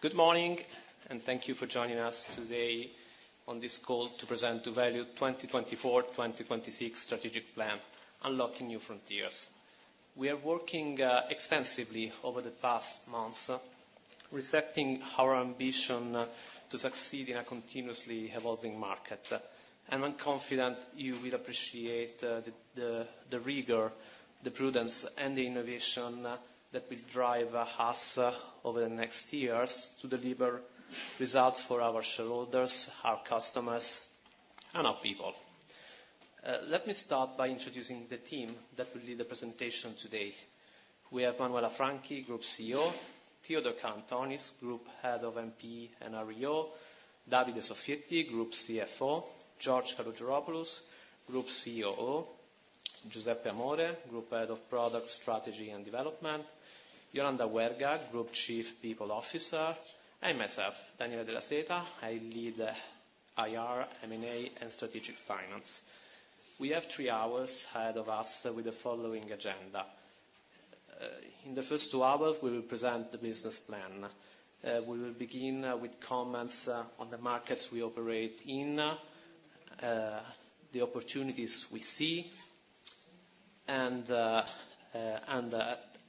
Good morning, and thank you for joining us today on this call to present doValue 2024-2026 Strategic Plan, Unlocking New Frontiers. We are working extensively over the past months, reflecting our ambition to succeed in a continuously evolving market, and I'm confident you will appreciate the rigor, the prudence, and the innovation that will drive us over the next years to deliver results for our shareholders, our customers, and our people. Let me start by introducing the team that will lead the presentation today. We have Manuela Franchi, Group CEO, Theodore Kalantonis, Group Head of NPE and REO, Davide Soffietti, Group CFO, George Kalogeropoulos, Group COO, Giuseppe Amore, Group Head of Product Strategy and Development, Yolanda Huerga, Group Chief People Officer, and myself, Daniele Della Seta. I lead IR, M&A, and Strategic Finance. We have three hours ahead of us with the following agenda. In the first two hours, we will present the business plan. We will begin with comments on the markets we operate in, the opportunities we see, and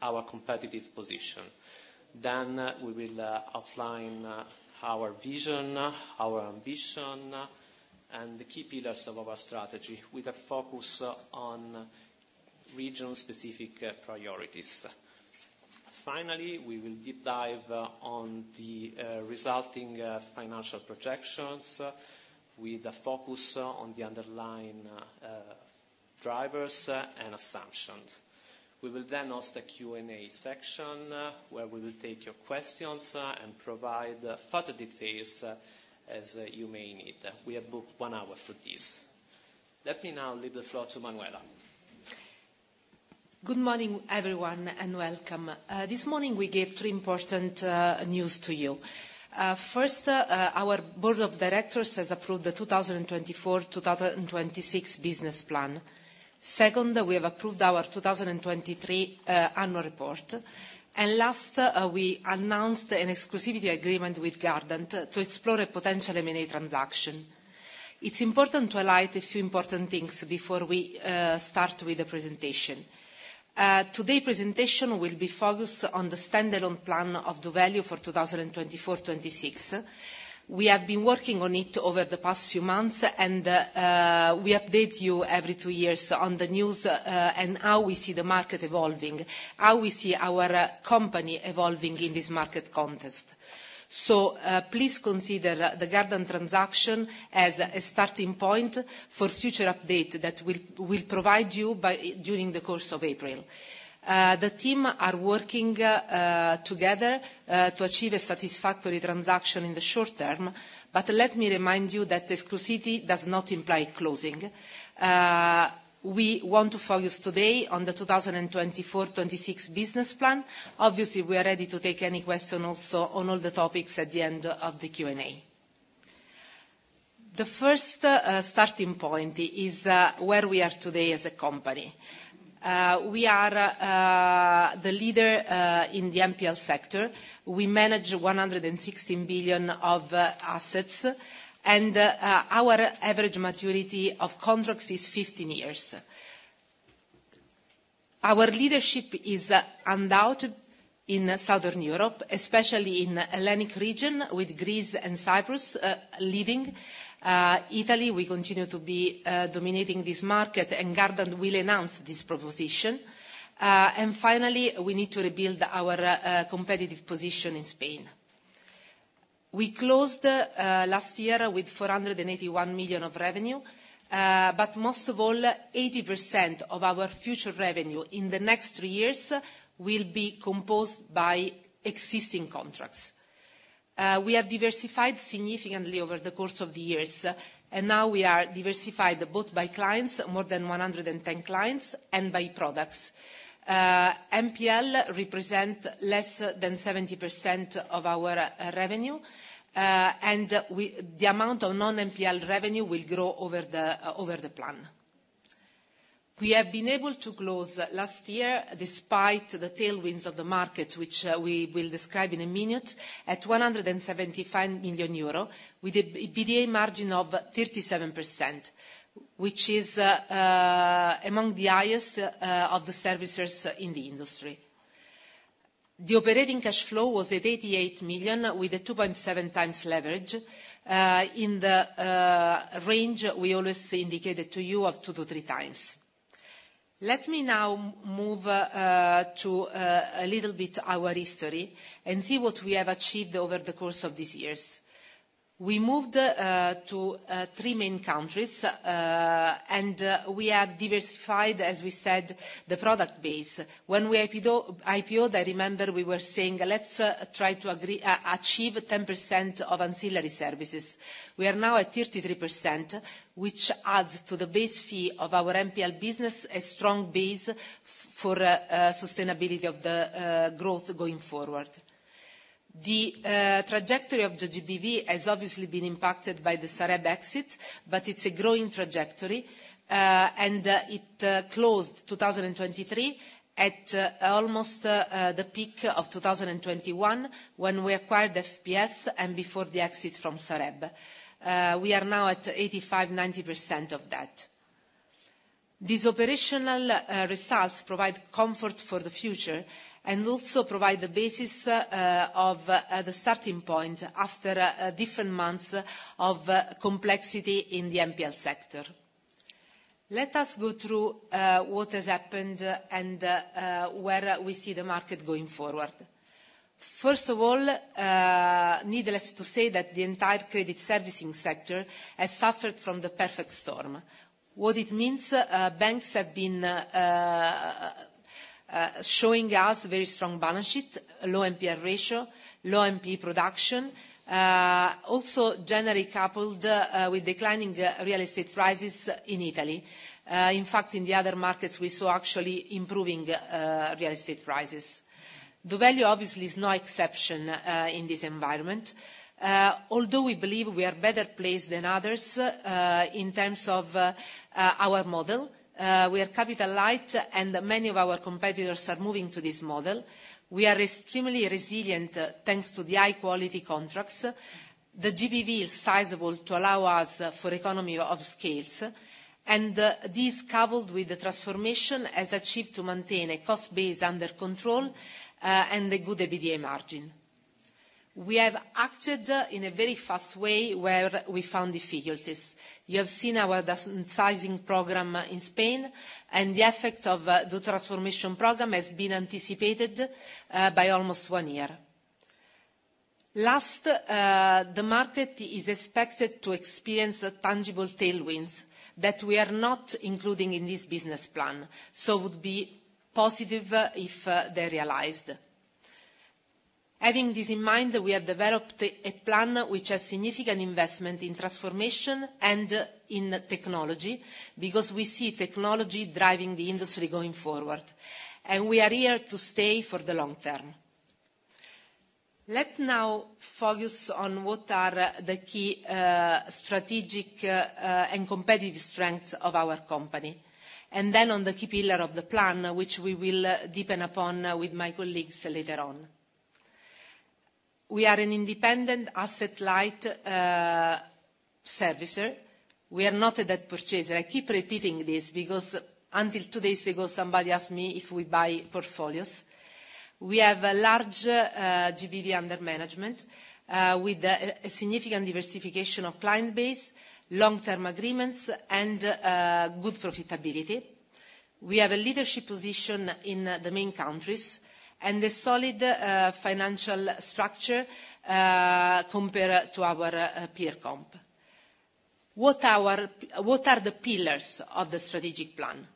our competitive position. Then we will outline our vision, our ambition, and the key pillars of our strategy, with a focus on region-specific priorities. Finally, we will deep dive on the resulting financial projections, with a focus on the underlying drivers and assumptions. We will then host a Q&A section where we will take your questions and provide further details as you may need. We have booked one hour for this. Let me now leave the floor to Manuela. Good morning, everyone, and welcome. This morning we gave three important news to you. First, our Board of Directors has approved the 2024-2026 business plan. Second, we have approved our 2023 annual report. And last, we announced an exclusivity agreement with Gardant to explore a potential M&A transaction. It's important to highlight a few important things before we start with the presentation. Today's presentation will be focused on the standalone plan of doValue for 2024-2026. We have been working on it over the past few months, and we update you every two years on the news and how we see the market evolving, how we see our company evolving in this market context. So please consider the Gardant transaction as a starting point for future updates that we'll provide you during the course of April. The team are working together to achieve a satisfactory transaction in the short term, but let me remind you that exclusivity does not imply closing. We want to focus today on the 2024-2026 business plan. Obviously, we are ready to take any questions also on all the topics at the end of the Q&A. The first starting point is where we are today as a company. We are the leader in the NPL sector. We manage 116 billion of assets, and our average maturity of contracts is 15 years. Our leadership is undoubted in Southern Europe, especially in the Hellenic Region, with Greece and Cyprus leading. Italy, we continue to be dominating this market, and Gardant will announce this proposition. Finally, we need to rebuild our competitive position in Spain. We closed last year with 481 million of revenue, but most of all, 80% of our future revenue in the next three years will be composed by existing contracts. We have diversified significantly over the course of the years, and now we are diversified both by clients, more than 110 clients, and by products. NPL represents less than 70% of our revenue, and the amount of non-NPL revenue will grow over the plan. We have been able to close last year, despite the tailwinds of the market, which we will describe in a minute, at 175 million euro, with an EBITDA margin of 37%, which is among the highest of the servicers in the industry. The operating cash flow was at 88 million, with a 2.7x leverage, in the range we always indicated to you of 2x-3x. Let me now move to a little bit our history and see what we have achieved over the course of these years. We moved to three main countries, and we have diversified, as we said, the product base. When we IPOed, I remember we were saying, "Let's try to achieve 10% of ancillary services." We are now at 33%, which adds to the base fee of our NPL business, a strong base for sustainability of the growth going forward. The trajectory of the GBV has obviously been impacted by the Sareb exit, but it's a growing trajectory, and it closed 2023 at almost the peak of 2021 when we acquired FPS and before the exit from Sareb. We are now at 85%-90% of that. These operational results provide comfort for the future and also provide the basis of the starting point after different months of complexity in the NPL sector. Let us go through what has happened and where we see the market going forward. First of all, needless to say that the entire credit servicing sector has suffered from the perfect storm. What it means, banks have been showing us very strong balance sheets, low NPL ratio, low NP production, also generally coupled with declining real estate prices in Italy. In fact, in the other markets, we saw actually improving real estate prices. doValue, obviously, is no exception in this environment, although we believe we are better placed than others in terms of our model. We are capital light, and many of our competitors are moving to this model. We are extremely resilient thanks to the high-quality contracts. The GBV is sizable to allow us for economies of scale, and this is coupled with the transformation has achieved to maintain a cost base under control and a good EBITDA margin. We have acted in a very fast way where we found difficulties. You have seen our sizing program in Spain, and the effect of the transformation program has been anticipated by almost one year. Last, the market is expected to experience tangible tailwinds that we are not including in this business plan, so it would be positive if they realized. Having this in mind, we have developed a plan which has significant investment in transformation and in technology because we see technology driving the industry going forward, and we are here to stay for the long term. Let's now focus on what are the key strategic and competitive strengths of our company, and then on the key pillar of the plan, which we will deepen upon with my colleagues later on. We are an independent asset-light servicer. We are not a debt purchaser. I keep repeating this because until two days ago, somebody asked me if we buy portfolios. We have a large GBV under management with a significant diversification of client base, long-term agreements, and good profitability. We have a leadership position in the main countries and a solid financial structure compared to our peer comp. What are the pillars of the strategic plan?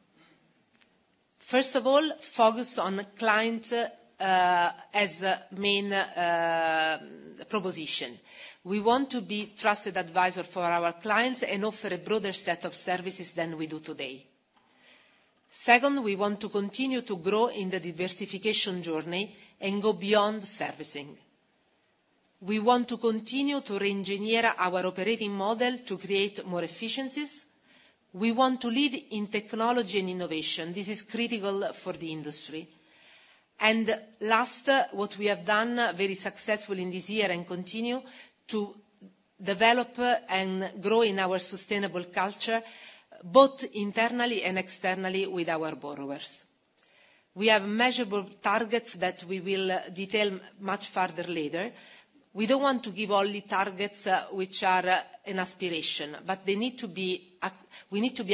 First of all, focus on client as main proposition. We want to be a trusted advisor for our clients and offer a broader set of services than we do today. Second, we want to continue to grow in the diversification journey and go beyond servicing. We want to continue to re-engineer our operating model to create more efficiencies. We want to lead in technology and innovation. This is critical for the industry. And last, what we have done very successfully in this year and continue to develop and grow in our sustainable culture, both internally and externally with our borrowers. We have measurable targets that we will detail much further later. We don't want to give only targets which are an aspiration, but we need to be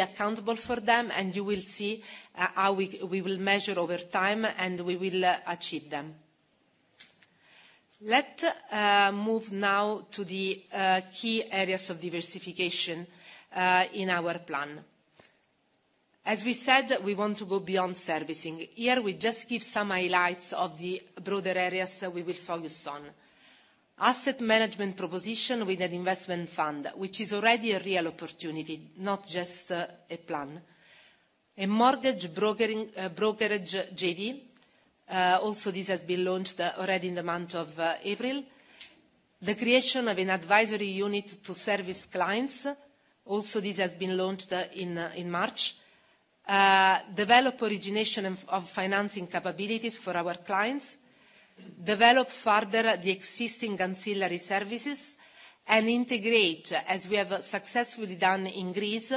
accountable for them, and you will see how we will measure over time and we will achieve them. Let's move now to the key areas of diversification in our plan. As we said, we want to go beyond servicing. Here, we just give some highlights of the broader areas we will focus on. Asset management proposition with an investment fund, which is already a real opportunity, not just a plan. A mortgage brokerage, JV. Also, this has been launched already in the month of April. The creation of an advisory unit to service clients. Also, this has been launched in March. Develop origination of financing capabilities for our clients. Develop further the existing ancillary services and integrate, as we have successfully done in Greece,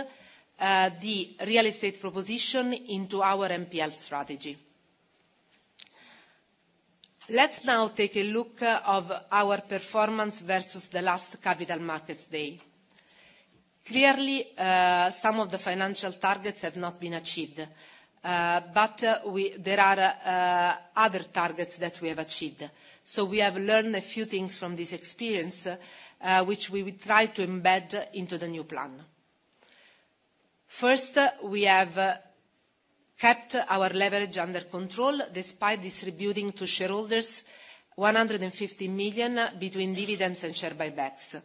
the real estate proposition into our NPL strategy. Let's now take a look at our performance versus the last Capital Markets Day. Clearly, some of the financial targets have not been achieved, but there are other targets that we have achieved. So we have learned a few things from this experience, which we will try to embed into the new plan. First, we have kept our leverage under control despite distributing to shareholders 150 million between dividends and share buybacks.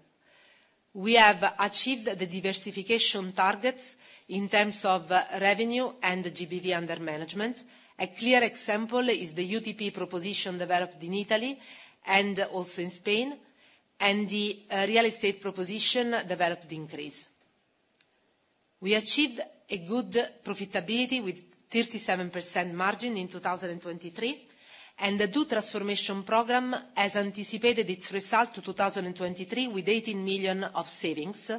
We have achieved the diversification targets in terms of revenue and GBV under management. A clear example is the UTP proposition developed in Italy and also in Spain, and the real estate proposition developed in Greece. We achieved a good profitability with 37% margin in 2023, and the doTransformation program has anticipated its result to 2023 with 18 million of savings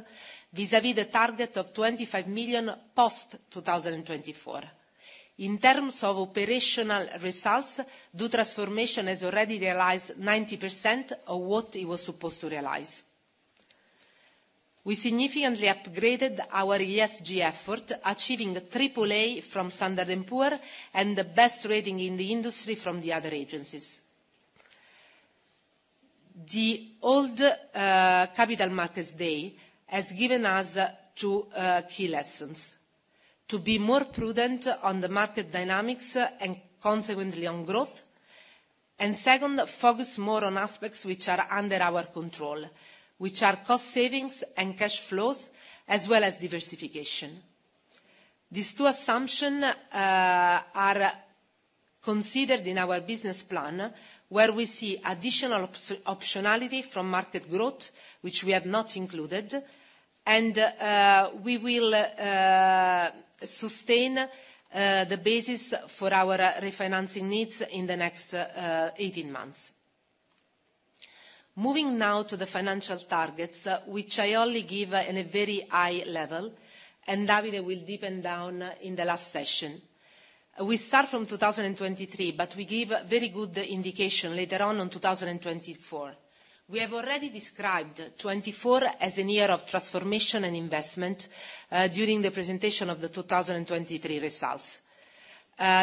vis-à-vis the target of 25 million post-2024. In terms of operational results, doTransformation has already realized 90% of what it was supposed to realize. We significantly upgraded our ESG effort, achieving AAA from Standard & Poor's and the best rating in the industry from the other agencies. The old Capital Markets Day has given us two key lessons: to be more prudent on the market dynamics and consequently on growth, and second, focus more on aspects which are under our control, which are cost savings and cash flows, as well as diversification. These two assumptions are considered in our business plan, where we see additional optionality from market growth, which we have not included, and we will sustain the basis for our refinancing needs in the next 18 months. Moving now to the financial targets, which I only give at a very high level, and Davide will deepen down in the last session. We start from 2023, but we give very good indication later on 2024. We have already described 2024 as a year of transformation and investment during the presentation of the 2023 results.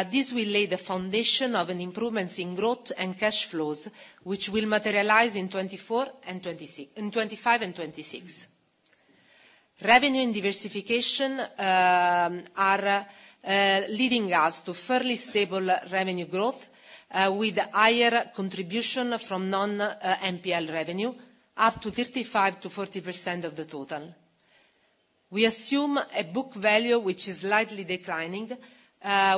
This will lay the foundation of improvements in growth and cash flows, which will materialize in 2025 and 2026. Revenue and diversification are leading us to fairly stable revenue growth with higher contribution from non-NPL revenue, up to 35%-40% of the total. We assume a book value which is slightly declining,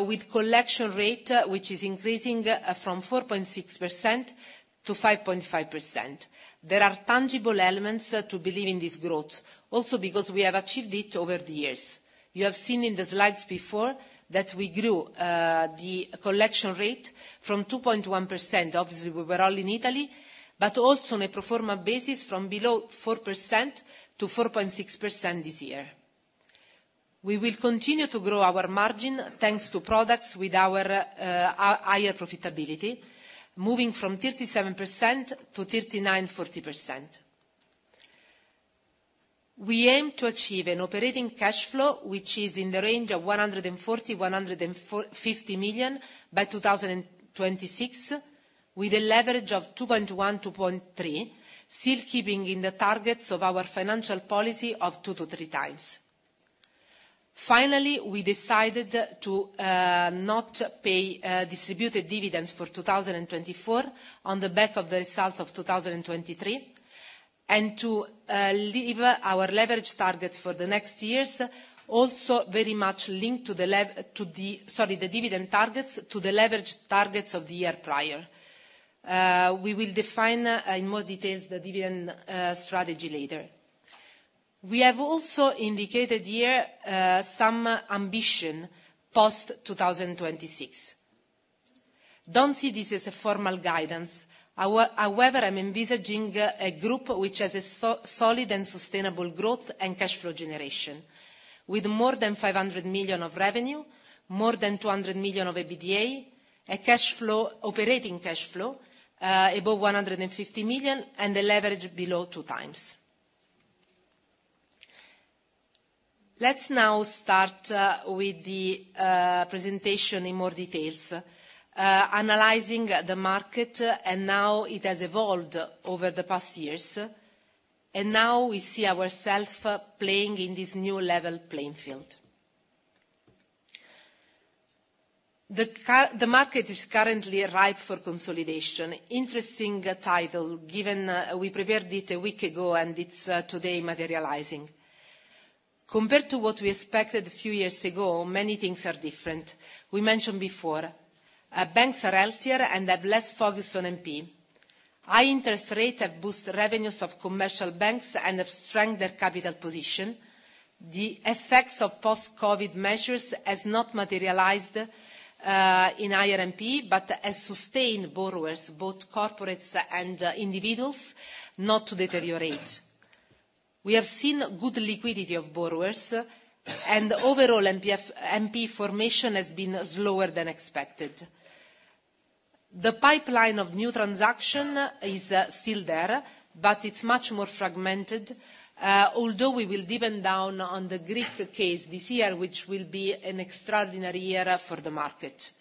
with collection rate which is increasing from 4.6%-5.5%. There are tangible elements to believe in this growth, also because we have achieved it over the years. You have seen in the slides before that we grew the collection rate from 2.1%. Obviously, we were all in Italy, but also on a pro forma basis from below 4%-4.6% this year. We will continue to grow our margin thanks to products with our higher profitability, moving from 37%-39%, 40%. We aim to achieve an operating cash flow which is in the range of 140 million-150 million by 2026, with a leverage of 2.1-2.3, still keeping in the targets of our financial policy of 2x-3x. Finally, we decided to not pay distributed dividends for 2024 on the back of the results of 2023 and to leave our leverage targets for the next years also very much linked to the dividend targets to the leverage targets of the year prior. We will define in more details the dividend strategy later. We have also indicated here some ambition post-2026. Don't see this as a formal guidance. However, I'm envisaging a group which has a solid and sustainable growth and cash flow generation with more than 500 million of revenue, more than 200 million of EBITDA, operating cash flow above 150 million, and a leverage below 2x. Let's now start with the presentation in more details, analyzing the market and how it has evolved over the past years. Now we see ourselves playing in this new level playing field. The market is currently ripe for consolidation. Interesting title, given we prepared it a week ago, and it's today materializing. Compared to what we expected a few years ago, many things are different. We mentioned before, banks are healthier and have less focus on NP. High interest rates have boosted revenues of commercial banks and have strengthened their capital position. The effects of post-COVID measures have not materialized in higher NPL but have sustained borrowers, both corporates and individuals, not to deteriorate. We have seen good liquidity of borrowers, and overall, NP formation has been slower than expected. The pipeline of new transaction is still there, but it's much more fragmented, although we will deepen down on the Greek case this year, which will be an extraordinary year for the market.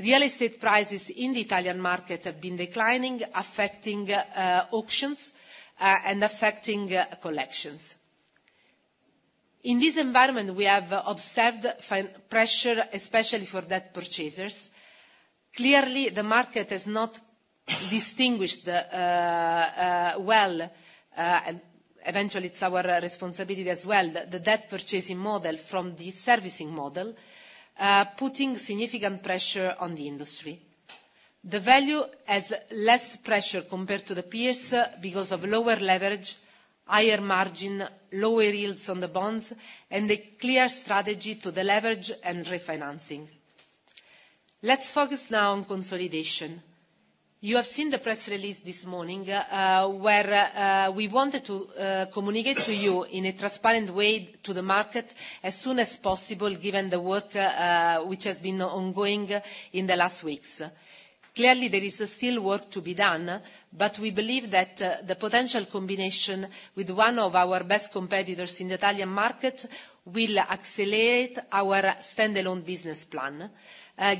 Real estate prices in the Italian market have been declining, affecting auctions and affecting collections. In this environment, we have observed pressure, especially for debt purchasers. Clearly, the market has not distinguished well eventually, it's our responsibility as well, the debt purchasing model from the servicing model, putting significant pressure on the industry. doValue has less pressure compared to the peers because of lower leverage, higher margin, lower yields on the bonds, and a clear strategy to the leverage and refinancing. Let's focus now on consolidation. You have seen the press release this morning where we wanted to communicate to you in a transparent way to the market as soon as possible, given the work which has been ongoing in the last weeks. Clearly, there is still work to be done, but we believe that the potential combination with one of our best competitors in the Italian market will accelerate our standalone business plan.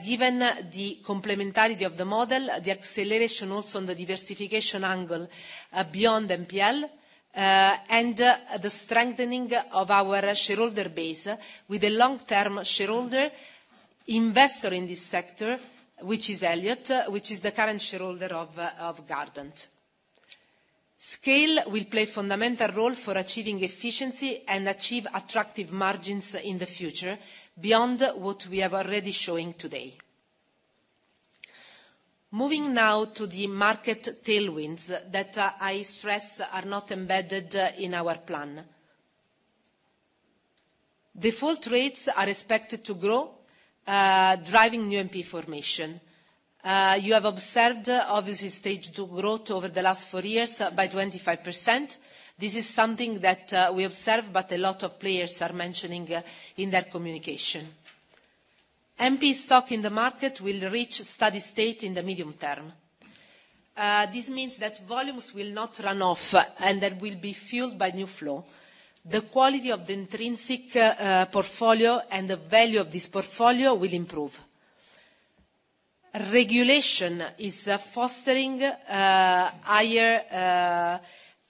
Given the complementarity of the model, the acceleration also on the diversification angle beyond NPL, and the strengthening of our shareholder base with a long-term shareholder investor in this sector, which is Elliott, which is the current shareholder of Gardant. Scale will play a fundamental role for achieving efficiency and achieve attractive margins in the future, beyond what we are already showing today. Moving now to the market tailwinds that I stress are not embedded in our plan. Default rates are expected to grow, driving new NP formation. You have observed, obviously, Stage 2 growth over the last four years by 25%. This is something that we observe, but a lot of players are mentioning in their communication. NP stock in the market will reach steady state in the medium term. This means that volumes will not run off and that will be fueled by new flow. The quality of the intrinsic portfolio and the value of this portfolio will improve. Regulation is fostering higher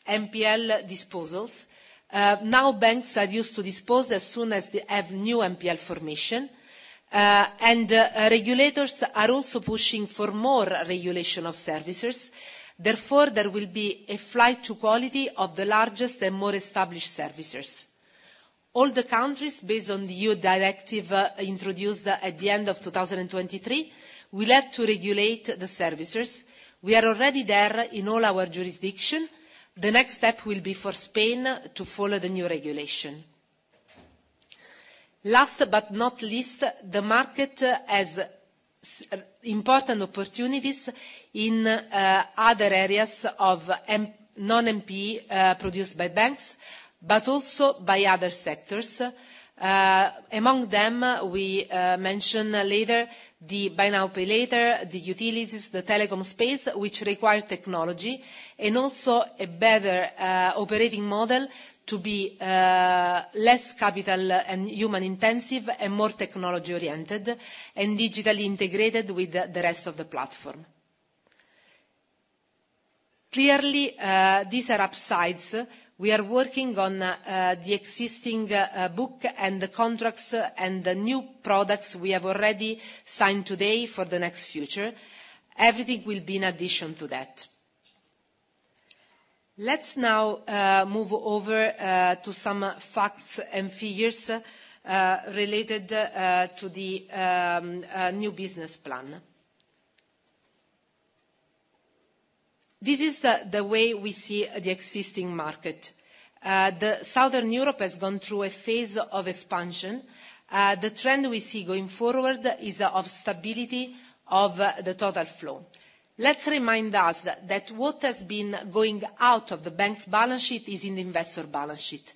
NPL disposals. Now, banks are used to dispose as soon as they have new NPL formation. Regulators are also pushing for more regulation of servicers. Therefore, there will be a flight to quality of the largest and more established servicers. All the countries, based on the E.U. directive introduced at the end of 2023, will have to regulate the servicers. We are already there in all our jurisdictions. The next step will be for Spain to follow the new regulation. Last but not least, the market has important opportunities in other areas of non-NP produced by banks, but also by other sectors. Among them, we mention later the Buy Now Pay Later, the utilities, the telecom space, which require technology, and also a better operating model to be less capital and human-intensive and more technology-oriented and digitally integrated with the rest of the platform. Clearly, these are upsides. We are working on the existing book and the contracts and the new products we have already signed today for the next future. Everything will be in addition to that. Let's now move over to some facts and figures related to the new business plan. This is the way we see the existing market. Southern Europe has gone through a phase of expansion. The trend we see going forward is of stability of the total flow. Let's remind us that what has been going out of the bank's balance sheet is in the investor balance sheet.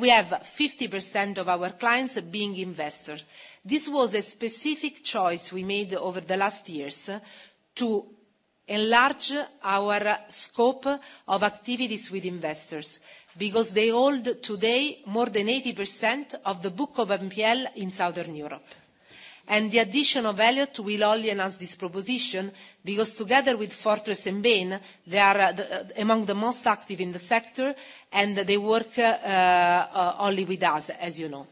We have 50% of our clients being investors. This was a specific choice we made over the last years to enlarge our scope of activities with investors because they hold today more than 80% of the book of NPL in Southern Europe. The addition of Elliott will only enhance this proposition because together with Fortress and Bain, they are among the most active in the sector, and they work only with us, as you know.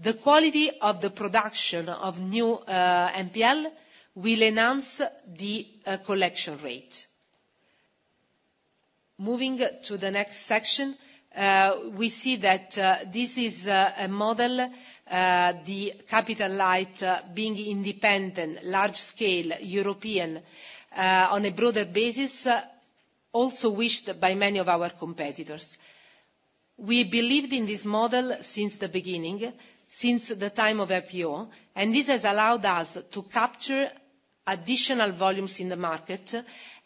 The quality of the production of new NPL will enhance the collection rate. Moving to the next section, we see that this is a model, the asset-light, being independent, large-scale, European, on a broader basis, also wished by many of our competitors. We believed in this model since the beginning, since the time of IPO, and this has allowed us to capture additional volumes in the market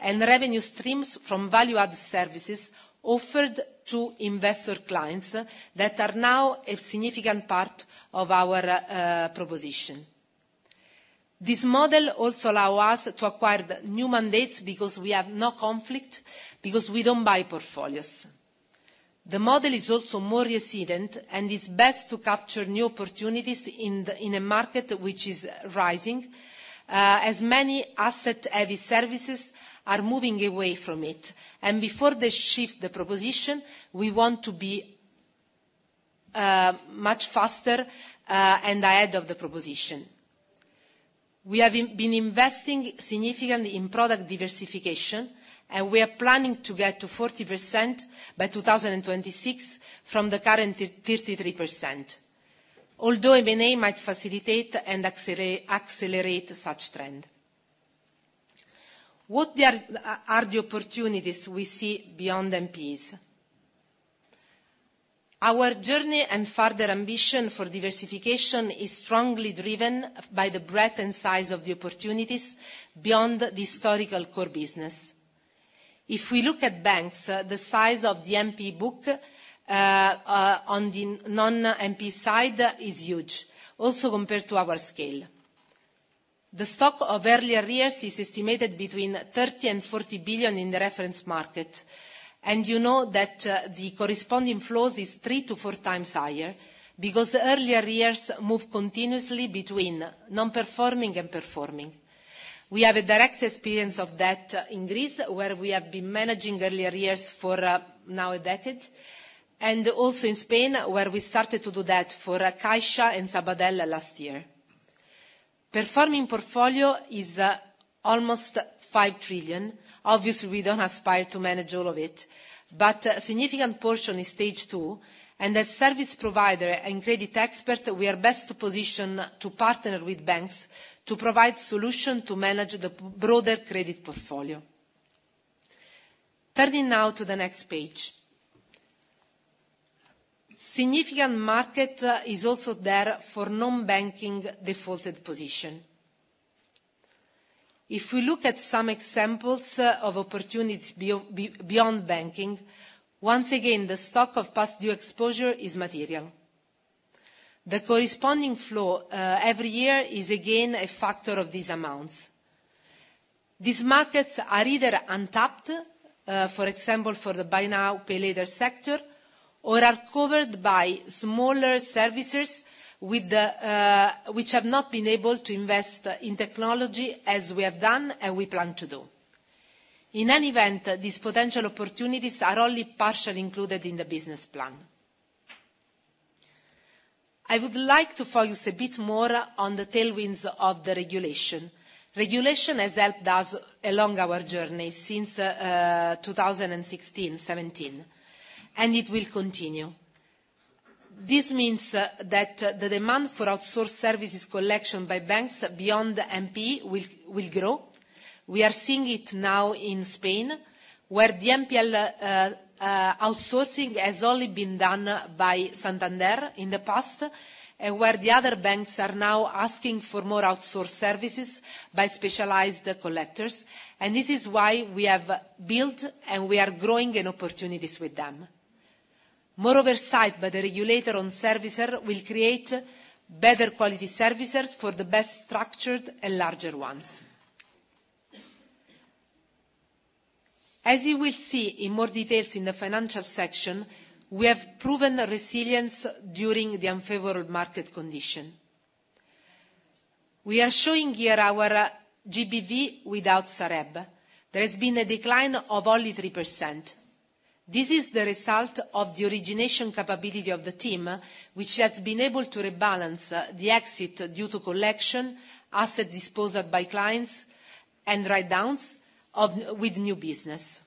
and revenue streams from value-added services offered to investor clients that are now a significant part of our proposition. This model also allows us to acquire new mandates because we have no conflict, because we don't buy portfolios. The model is also more resilient and is best to capture new opportunities in a market which is rising as many asset-heavy services are moving away from it. And before they shift the proposition, we want to be much faster and ahead of the proposition. We have been investing significantly in product diversification, and we are planning to get to 40% by 2026 from the current 33%, although M&A might facilitate and accelerate such trend. What are the opportunities we see beyond NPs? Our journey and further ambition for diversification is strongly driven by the breadth and size of the opportunities beyond the historical core business. If we look at banks, the size of the NP book on the non-NP side is huge, also compared to our scale. The stock of early arrears is estimated between 30-40 billion in the reference market. You know that the corresponding flows are 3x-4x higher because early arrears move continuously between non-performing and performing. We have a direct experience of that in Greece, where we have been managing early arrears for now a decade, and also in Spain, where we started to do that for Caixa and Sabadell last year. Performing portfolio is almost 5 trillion. Obviously, we don't aspire to manage all of it, but a significant portion is Stage 2. And as service provider and credit expert, we are best positioned to partner with banks to provide solutions to manage the broader credit portfolio. Turning now to the next page. Significant market is also there for non-banking defaulted position. If we look at some examples of opportunities beyond banking, once again, the stock of past due exposure is material. The corresponding flow every year is again a factor of these amounts. These markets are either untapped, for example, for the Buy Now Pay Later sector, or are covered by smaller servicers which have not been able to invest in technology as we have done and we plan to do. In any event, these potential opportunities are only partially included in the business plan. I would like to focus a bit more on the tailwinds of the regulation. Regulation has helped us along our journey since 2016, 2017, and it will continue. This means that the demand for outsourced services collection by banks beyond NP will grow. We are seeing it now in Spain, where the NPL outsourcing has only been done by Santander in the past, and where the other banks are now asking for more outsourced services by specialized collectors. This is why we have built and we are growing in opportunities with them. Moreover, oversight by the regulator on servicers will create better quality servicers for the best structured and larger ones. As you will see in more detail in the financial section, we have proven resilience during the unfavorable market condition. We are showing here our GBV without Sareb. There has been a decline of only 3%. This is the result of the origination capability of the team, which has been able to rebalance the exit due to collection, asset disposal by clients, and write-downs with new business.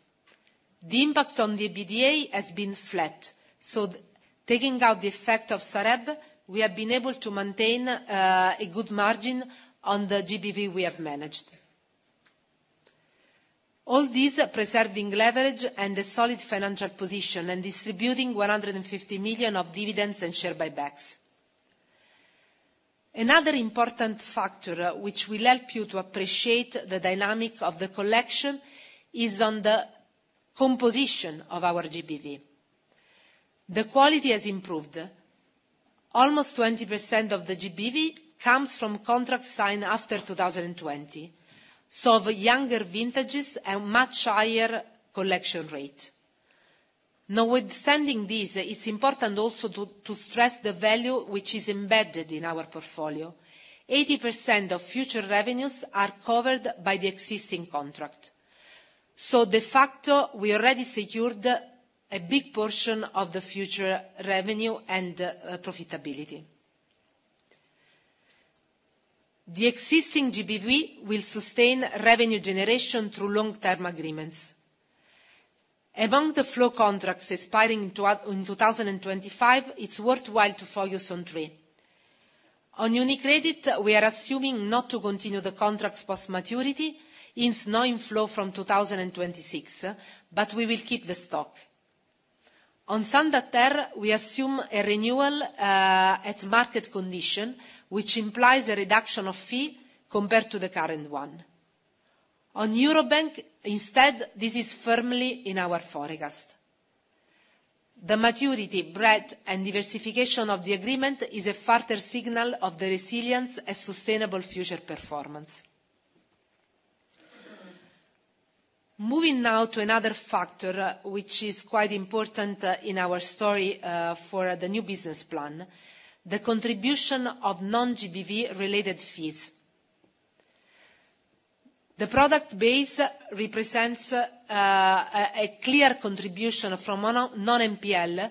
The impact on the EBITDA has been flat. So taking out the effect of Sareb, we have been able to maintain a good margin on the GBV we have managed. All these preserving leverage and a solid financial position and distributing 150 million of dividends and share buybacks. Another important factor which will help you to appreciate the dynamic of the collection is on the composition of our GBV. The quality has improved. Almost 20% of the GBV comes from contracts signed after 2020, so of younger vintages and much higher collection rate. Now, with sending these, it's important also to stress the value which is embedded in our portfolio. 80% of future revenues are covered by the existing contract. So de facto, we already secured a big portion of the future revenue and profitability. The existing GBV will sustain revenue generation through long-term agreements. Among the flow contracts expiring in 2025, it's worthwhile to focus on three. On UniCredit, we are assuming not to continue the contracts post-maturity since no inflow from 2026, but we will keep the stock. On Santander, we assume a renewal at market condition, which implies a reduction of fee compared to the current one. On Eurobank, instead, this is firmly in our forecast. The maturity, breadth, and diversification of the agreement is a farther signal of the resilience and sustainable future performance. Moving now to another factor which is quite important in our story for the new business plan, the contribution of non-GBV-related fees. The product base represents a clear contribution from non-NPL,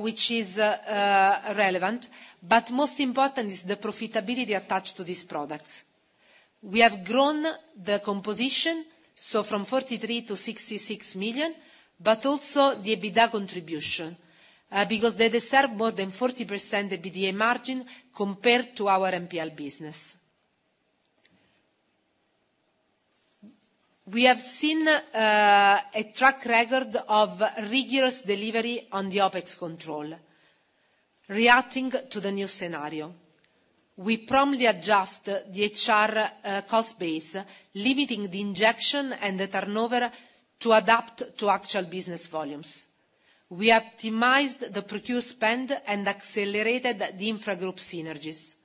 which is relevant, but most important is the profitability attached to these products. We have grown the composition, so from 43 million-66 million, but also the EBITDA contribution because they deserve more than 40% EBITDA margin compared to our NPL business. We have seen a track record of rigorous delivery on the OpEx control. Reacting to the new scenario, we promptly adjust the HR cost base, limiting the injection and the turnover to adapt to actual business volumes. We have optimized the procure spend and accelerated the intra-group synergies.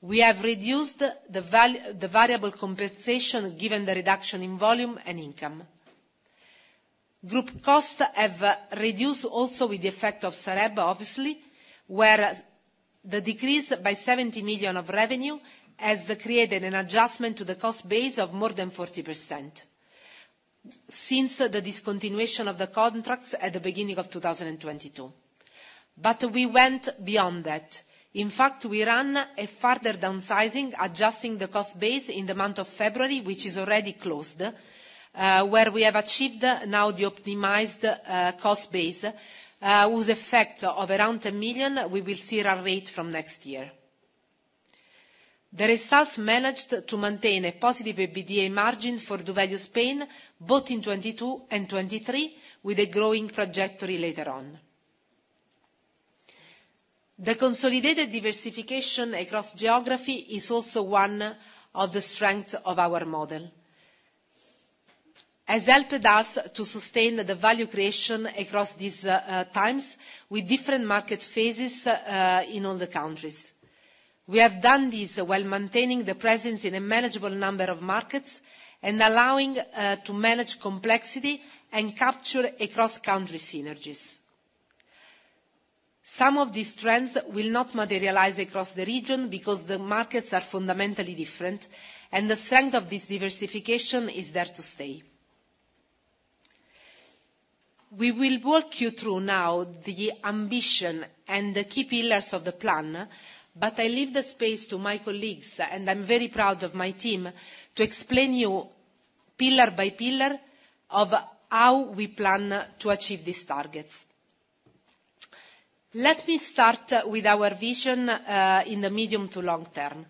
We have reduced the variable compensation given the reduction in volume and income. Group costs have reduced also with the effect of Sareb, obviously, where the decrease by 70 million of revenue has created an adjustment to the cost base of more than 40% since the discontinuation of the contracts at the beginning of 2022. But we went beyond that. In fact, we ran a farther downsizing, adjusting the cost base in the month of February, which is already closed, where we have achieved now the optimized cost base whose effect of around 1 million we will see a rate from next year. The results managed to maintain a positive EBITDA margin for doValue Spain both in 2022 and 2023, with a growing trajectory later on. The consolidated diversification across geography is also one of the strengths of our model. It has helped us to sustain the value creation across these times with different market phases in all the countries. We have done this while maintaining the presence in a manageable number of markets and allowing to manage complexity and capture across-country synergies. Some of these trends will not materialize across the region because the markets are fundamentally different, and the strength of this diversification is there to stay. We will walk you through now the ambition and the key pillars of the plan, but I leave the space to my colleagues, and I'm very proud of my team, to explain to you pillar by pillar of how we plan to achieve these targets. Let me start with our vision in the medium to long term.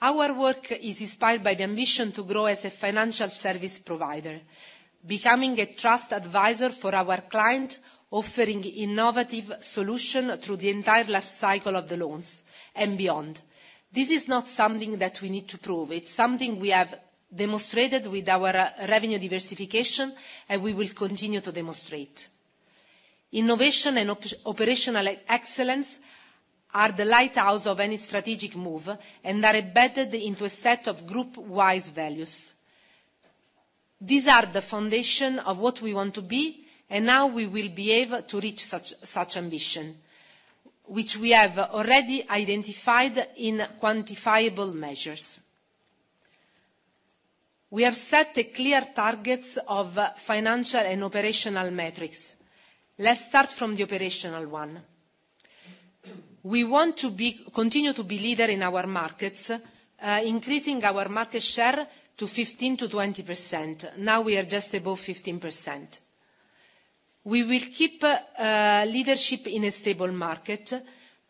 Our work is inspired by the ambition to grow as a financial service provider, becoming a trusted advisor for our client, offering innovative solutions through the entire life cycle of the loans and beyond. This is not something that we need to prove. It's something we have demonstrated with our revenue diversification, and we will continue to demonstrate. Innovation and operational excellence are the lighthouse of any strategic move and are embedded into a set of group-wise values. These are the foundation of what we want to be, and now we will be able to reach such ambition, which we have already identified in quantifiable measures. We have set clear targets of financial and operational metrics. Let's start from the operational one. We want to continue to be leaders in our markets, increasing our market share to 15%-20%. Now we are just above 15%. We will keep leadership in a stable market,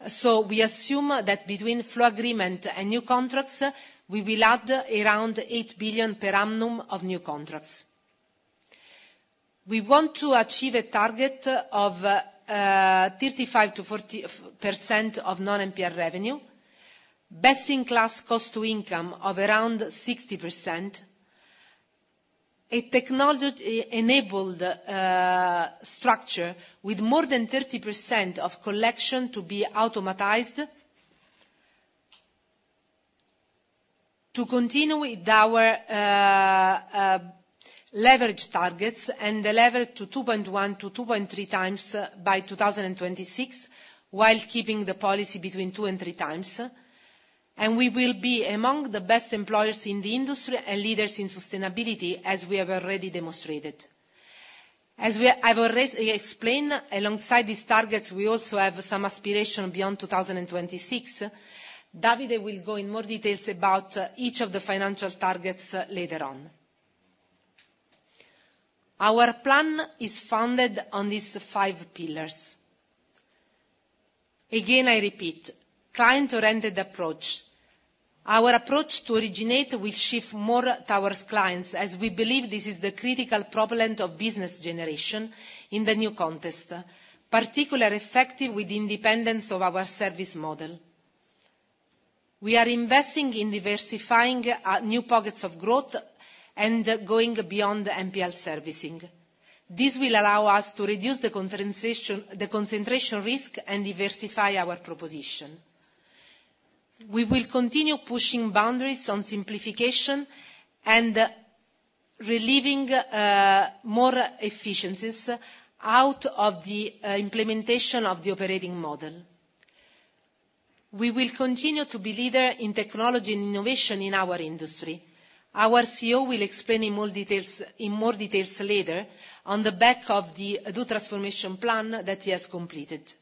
so we assume that between flow agreements and new contracts, we will add around 8 billion per annum of new contracts. We want to achieve a target of 35%-40% of non-NPL revenue, best-in-class cost to income of around 60%, a technology-enabled structure with more than 30% of collection to be automated, to continue with our leverage targets and the leverage to 2.1x-2.3x by 2026 while keeping the policy between two and three times. We will be among the best employers in the industry and leaders in sustainability, as we have already demonstrated. As I've already explained, alongside these targets, we also have some aspiration beyond 2026. Davide will go in more details about each of the financial targets later on. Our plan is founded on these five pillars. Again, I repeat, client-oriented approach. Our approach to originate will shift more towards clients as we believe this is the critical propellant of business generation in the new context, particularly effective with independence of our service model. We are investing in diversifying new pockets of growth and going beyond NPL servicing. This will allow us to reduce the concentration risk and diversify our proposition. We will continue pushing boundaries on simplification and relieving more efficiencies out of the implementation of the operating model. We will continue to be leaders in technology and innovation in our industry. Our COO will explain in more details later on the back of the doTransformation Plan that he has completed.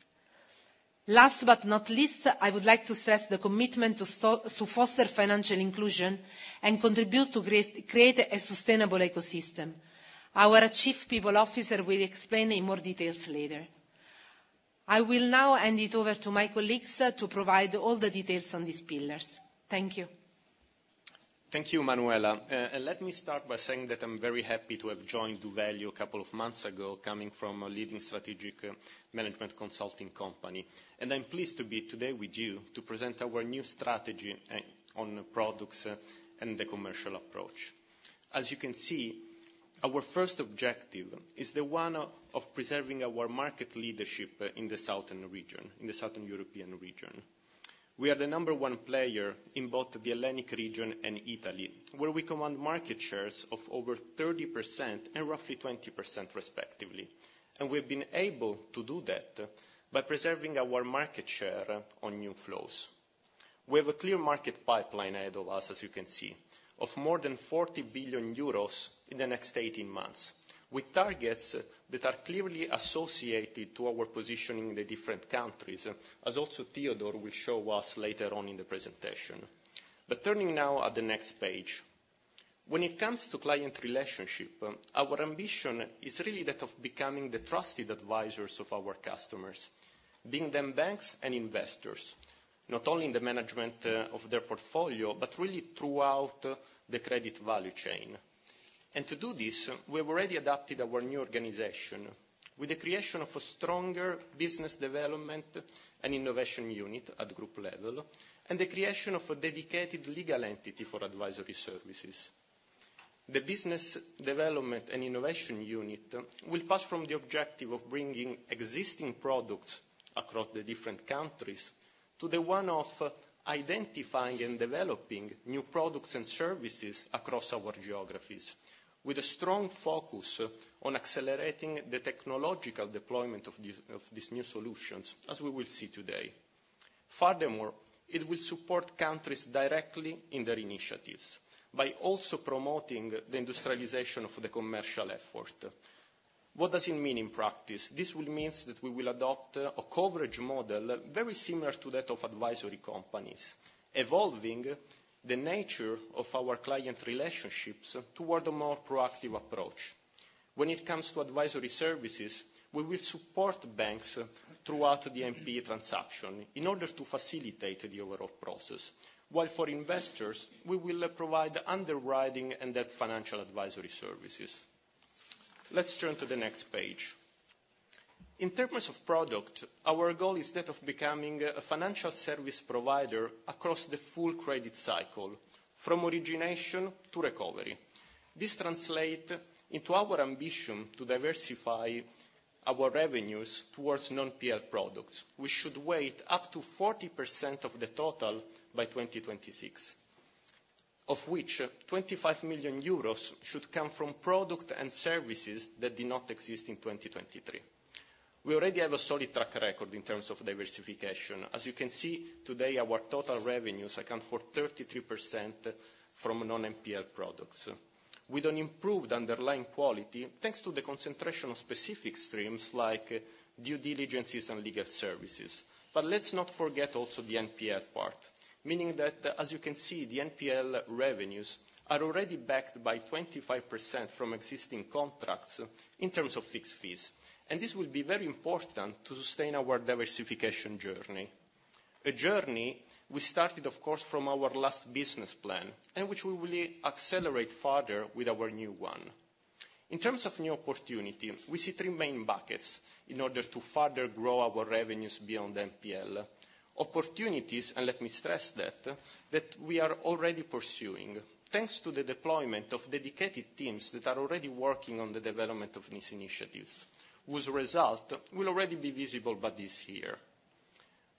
Last but not least, I would like to stress the commitment to foster financial inclusion and contribute to create a sustainable ecosystem. Our Chief People Officer will explain in more details later. I will now hand it over to my colleagues to provide all the details on these pillars. Thank you. Thank you, Manuela. And let me start by saying that I'm very happy to have joined doValue a couple of months ago, coming from a leading strategic management consulting company. And I'm pleased to be today with you to present our new strategy on products and the commercial approach. As you can see, our first objective is the one of preserving our market leadership in the southern region, in the southern European region. We are the number one player in both the Hellenic region and Italy, where we command market shares of over 30% and roughly 20%, respectively. And we've been able to do that by preserving our market share on new flows. We have a clear market pipeline ahead of us, as you can see, of more than 40 billion euros in the next 18 months, with targets that are clearly associated to our position in the different countries, as also Theodore will show us later on in the presentation. Turning now at the next page. When it comes to client relationship, our ambition is really that of becoming the trusted advisors of our customers, being them banks and investors, not only in the management of their portfolio, but really throughout the credit value chain. To do this, we have already adapted our new organization with the creation of a stronger business development and innovation unit at group level and the creation of a dedicated legal entity for advisory services. The business development and innovation unit will pass from the objective of bringing existing products across the different countries to the one of identifying and developing new products and services across our geographies, with a strong focus on accelerating the technological deployment of these new solutions, as we will see today. Furthermore, it will support countries directly in their initiatives by also promoting the industrialization of the commercial effort. What does it mean in practice? This will mean that we will adopt a coverage model very similar to that of advisory companies, evolving the nature of our client relationships toward a more proactive approach. When it comes to advisory services, we will support banks throughout the NPL transaction in order to facilitate the overall process, while for investors, we will provide underwriting and debt financial advisory services. Let's turn to the next page. In terms of product, our goal is that of becoming a financial service provider across the full credit cycle, from origination to recovery. This translates into our ambition to diversify our revenues towards non-NPL products, which should weigh up to 40% of the total by 2026, of which 25 million euros should come from products and services that did not exist in 2023. We already have a solid track record in terms of diversification. As you can see today, our total revenues account for 33% from non-NPL products. We don't improve the underlying quality thanks to the concentration of specific streams like due diligences and legal services. But let's not forget also the NPL part, meaning that, as you can see, the NPL revenues are already backed by 25% from existing contracts in terms of fixed fees. And this will be very important to sustain our diversification journey, a journey we started, of course, from our last business plan and which we will accelerate further with our new one. In terms of new opportunity, we see three main buckets in order to further grow our revenues beyond NPL: opportunities, and let me stress that, that we are already pursuing thanks to the deployment of dedicated teams that are already working on the development of these initiatives, whose result will already be visible by this year.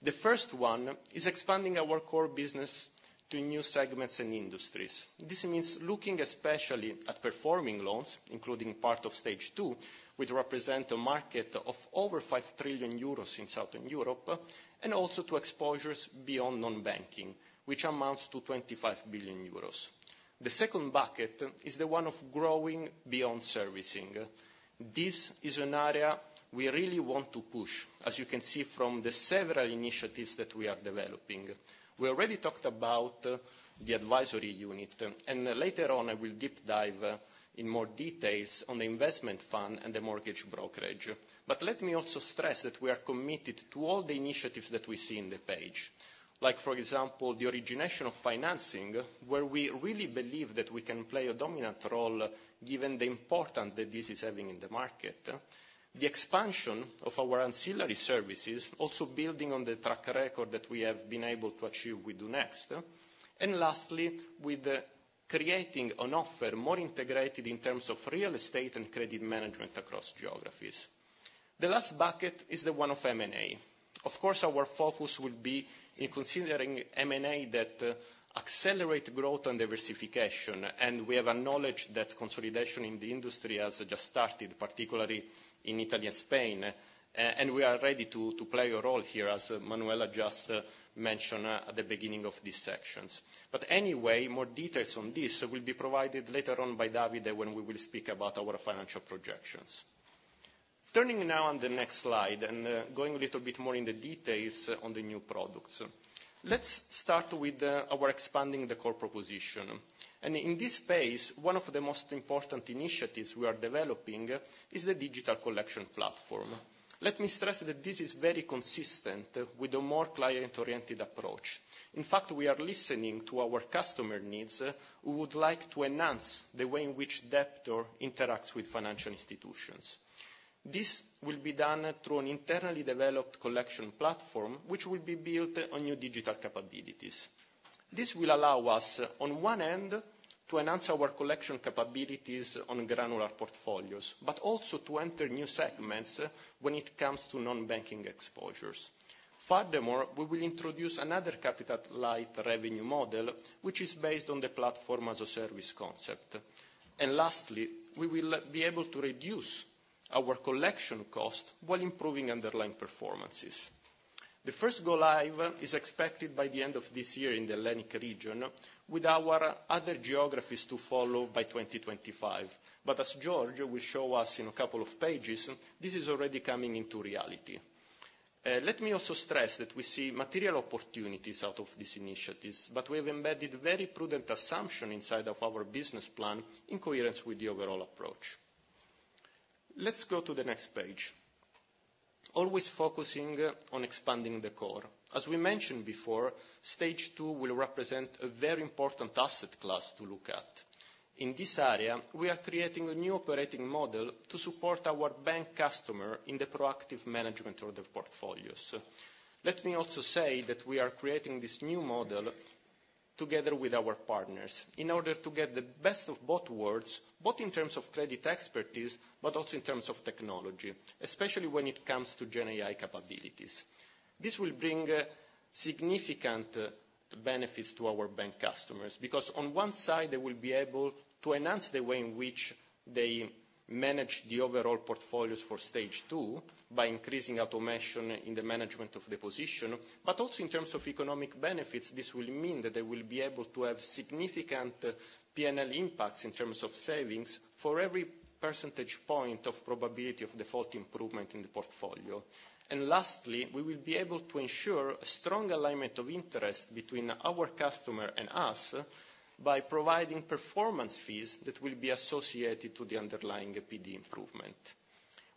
The first one is expanding our core business to new segments and industries. This means looking especially at performing loans, including part of Stage 2, which represent a market of over 5 trillion euros in southern Europe, and also to exposures beyond non-banking, which amounts to EUR 25 billion. The second bucket is the one of growing beyond servicing. This is an area we really want to push, as you can see from the several initiatives that we are developing. We already talked about the advisory unit, and later on, I will deep dive in more details on the investment fund and the mortgage brokerage. But let me also stress that we are committed to all the initiatives that we see in the page, like, for example, the origination of financing, where we really believe that we can play a dominant role given the importance that this is having in the market, the expansion of our ancillary services, also building on the track record that we have been able to achieve with doNext, and lastly, creating an offer more integrated in terms of real estate and credit management across geographies. The last bucket is the one of M&A. Of course, our focus will be in considering M&A that accelerate growth and diversification. We have a knowledge that consolidation in the industry has just started, particularly in Italy and Spain. We are ready to play a role here, as Manuela just mentioned at the beginning of these sections. Anyway, more details on this will be provided later on by Davide when we will speak about our financial projections. Turning now on the next slide and going a little bit more in the details on the new products. Let's start with our expanding the core proposition. In this phase, one of the most important initiatives we are developing is the digital collection platform. Let me stress that this is very consistent with a more client-oriented approach. In fact, we are listening to our customer needs who would like to enhance the way in which debtor interacts with financial institutions. This will be done through an internally developed collection platform, which will be built on new digital capabilities. This will allow us, on one end, to enhance our collection capabilities on granular portfolios, but also to enter new segments when it comes to non-banking exposures. Furthermore, we will introduce another capital-light revenue model, which is based on the Platform as a Service concept. And lastly, we will be able to reduce our collection cost while improving underlying performances. The first go live is expected by the end of this year in the Hellenic Region, with our other geographies to follow by 2025. But as George will show us in a couple of pages, this is already coming into reality. Let me also stress that we see material opportunities out of these initiatives, but we have embedded very prudent assumptions inside of our business plan in coherence with the overall approach. Let's go to the next page, always focusing on expanding the core. As we mentioned before, Stage 2 will represent a very important asset class to look at. In this area, we are creating a new operating model to support our bank customer in the proactive management of their portfolios. Let me also say that we are creating this new model together with our partners in order to get the best of both worlds, both in terms of credit expertise but also in terms of technology, especially when it comes to GenAI capabilities. This will bring significant benefits to our bank customers because, on one side, they will be able to enhance the way in which they manage the overall portfolios for Stage 2 by increasing automation in the management of the position. But also in terms of economic benefits, this will mean that they will be able to have significant P&L impacts in terms of savings for every percentage point of probability of default improvement in the portfolio. And lastly, we will be able to ensure a strong alignment of interest between our customer and us by providing performance fees that will be associated to the underlying PD improvement.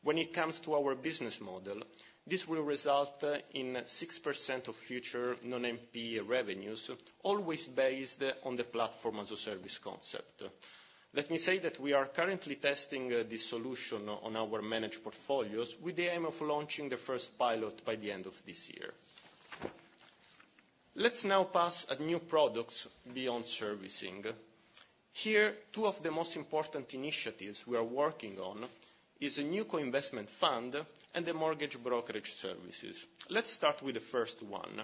When it comes to our business model, this will result in 6% of future non-NPL revenues, always based on the platform as a service concept. Let me say that we are currently testing this solution on our managed portfolios with the aim of launching the first pilot by the end of this year. Let's now pass to new products beyond servicing. Here, two of the most important initiatives we are working on are a new co-investment fund and the mortgage brokerage services. Let's start with the first one.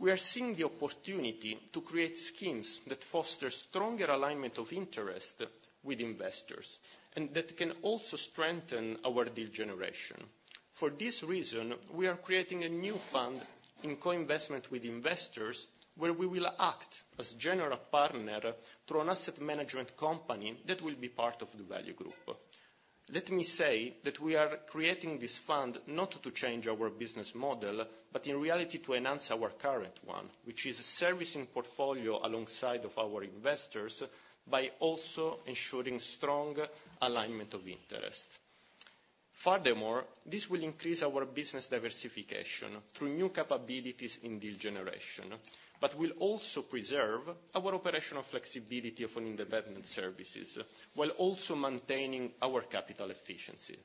We are seeing the opportunity to create schemes that foster stronger alignment of interests with investors and that can also strengthen our deal generation. For this reason, we are creating a new fund in co-investment with investors where we will act as general partner through an asset management company that will be part of doValue Group. Let me say that we are creating this fund not to change our business model but, in reality, to enhance our current one, which is a servicing portfolio alongside of our investors by also ensuring strong alignment of interest. Furthermore, this will increase our business diversification through new capabilities in deal generation but will also preserve our operational flexibility of independent services while also maintaining our capital efficiency.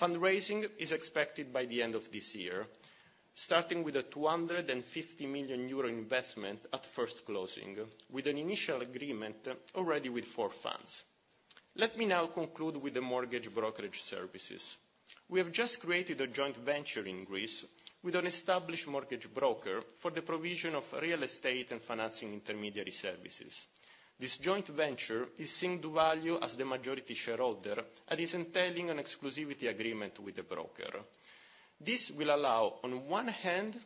Fundraising is expected by the end of this year, starting with a 250 million euro investment at first closing with an initial agreement already with four funds. Let me now conclude with the mortgage brokerage services. We have just created a joint venture in Greece with an established mortgage broker for the provision of real estate and financing intermediary services. This joint venture is seeing doValue as the majority shareholder and is entailing an exclusivity agreement with the broker. This will allow, on one hand,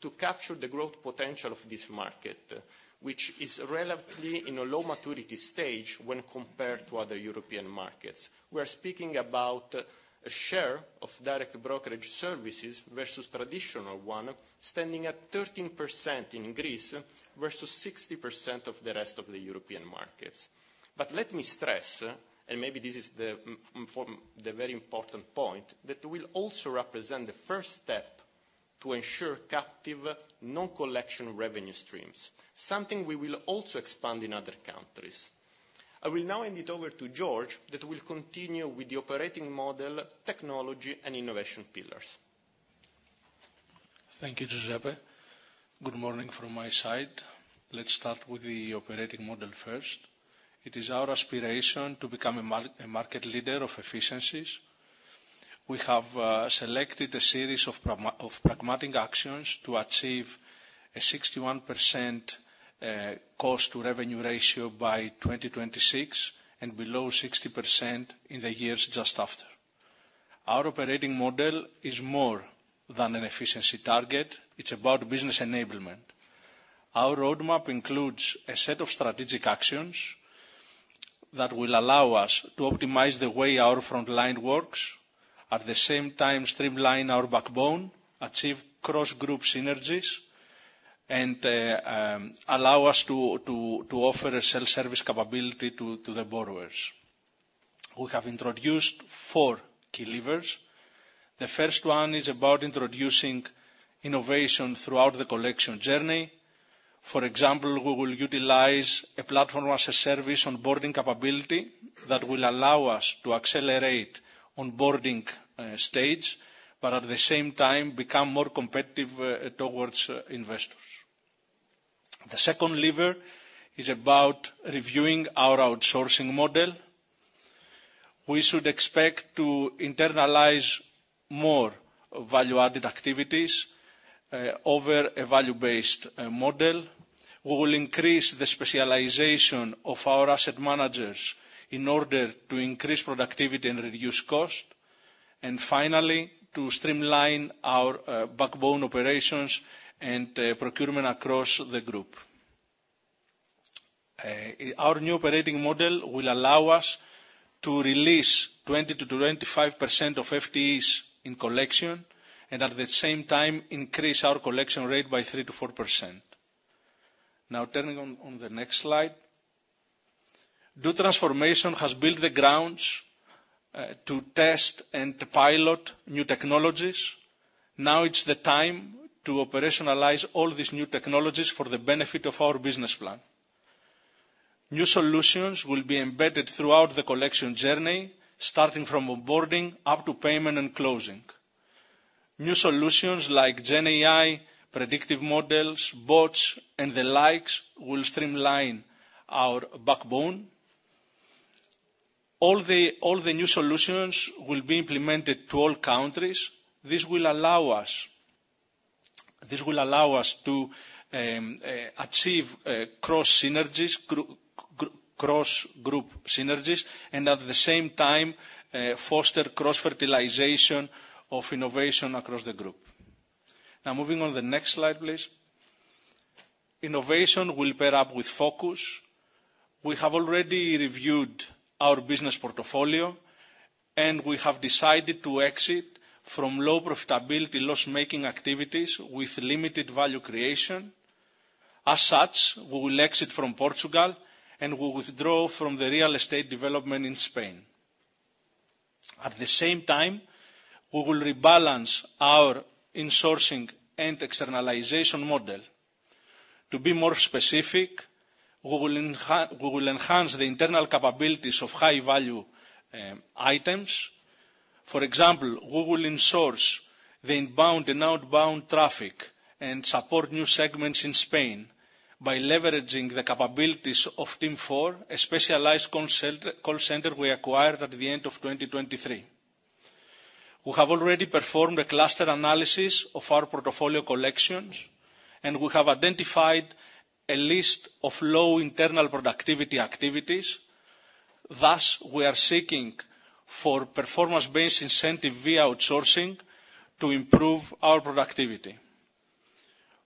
to capture the growth potential of this market, which is relatively in a low maturity stage when compared to other European markets. We are speaking about a share of direct brokerage services versus traditional one standing at 13% in Greece versus 60% of the rest of the European markets. But let me stress, and maybe this is the very important point, that we will also represent the first step to ensure captive non-collection revenue streams, something we will also expand in other countries. I will now hand it over to George that will continue with the operating model, technology, and innovation pillars. Thank you, Giuseppe. Good morning from my side. Let's start with the operating model first. It is our aspiration to become a market leader of efficiencies. We have selected a series of pragmatic actions to achieve a 61% cost-to-revenue ratio by 2026 and below 60% in the years just after. Our operating model is more than an efficiency target. It's about business enablement. Our roadmap includes a set of strategic actions that will allow us to optimize the way our front line works, at the same time streamline our backbone, achieve cross-group synergies, and allow us to offer a self-service capability to the borrowers. We have introduced four key levers. The first one is about introducing innovation throughout the collection journey. For example, we will utilize a platform as a service onboarding capability that will allow us to accelerate onboarding stage but, at the same time, become more competitive towards investors. The second lever is about reviewing our outsourcing model. We should expect to internalize more value-added activities over a value-based model. We will increase the specialization of our asset managers in order to increase productivity and reduce cost, and finally, to streamline our backbone operations and procurement across the group. Our new operating model will allow us to release 20%-25% of FTEs in collection and, at the same time, increase our collection rate by 3%-4%. Now, turning on the next slide. doTransformation has built the grounds to test and pilot new technologies. Now it's the time to operationalize all these new technologies for the benefit of our business plan. New solutions will be embedded throughout the collection journey, starting from onboarding up to payment and closing. New solutions like GenAI, predictive models, bots, and the likes will streamline our backbone. All the new solutions will be implemented to all countries. This will allow us to achieve cross-synergies, cross-group synergies, and, at the same time, foster cross-fertilization of innovation across the group. Now, moving on the next slide, please. Innovation will pair up with focus. We have already reviewed our business portfolio, and we have decided to exit from low profitability, loss-making activities with limited value creation. As such, we will exit from Portugal and we will withdraw from the real estate development in Spain. At the same time, we will rebalance our insourcing and externalization model. To be more specific, we will enhance the internal capabilities of high-value items. For example, we will insource the inbound and outbound traffic and support new segments in Spain by leveraging the capabilities of Team4, a specialized call center we acquired at the end of 2023. We have already performed a cluster analysis of our portfolio collections, and we have identified a list of low internal productivity activities. Thus, we are seeking for performance-based incentive via outsourcing to improve our productivity.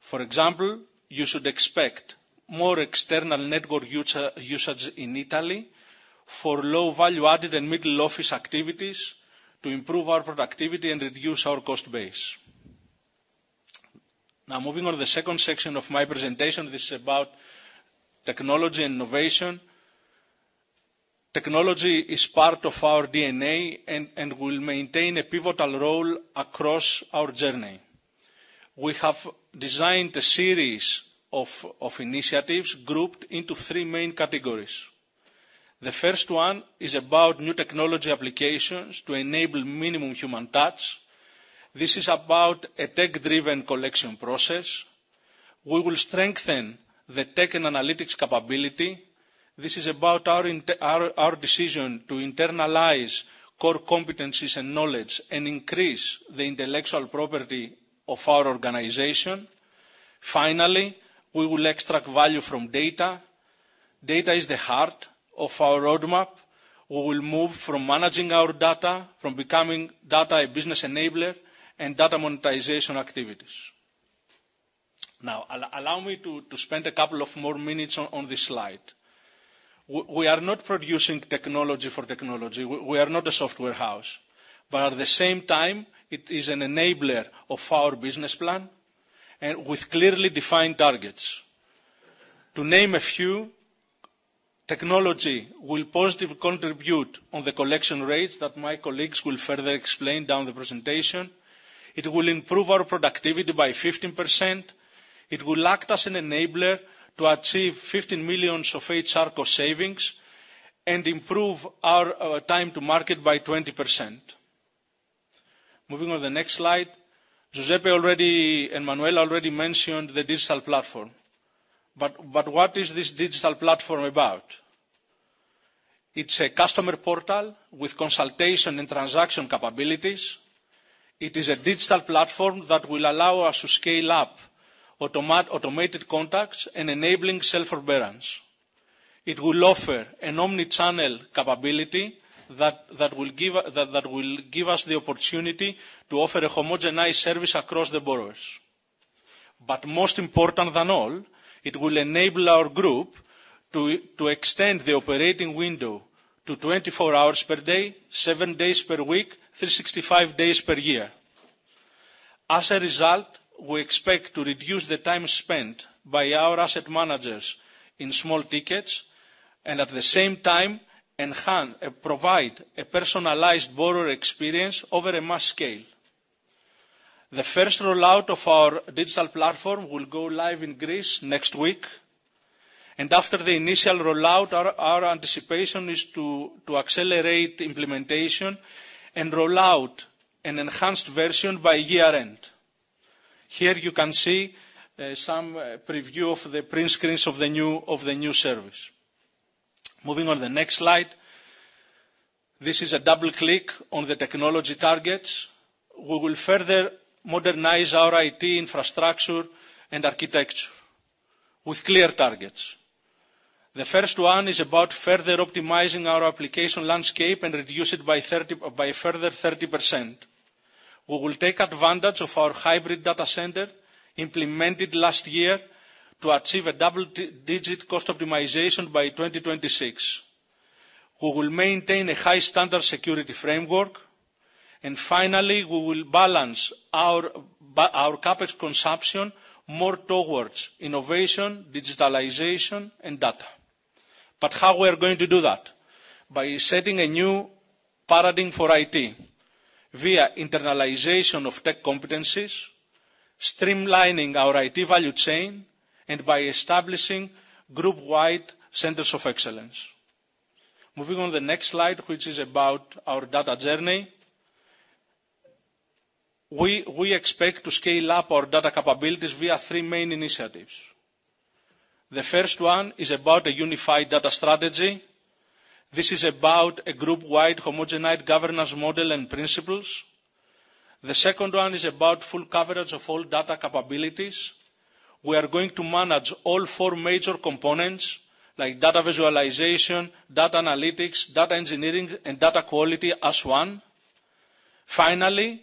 For example, you should expect more external network usage in Italy for low value-added and middle office activities to improve our productivity and reduce our cost base. Now, moving on the second section of my presentation, this is about technology and innovation. Technology is part of our DNA and will maintain a pivotal role across our journey. We have designed a series of initiatives grouped into three main categories. The first one is about new technology applications to enable minimum human touch. This is about a tech-driven collection process. We will strengthen the tech and analytics capability. This is about our decision to internalize core competencies and knowledge and increase the intellectual property of our organization. Finally, we will extract value from data. Data is the heart of our roadmap. We will move from managing our data, from becoming data a business enabler, and data monetization activities. Now, allow me to spend a couple of more minutes on this slide. We are not producing technology for technology. We are not a software house. But at the same time, it is an enabler of our business plan and with clearly defined targets. To name a few, technology will positively contribute on the collection rates that my colleagues will further explain down the presentation. It will improve our productivity by 15%. It will act as an enabler to achieve 15 million of HR cost savings and improve our time to market by 20%. Moving on the next slide. Giuseppe already and Manuela already mentioned the digital platform. But what is this digital platform about? It's a customer portal with consultation and transaction capabilities. It is a digital platform that will allow us to scale up automated contacts and enabling self-service. It will offer an omnichannel capability that will give us the opportunity to offer a homogeneous service across the borrowers. But more important than all, it will enable our group to extend the operating window to 24 hours per day, seven days per week, 365 days per year. As a result, we expect to reduce the time spent by our asset managers in small tickets and, at the same time, provide a personalized borrower experience over a mass scale. The first rollout of our digital platform will go live in Greece next week. After the initial rollout, our anticipation is to accelerate implementation and rollout an enhanced version by year-end. Here, you can see some preview of the print screens of the new service. Moving on the next slide. This is a double click on the technology targets. We will further modernize our IT infrastructure and architecture with clear targets. The first one is about further optimizing our application landscape and reduce it by further 30%. We will take advantage of our hybrid data center implemented last year to achieve a double-digit cost optimization by 2026. We will maintain a high standard security framework. And finally, we will balance our CapEx consumption more towards innovation, digitalization, and data. But how we are going to do that? By setting a new paradigm for IT via internalization of tech competencies, streamlining our IT value chain, and by establishing group-wide centers of excellence. Moving on the next slide, which is about our data journey. We expect to scale up our data capabilities via three main initiatives. The first one is about a unified data strategy. This is about a group-wide homogeneous governance model and principles. The second one is about full coverage of all data capabilities. We are going to manage all four major components like data visualization, data analytics, data engineering, and data quality as one. Finally,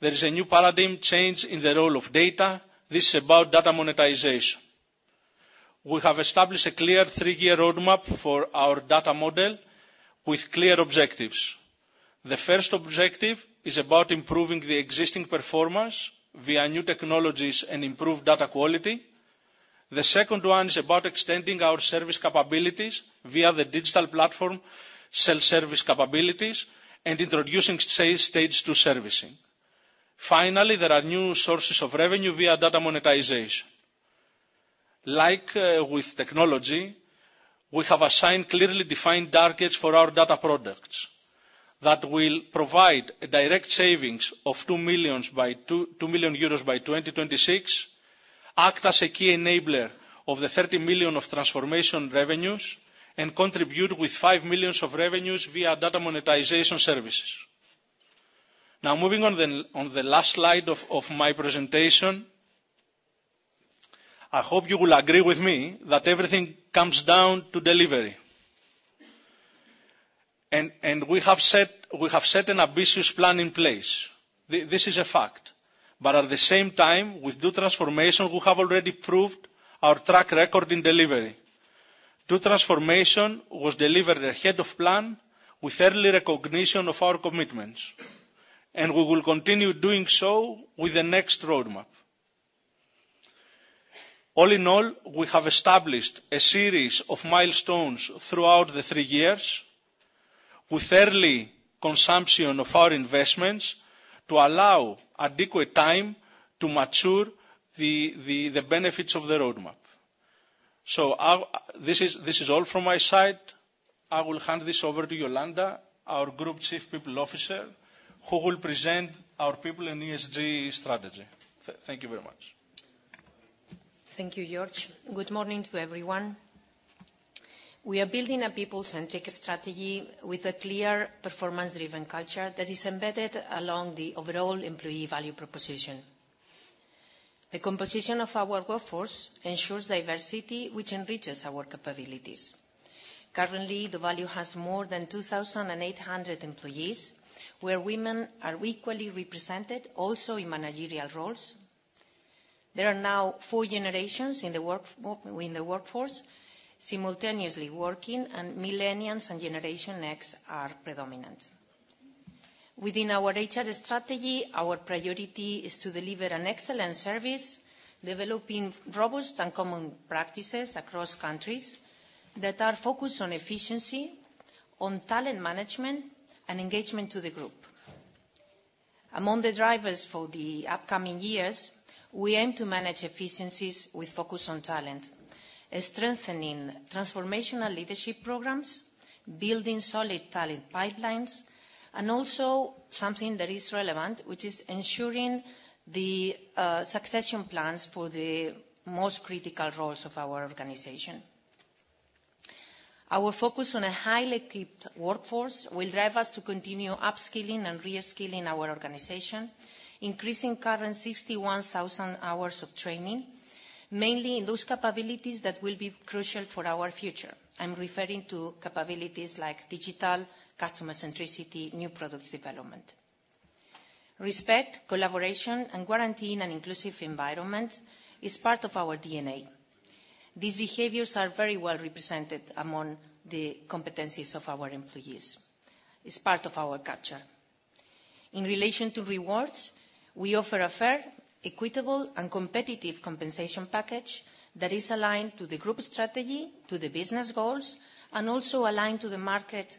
there is a new paradigm change in the role of data. This is about data monetization. We have established a clear three-year roadmap for our data model with clear objectives. The first objective is about improving the existing performance via new technologies and improved data quality. The second one is about extending our service capabilities via the digital platform self-service capabilities and introducing Stage 2 servicing. Finally, there are new sources of revenue via data monetization. Like with technology, we have assigned clearly defined targets for our data products that will provide a direct savings of 2 million euros by 2026, act as a key enabler of the 30 million of transformation revenues, and contribute with 5 million of revenues via data monetization services. Now, moving on the last slide of my presentation. I hope you will agree with me that everything comes down to delivery. We have set an ambitious plan in place. This is a fact. But at the same time, with doTransformation, we have already proved our track record in delivery. doTransformation was delivered ahead of plan with early recognition of our commitments. We will continue doing so with the next roadmap. All in all, we have established a series of milestones throughout the three years with early consumption of our investments to allow adequate time to mature the benefits of the roadmap. So this is all from my side. I will hand this over to Yolanda, our Group Chief People Officer, who will present our people and ESG strategy. Thank you very much. Thank you, George. Good morning to everyone. We are building a people-centric strategy with a clear performance-driven culture that is embedded along the overall employee value proposition. The composition of our workforce ensures diversity, which enriches our capabilities. Currently, doValue has more than 2,800 employees, where women are equally represented also in managerial roles. There are now four generations in the workforce simultaneously working, and millennials and Generation X are predominant. Within our HR strategy, our priority is to deliver an excellent service, developing robust and common practices across countries that are focused on efficiency, on talent management, and engagement to the group. Among the drivers for the upcoming years, we aim to manage efficiencies with focus on talent, strengthening transformational leadership programs, building solid talent pipelines, and also something that is relevant, which is ensuring the succession plans for the most critical roles of our organization. Our focus on a highly equipped workforce will drive us to continue upskilling and reskilling our organization, increasing current 61,000 hours of training, mainly in those capabilities that will be crucial for our future. I'm referring to capabilities like digital, customer-centricity, and new product development. Respect, collaboration, and guaranteeing an inclusive environment is part of our DNA. These behaviors are very well represented among the competencies of our employees. It's part of our culture. In relation to rewards, we offer a fair, equitable, and competitive compensation package that is aligned to the group strategy, to the business goals, and also aligned to the market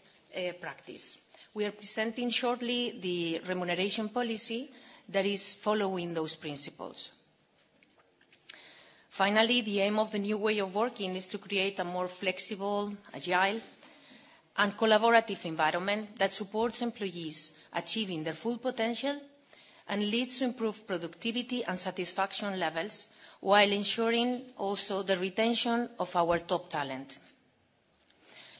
practice. We are presenting shortly the remuneration policy that is following those principles. Finally, the aim of the new way of working is to create a more flexible, agile, and collaborative environment that supports employees achieving their full potential and leads to improved productivity and satisfaction levels while ensuring also the retention of our top talent.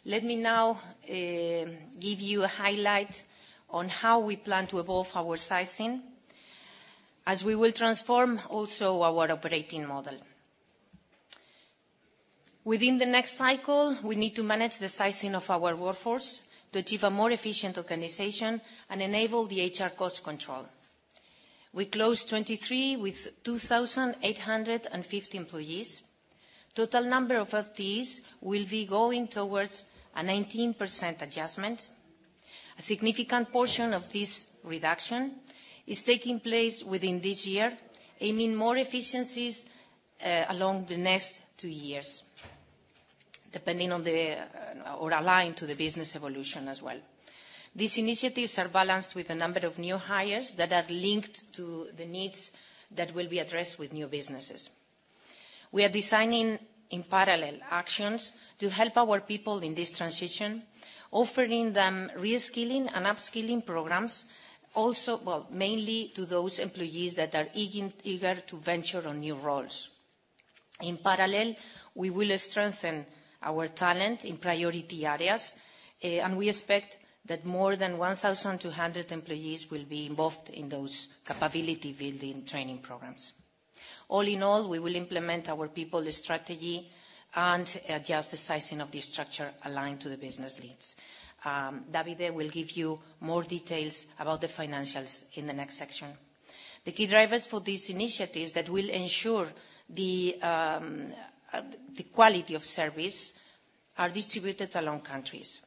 Let me now give you a highlight on how we plan to evolve our sizing as we will transform also our operating model. Within the next cycle, we need to manage the sizing of our workforce to achieve a more efficient organization and enable the HR cost control. We closed 2023 with 2,850 employees. Total number of FTEs will be going towards a 19% adjustment. A significant portion of this reduction is taking place within this year, aiming more efficiencies along the next two years, depending on the or aligned to the business evolution as well. These initiatives are balanced with the number of new hires that are linked to the needs that will be addressed with new businesses. We are designing in parallel actions to help our people in this transition, offering them reskilling and upskilling programs also, well, mainly to those employees that are eager to venture on new roles. In parallel, we will strengthen our talent in priority areas, and we expect that more than 1,200 employees will be involved in those capability-building training programs. All in all, we will implement our people strategy and adjust the sizing of the structure aligned to the business leads. Davide will give you more details about the financials in the next section. The key drivers for these initiatives that will ensure the quality of service are distributed along countries.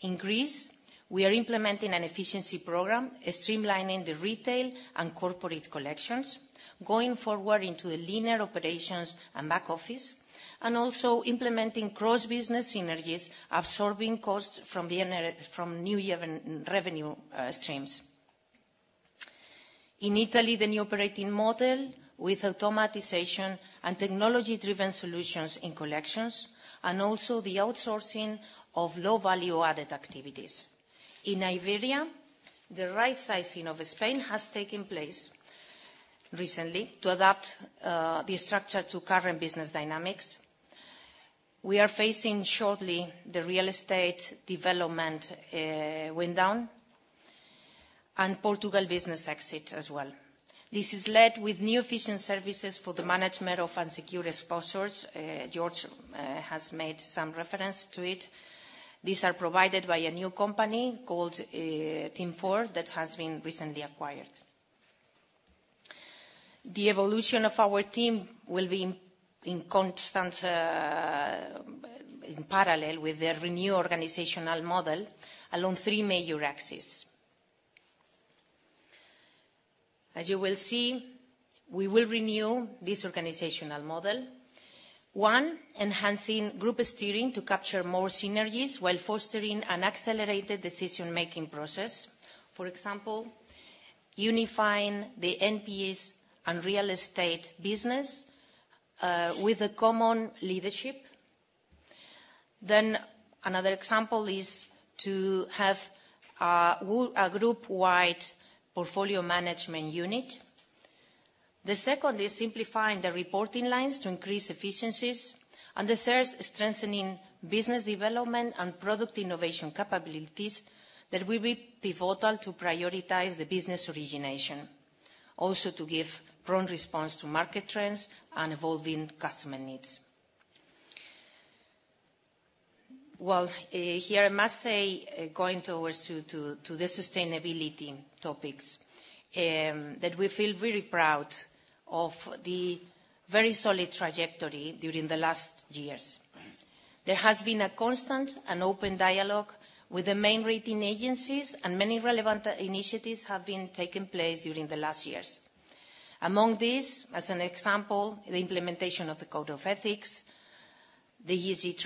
In Greece, we are implementing an efficiency program streamlining the retail and corporate collections, going forward into the leaner operations and back office, and also implementing cross-business synergies absorbing costs from new revenue streams. In Italy, the new operating model with automation and technology-driven solutions in collections, and also the outsourcing of low-value added activities. In Iberia, the right sizing of Spain has taken place recently to adapt the structure to current business dynamics. We are facing shortly the real estate development window and Portugal business exit as well. This is led with new efficient services for the management of unsecured sponsors. George has made some reference to it. These are provided by a new company called Team4 that has been recently acquired. The evolution of our team will be in constant in parallel with the renewed organizational model along three major axes. As you will see, we will renew this organizational model, one, enhancing group steering to capture more synergies while fostering an accelerated decision-making process. For example, unifying the NPEs and real estate business with a common leadership. Then another example is to have a group-wide portfolio management unit. The second is simplifying the reporting lines to increase efficiencies. And the third is strengthening business development and product innovation capabilities that will be pivotal to prioritize the business origination, also to give prompt response to market trends and evolving customer needs. Well, here, I must say, going towards the sustainability topics, that we feel very proud of the very solid trajectory during the last years. There has been a constant and open dialogue with the main rating agencies, and many relevant initiatives have been taking place during the last years. Among these, as an example, the implementation of the Code of Ethics, the ESG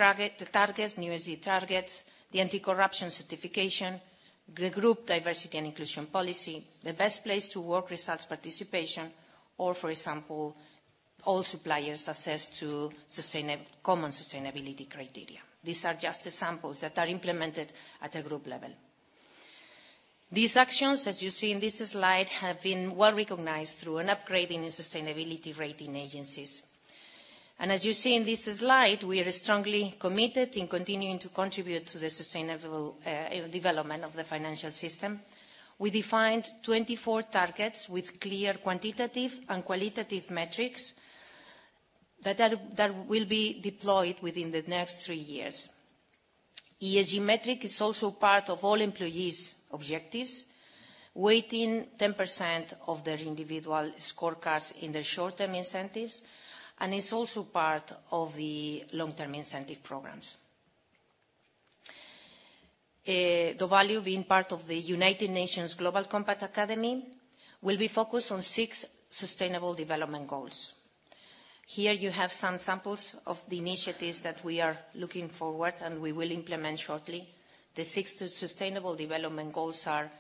targets, new ESG targets, the anti-corruption certification, the group diversity and inclusion policy, the best place to work results participation, or, for example, all suppliers assessed to common sustainability criteria. These are just examples that are implemented at a group level. These actions, as you see in this slide, have been well recognized through an upgrading in sustainability rating agencies. As you see in this slide, we are strongly committed in continuing to contribute to the sustainable development of the financial system. We defined 24 targets with clear quantitative and qualitative metrics that will be deployed within the next three years. ESG metric is also part of all employees' objectives, weighting 10% of their individual scorecards in their short-term incentives, and it's also part of the long-term incentive programs. DoValue, being part of the United Nations Global Compact Academy, will be focused on six sustainable development goals. Here, you have some samples of the initiatives that we are looking forward and we will implement shortly. The six sustainable development goals are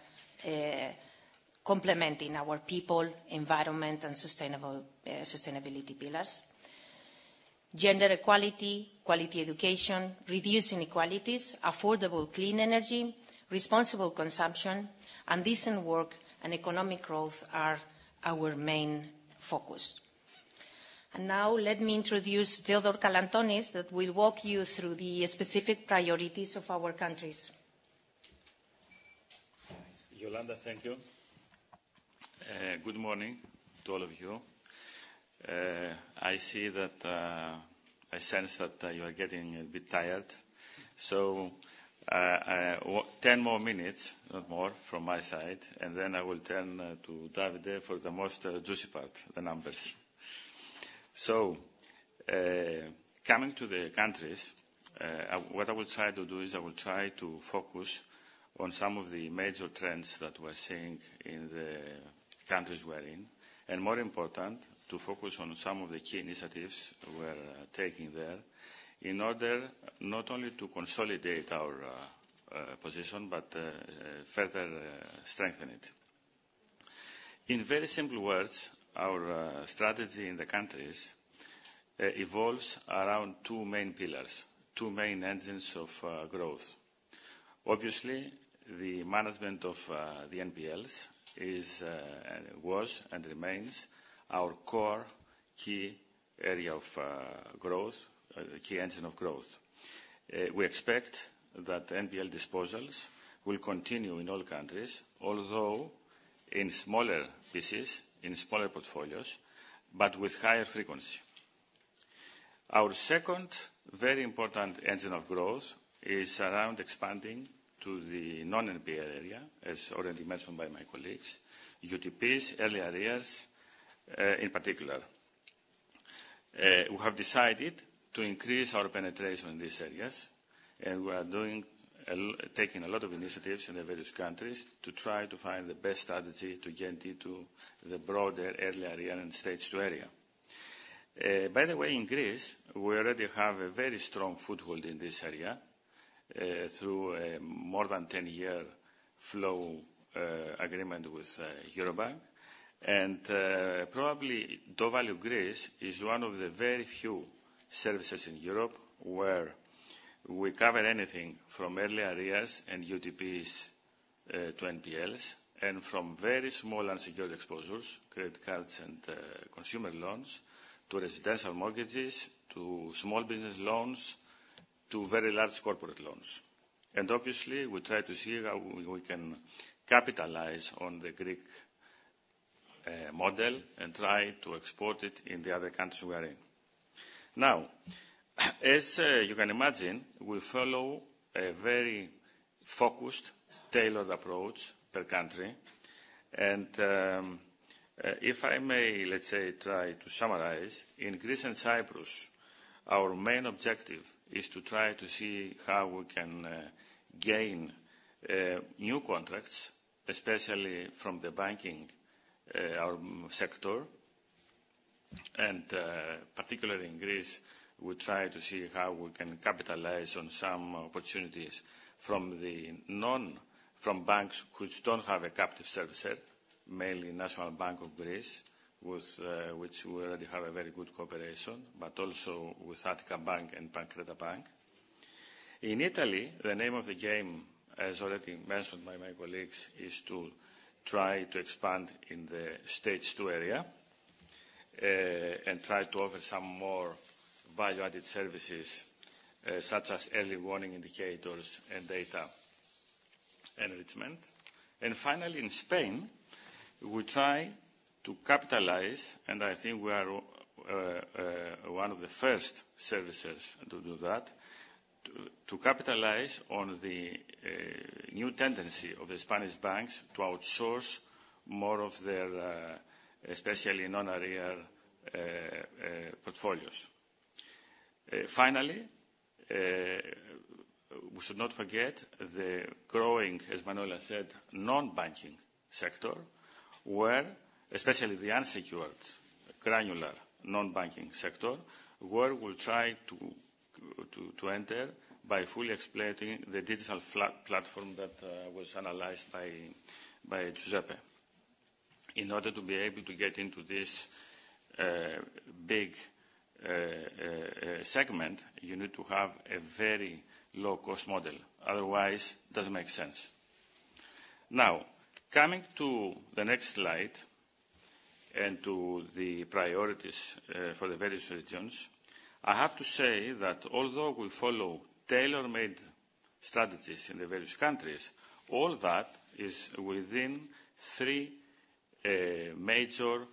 complementing our people, environment, and sustainability pillars. Gender equality, quality education, reducing inequalities, affordable clean energy, responsible consumption, and decent work and economic growth are our main focus. And now, let me introduce Theodore Kalantonis that will walk you through the specific priorities of our countries. Yolanda, thank you. Good morning to all of you. I see that I sense that you are getting a bit tired. So 10 more minutes, not more, from my side, and then I will turn to Davide for the most juicy part, the numbers. So coming to the countries, what I will try to do is I will try to focus on some of the major trends that we're seeing in the countries we're in, and more important, to focus on some of the key initiatives we're taking there in order not only to consolidate our position but further strengthen it. In very simple words, our strategy in the countries evolves around two main pillars, two main engines of growth. Obviously, the management of the NPLs is, was, and remains our core key area of growth, key engine of growth. We expect that NPL disposals will continue in all countries, although in smaller pieces, in smaller portfolios, but with higher frequency. Our second very important engine of growth is around expanding to the non-NPL area, as already mentioned by my colleagues, UTPs, early arrears in particular. We have decided to increase our penetration in these areas, and we are taking a lot of initiatives in the various countries to try to find the best strategy to get into the broader early arrears area and Stage 2 area. By the way, in Greece, we already have a very strong foothold in this area through a more than 10-year forward flow agreement with Eurobank. And probably, doValue Greece is one of the very few servicers in Europe where we cover anything from early arrears and UTPs to NPLs, and from very small unsecured exposures, credit cards and consumer loans, to residential mortgages, to small business loans, to very large corporate loans. And obviously, we try to see how we can capitalize on the Greek model and try to export it in the other countries we're in. Now, as you can imagine, we follow a very focused, tailored approach per country. And if I may, let's say, try to summarize, in Greece and Cyprus, our main objective is to try to see how we can gain new contracts, especially from the banking sector. Particularly in Greece, we try to see how we can capitalize on some opportunities from banks which don't have a captive servicer, mainly National Bank of Greece, with which we already have a very good cooperation, but also with Attica Bank and Pancreta Bank. In Italy, the name of the game, as already mentioned by my colleagues, is to try to expand in the Stage 2 area and try to offer some more value-added services such as early warning indicators and data enrichment. Finally, in Spain, we try to capitalize, and I think we are one of the first services to do that, to capitalize on the new tendency of the Spanish banks to outsource more of their especially non-NPL portfolios. Finally, we should not forget the growing, as Manuela said, non-banking sector, where especially the unsecured granular non-banking sector, where we'll try to enter by fully exploiting the digital platform that was analyzed by Giuseppe. In order to be able to get into this big segment, you need to have a very low-cost model. Otherwise, it doesn't make sense. Now, coming to the next slide and to the priorities for the various regions, I have to say that although we follow tailor-made strategies in the various countries, all that is within three major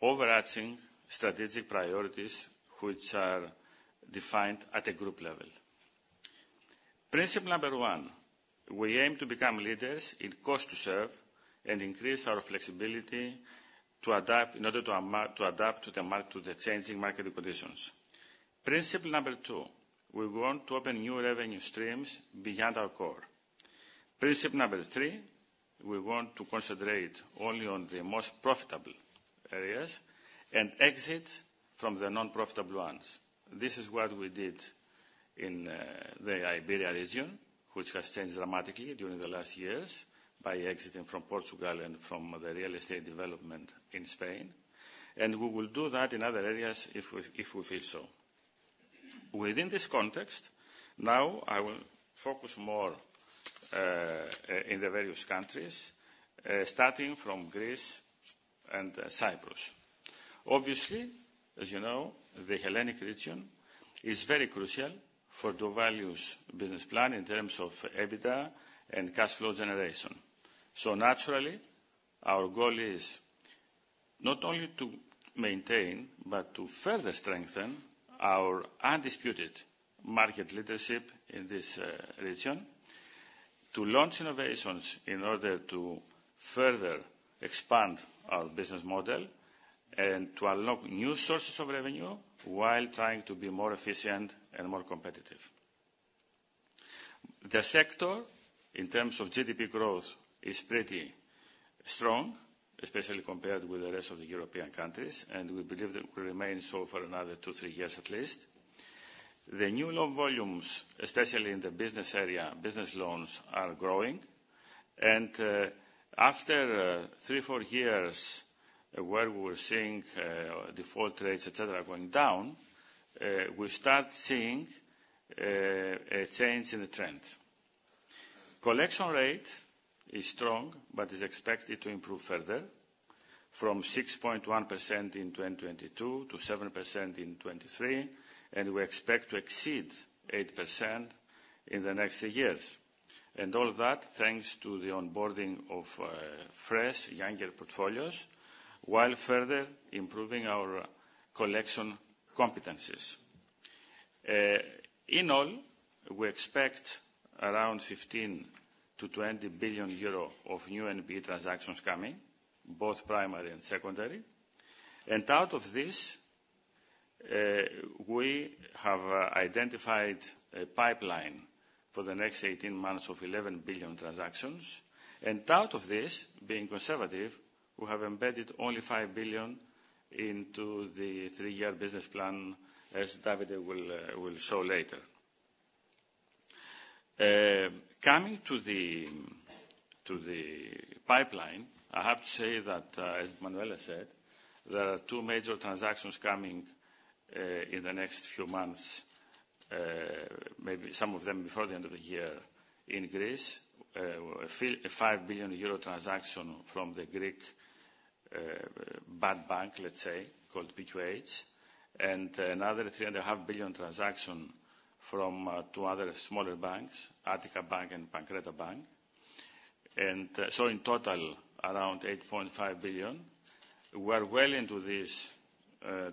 overarching strategic priorities which are defined at a group level. Principle number one, we aim to become leaders in cost to serve and increase our flexibility to adapt in order to adapt to the changing market conditions. Principle number two, we want to open new revenue streams beyond our core. Principle number three, we want to concentrate only on the most profitable areas and exit from the non-profitable ones. This is what we did in the Iberia region, which has changed dramatically during the last years by exiting from Portugal and from the real estate development in Spain. We will do that in other areas if we feel so. Within this context, now, I will focus more in the various countries, starting from Greece and Cyprus. Obviously, as you know, the Hellenic region is very crucial for doValue's business plan in terms of EBITDA and cash flow generation. So naturally, our goal is not only to maintain but to further strengthen our undisputed market leadership in this region, to launch innovations in order to further expand our business model and to unlock new sources of revenue while trying to be more efficient and more competitive. The sector, in terms of GDP growth, is pretty strong, especially compared with the rest of the European countries, and we believe that we remain so for another 2-3 years at least. The new loan volumes, especially in the business area, business loans, are growing. After 3-4 years where we were seeing default rates, etc., going down, we start seeing a change in the trend. Collection rate is strong but is expected to improve further, from 6.1% in 2022 to 7% in 2023, and we expect to exceed 8% in the next 3 years. All that thanks to the onboarding of fresh, younger portfolios while further improving our collection competencies. In all, we expect around 15 billion euro-EUR20 billion of new NP transactions coming, both primary and secondary. Out of this, we have identified a pipeline for the next 18 months of 11 billion transactions. Out of this, being conservative, we have embedded only 5 billion into the three-year business plan, as Davide will show later. Coming to the pipeline, I have to say that, as Manuela said, there are two major transactions coming in the next few months, maybe some of them before the end of the year in Greece, a 5 billion euro transaction from the Greek bad bank, let's say, called PQH, and another 3.5 billion transaction from two other smaller banks, Attica Bank and Pancreta Bank. So in total, around 8.5 billion. We're well into these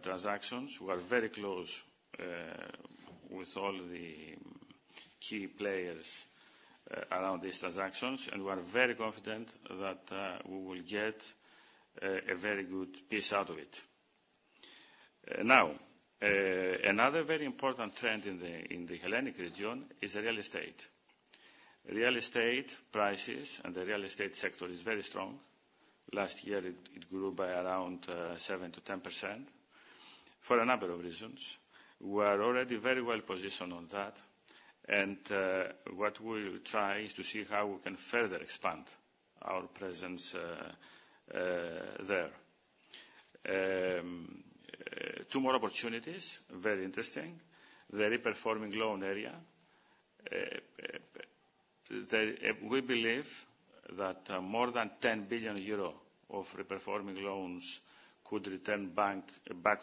transactions. We're very close with all the key players around these transactions, and we're very confident that we will get a very good piece out of it. Now, another very important trend in the Hellenic region is real estate. Real estate prices and the real estate sector is very strong. Last year, it grew by around 7%-10% for a number of reasons. We're already very well positioned on that. And what we will try is to see how we can further expand our presence there. Two more opportunities, very interesting, the reperforming loan area. We believe that more than 10 billion euro of reperforming loans could return back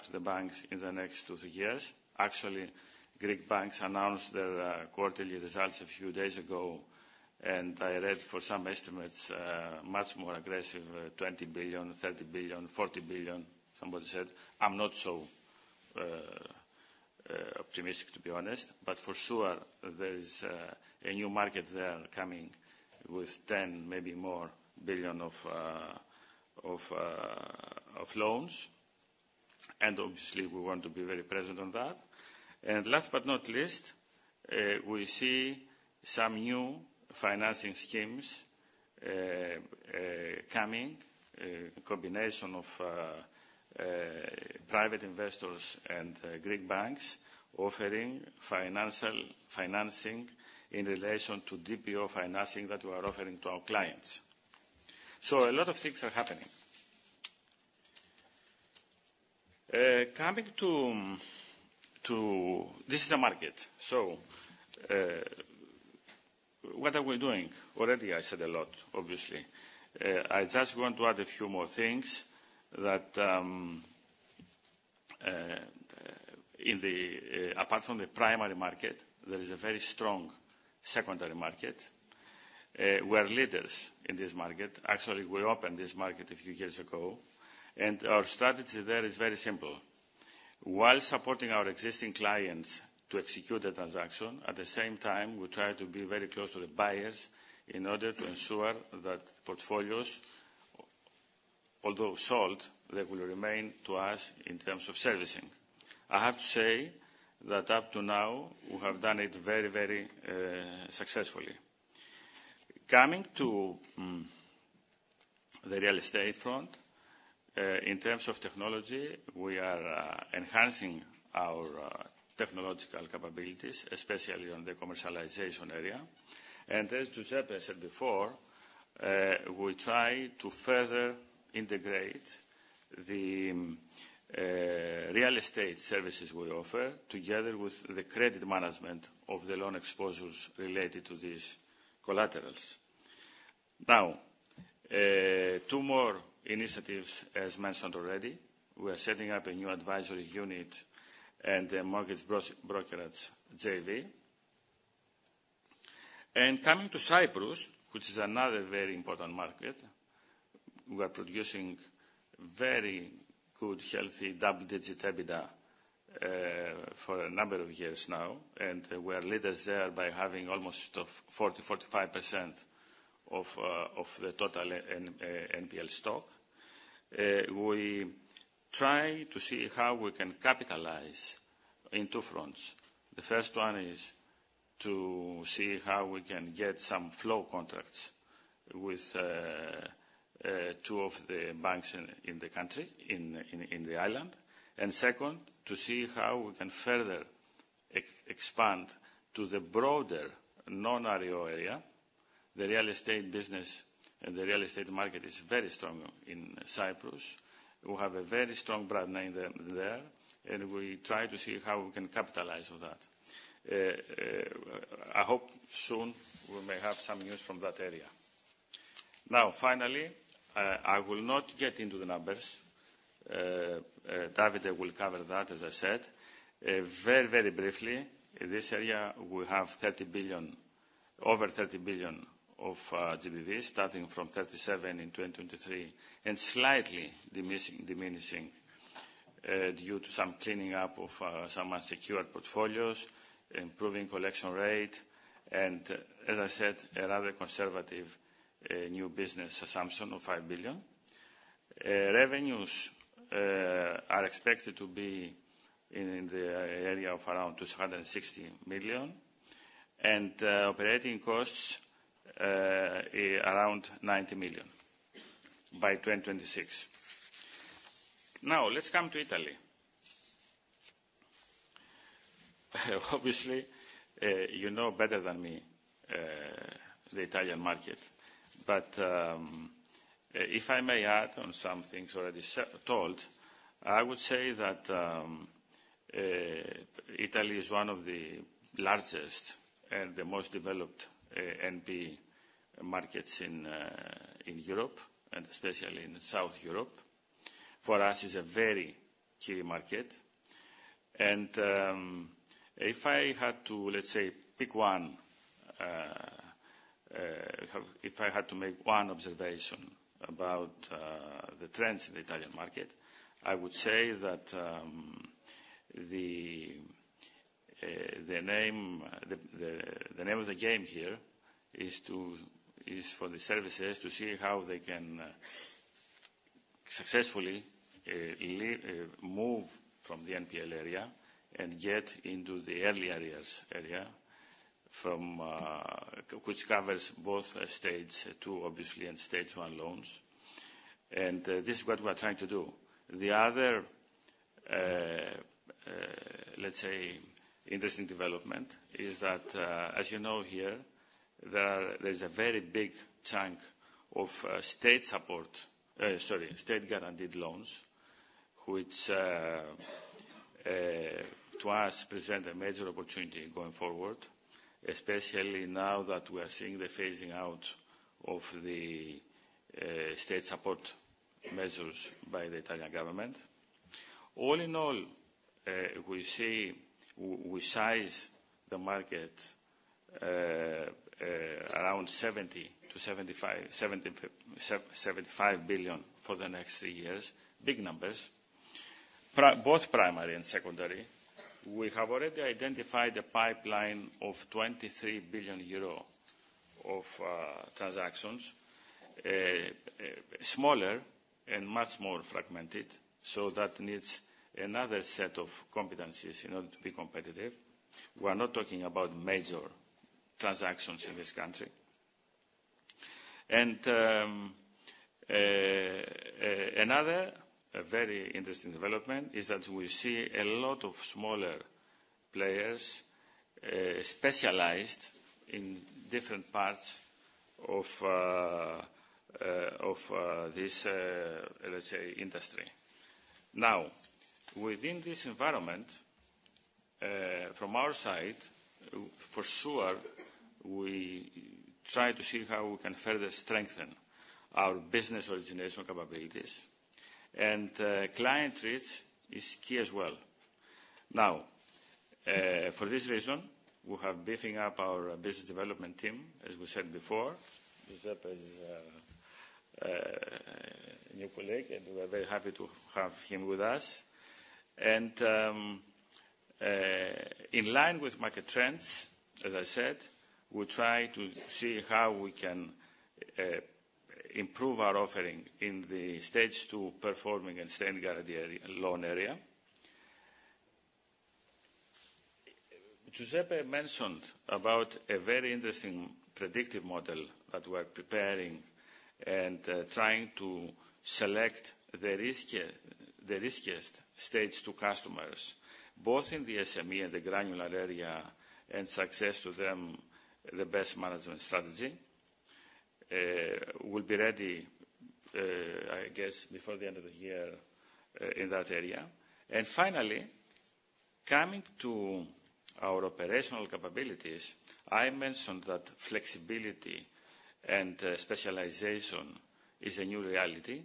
to the banks in the next two, three years. Actually, Greek banks announced their quarterly results a few days ago, and I read for some estimates much more aggressive, 20 billion, 30 billion, 40 billion, somebody said. I'm not so optimistic, to be honest. But for sure, there is a new market there coming with 10 billion, maybe more, of loans. Obviously, we want to be very present on that. Last but not least, we see some new financing schemes coming, a combination of private investors and Greek banks offering financing in relation to DPO financing that we are offering to our clients. A lot of things are happening. Coming to this is a market. What are we doing? Already, I said a lot, obviously. I just want to add a few more things that in the apart from the primary market, there is a very strong secondary market. We're leaders in this market. Actually, we opened this market a few years ago. Our strategy there is very simple. While supporting our existing clients to execute the transaction, at the same time, we try to be very close to the buyers in order to ensure that portfolios, although sold, they will remain to us in terms of servicing. I have to say that up to now, we have done it very, very successfully. Coming to the real estate front, in terms of technology, we are enhancing our technological capabilities, especially on the commercialization area. As Giuseppe said before, we try to further integrate the real estate services we offer together with the credit management of the loan exposures related to these collaterals. Now, two more initiatives, as mentioned already. We are setting up a new advisory unit and the mortgage brokerage JV. Coming to Cyprus, which is another very important market, we are producing very good, healthy double-digit EBITDA for a number of years now. We are leaders there by having almost 40%-45% of the total NPL stock. We try to see how we can capitalize in two fronts. The first one is to see how we can get some flow contracts with two of the banks in the country, in the island. And second, to see how we can further expand to the broader non-NPL area. The real estate business and the real estate market is very strong in Cyprus. We have a very strong brand name there, and we try to see how we can capitalize on that. I hope soon we may have some news from that area. Now, finally, I will not get into the numbers. Davide will cover that, as I said. Very, very briefly, this area, we have 30 billion over 30 billion of GBV, starting from 37 in 2023 and slightly diminishing due to some cleaning up of some unsecured portfolios, improving collection rate, and as I said, a rather conservative new business assumption of 5 billion. Revenues are expected to be in the area of around 260 million and operating costs around 90 million by 2026. Now, let's come to Italy. Obviously, you know better than me the Italian market. But if I may add on some things already told, I would say that Italy is one of the largest and the most developed NP markets in Europe and especially in South Europe. For us, it's a very key market. If I had to, let's say, pick one if I had to make one observation about the trends in the Italian market, I would say that the name of the game here is for the services to see how they can successfully move from the NPL area and get into the early arrears area, which covers both stage two, obviously, and stage one loans. This is what we're trying to do. The other, let's say, interesting development is that, as you know here, there is a very big chunk of state support sorry, state-guaranteed loans, which to us present a major opportunity going forward, especially now that we are seeing the phasing out of the state support measures by the Italian government. All in all, we see, we size the market around 70-75 billion for the next three years, big numbers, both primary and secondary. We have already identified a pipeline of 23 billion euro of transactions, smaller and much more fragmented. So that needs another set of competencies in order to be competitive. We are not talking about major transactions in this country. And another very interesting development is that we see a lot of smaller players specialized in different parts of this, let's say, industry. Now, within this environment, from our side, for sure, we try to see how we can further strengthen our business origination capabilities. And client reach is key as well. Now, for this reason, we have beefing up our business development team, as we said before. Giuseppe is a new colleague, and we're very happy to have him with us. And in line with market trends, as I said, we try to see how we can improve our offering in the Stage 2 performing and state-guaranteed loan area. Giuseppe mentioned about a very interesting predictive model that we're preparing and trying to select the riskiest Stage 2 customers, both in the SME and the granular area, and suggest to them the best management strategy. We'll be ready, I guess, before the end of the year in that area. Finally, coming to our operational capabilities, I mentioned that flexibility and specialization is a new reality.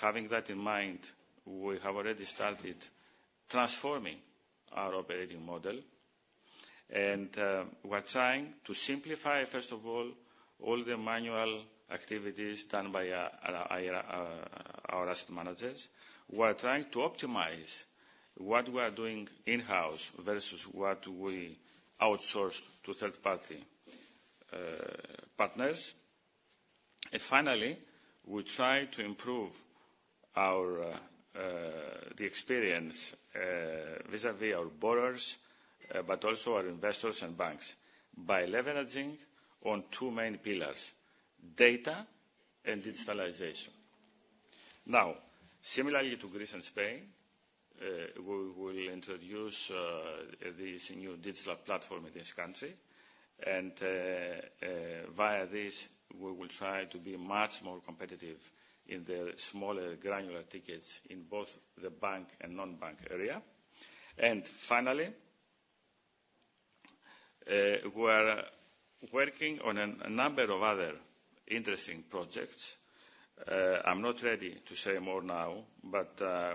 Having that in mind, we have already started transforming our operating model. We're trying to simplify, first of all, all the manual activities done by our asset managers. We're trying to optimize what we are doing in-house versus what we outsource to third-party partners. Finally, we try to improve the experience vis-à-vis our borrowers, but also our investors and banks by leveraging on two main pillars, data and digitalization. Now, similarly to Greece and Spain, we will introduce this new digital platform in this country. And via this, we will try to be much more competitive in the smaller granular tickets in both the bank and non-bank area. And finally, we're working on a number of other interesting projects. I'm not ready to say more now, but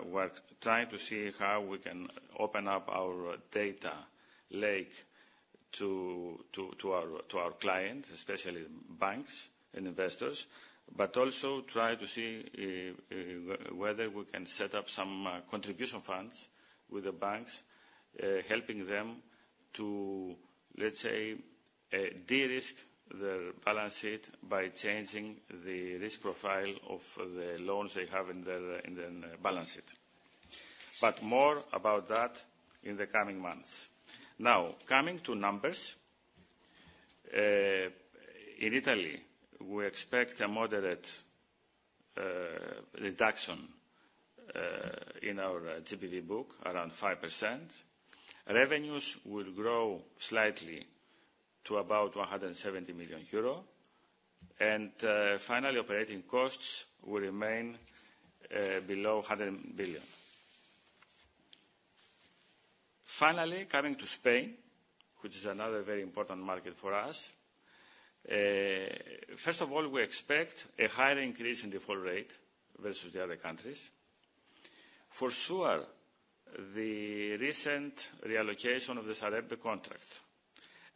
we're trying to see how we can open up our data lake to our clients, especially banks and investors, but also try to see whether we can set up some contribution funds with the banks, helping them to, let's say, de-risk their balance sheet by changing the risk profile of the loans they have in their balance sheet. But more about that in the coming months. Now, coming to numbers, in Italy, we expect a moderate reduction in our GBV book, around 5%. Revenues will grow slightly to about 170 million euro. Finally, operating costs will remain below 100 million. Finally, coming to Spain, which is another very important market for us, first of all, we expect a higher increase in default rate versus the other countries. For sure, the recent reallocation of the Sareb contract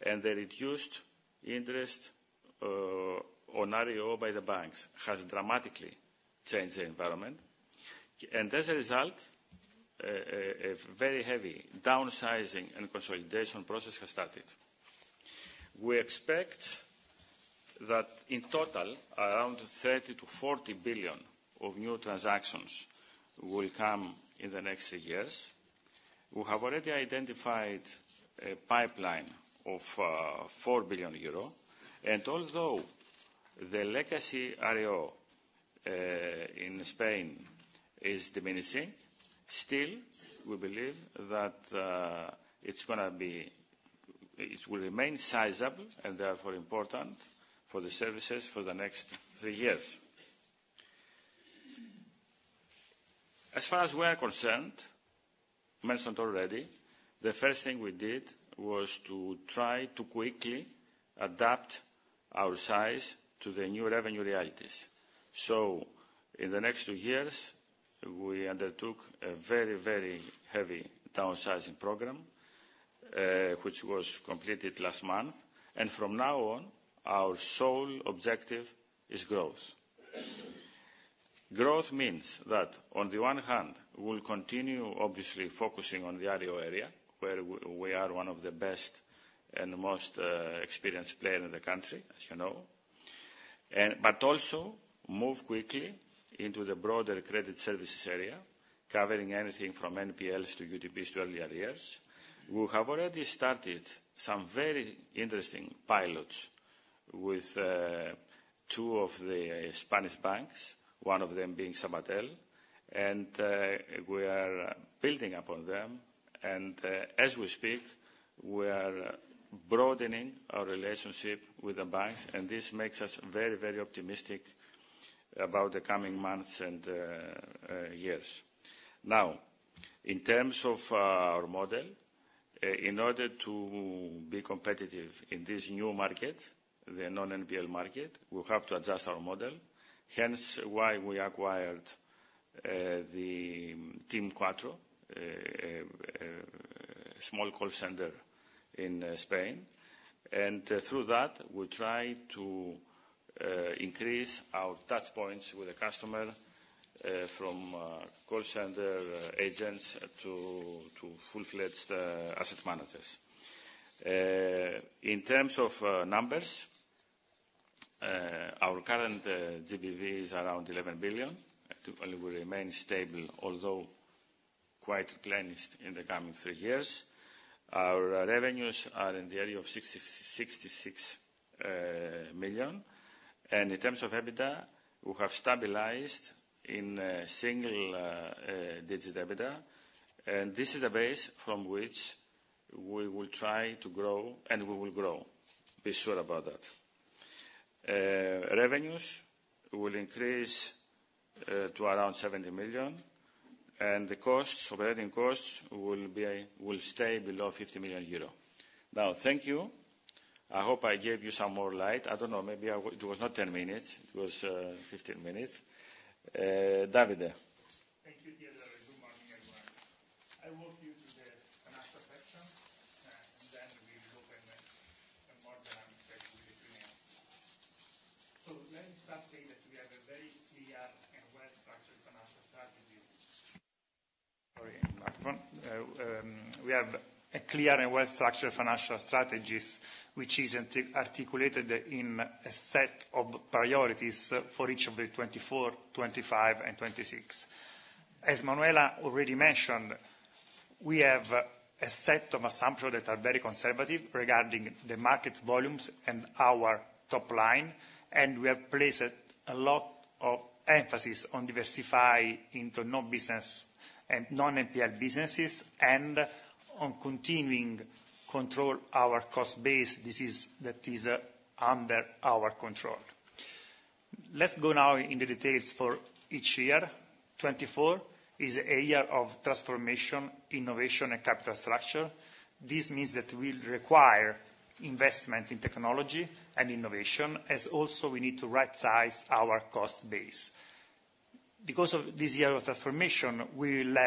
and the reduced interest on REO by the banks has dramatically changed the environment. And as a result, a very heavy downsizing and consolidation process has started. We expect that in total, around 30 billion-40 billion of new transactions will come in the next three years. We have already identified a pipeline of 4 billion euro. And although the legacy REO in Spain is diminishing, still, we believe that it's going to be it will remain sizable and therefore important for the services for the next three years. As far as we are concerned, mentioned already, the first thing we did was to try to quickly adapt our size to the new revenue realities. So in the next two years, we undertook a very, very heavy downsizing program, which was completed last month. From now on, our sole objective is growth. Growth means that, on the one hand, we'll continue, obviously, focusing on the area where we are one of the best and most experienced players in the country, as you know, but also move quickly into the broader credit services area, covering anything from NPLs to UTPs to early arrears. We have already started some very interesting pilots with two of the Spanish banks, one of them being Sabadell. We are building upon them. As we speak, we are broadening our relationship with the banks. This makes us very, very optimistic about the coming months and years. Now, in terms of our model, in order to be competitive in this new market, the non-NPL market, we'll have to adjust our model, hence why we acquired the Team Quatro, small call center in Spain. And through that, we try to increase our touchpoints with the customer, from call center agents to full-fledged asset managers. In terms of numbers, our current GBV is around 11 billion. It will remain stable, although quite diminished in the coming three years. Our revenues are in the area of 66 million. And in terms of EBITDA, we have stabilized in single-digit EBITDA. And this is the base from which we will try to grow, and we will grow, be sure about that. Revenues will increase to around 70 million. And the operating costs will stay below 50 million euro. Now, thank you. I hope I gave you some more light. I don't know. Maybe it was not 10 minutes. It was 15 minutes. Davide? Thank you, Theodore. Good morning, everyone. I walk you through the financial section, and then we will open a more dynamic segment with the Q&A. Let me start saying that we have a very clear and well-structured financial strategy. Sorry, microphone. We have a clear and well-structured financial strategy, which is articulated in a set of priorities for each of the 2024, 2025, and 2026. As Manuela already mentioned, we have a set of assumptions that are very conservative regarding the market volumes and our top line. We have placed a lot of emphasis on diversifying into non-NPL businesses and on continuing to control our cost base. These that is under our control. Let's go now in the details for each year. 2024 is a year of transformation, innovation, and capital structure. This means that we'll require investment in technology and innovation, as also we need to right-size our cost base. Because of this year of transformation, we will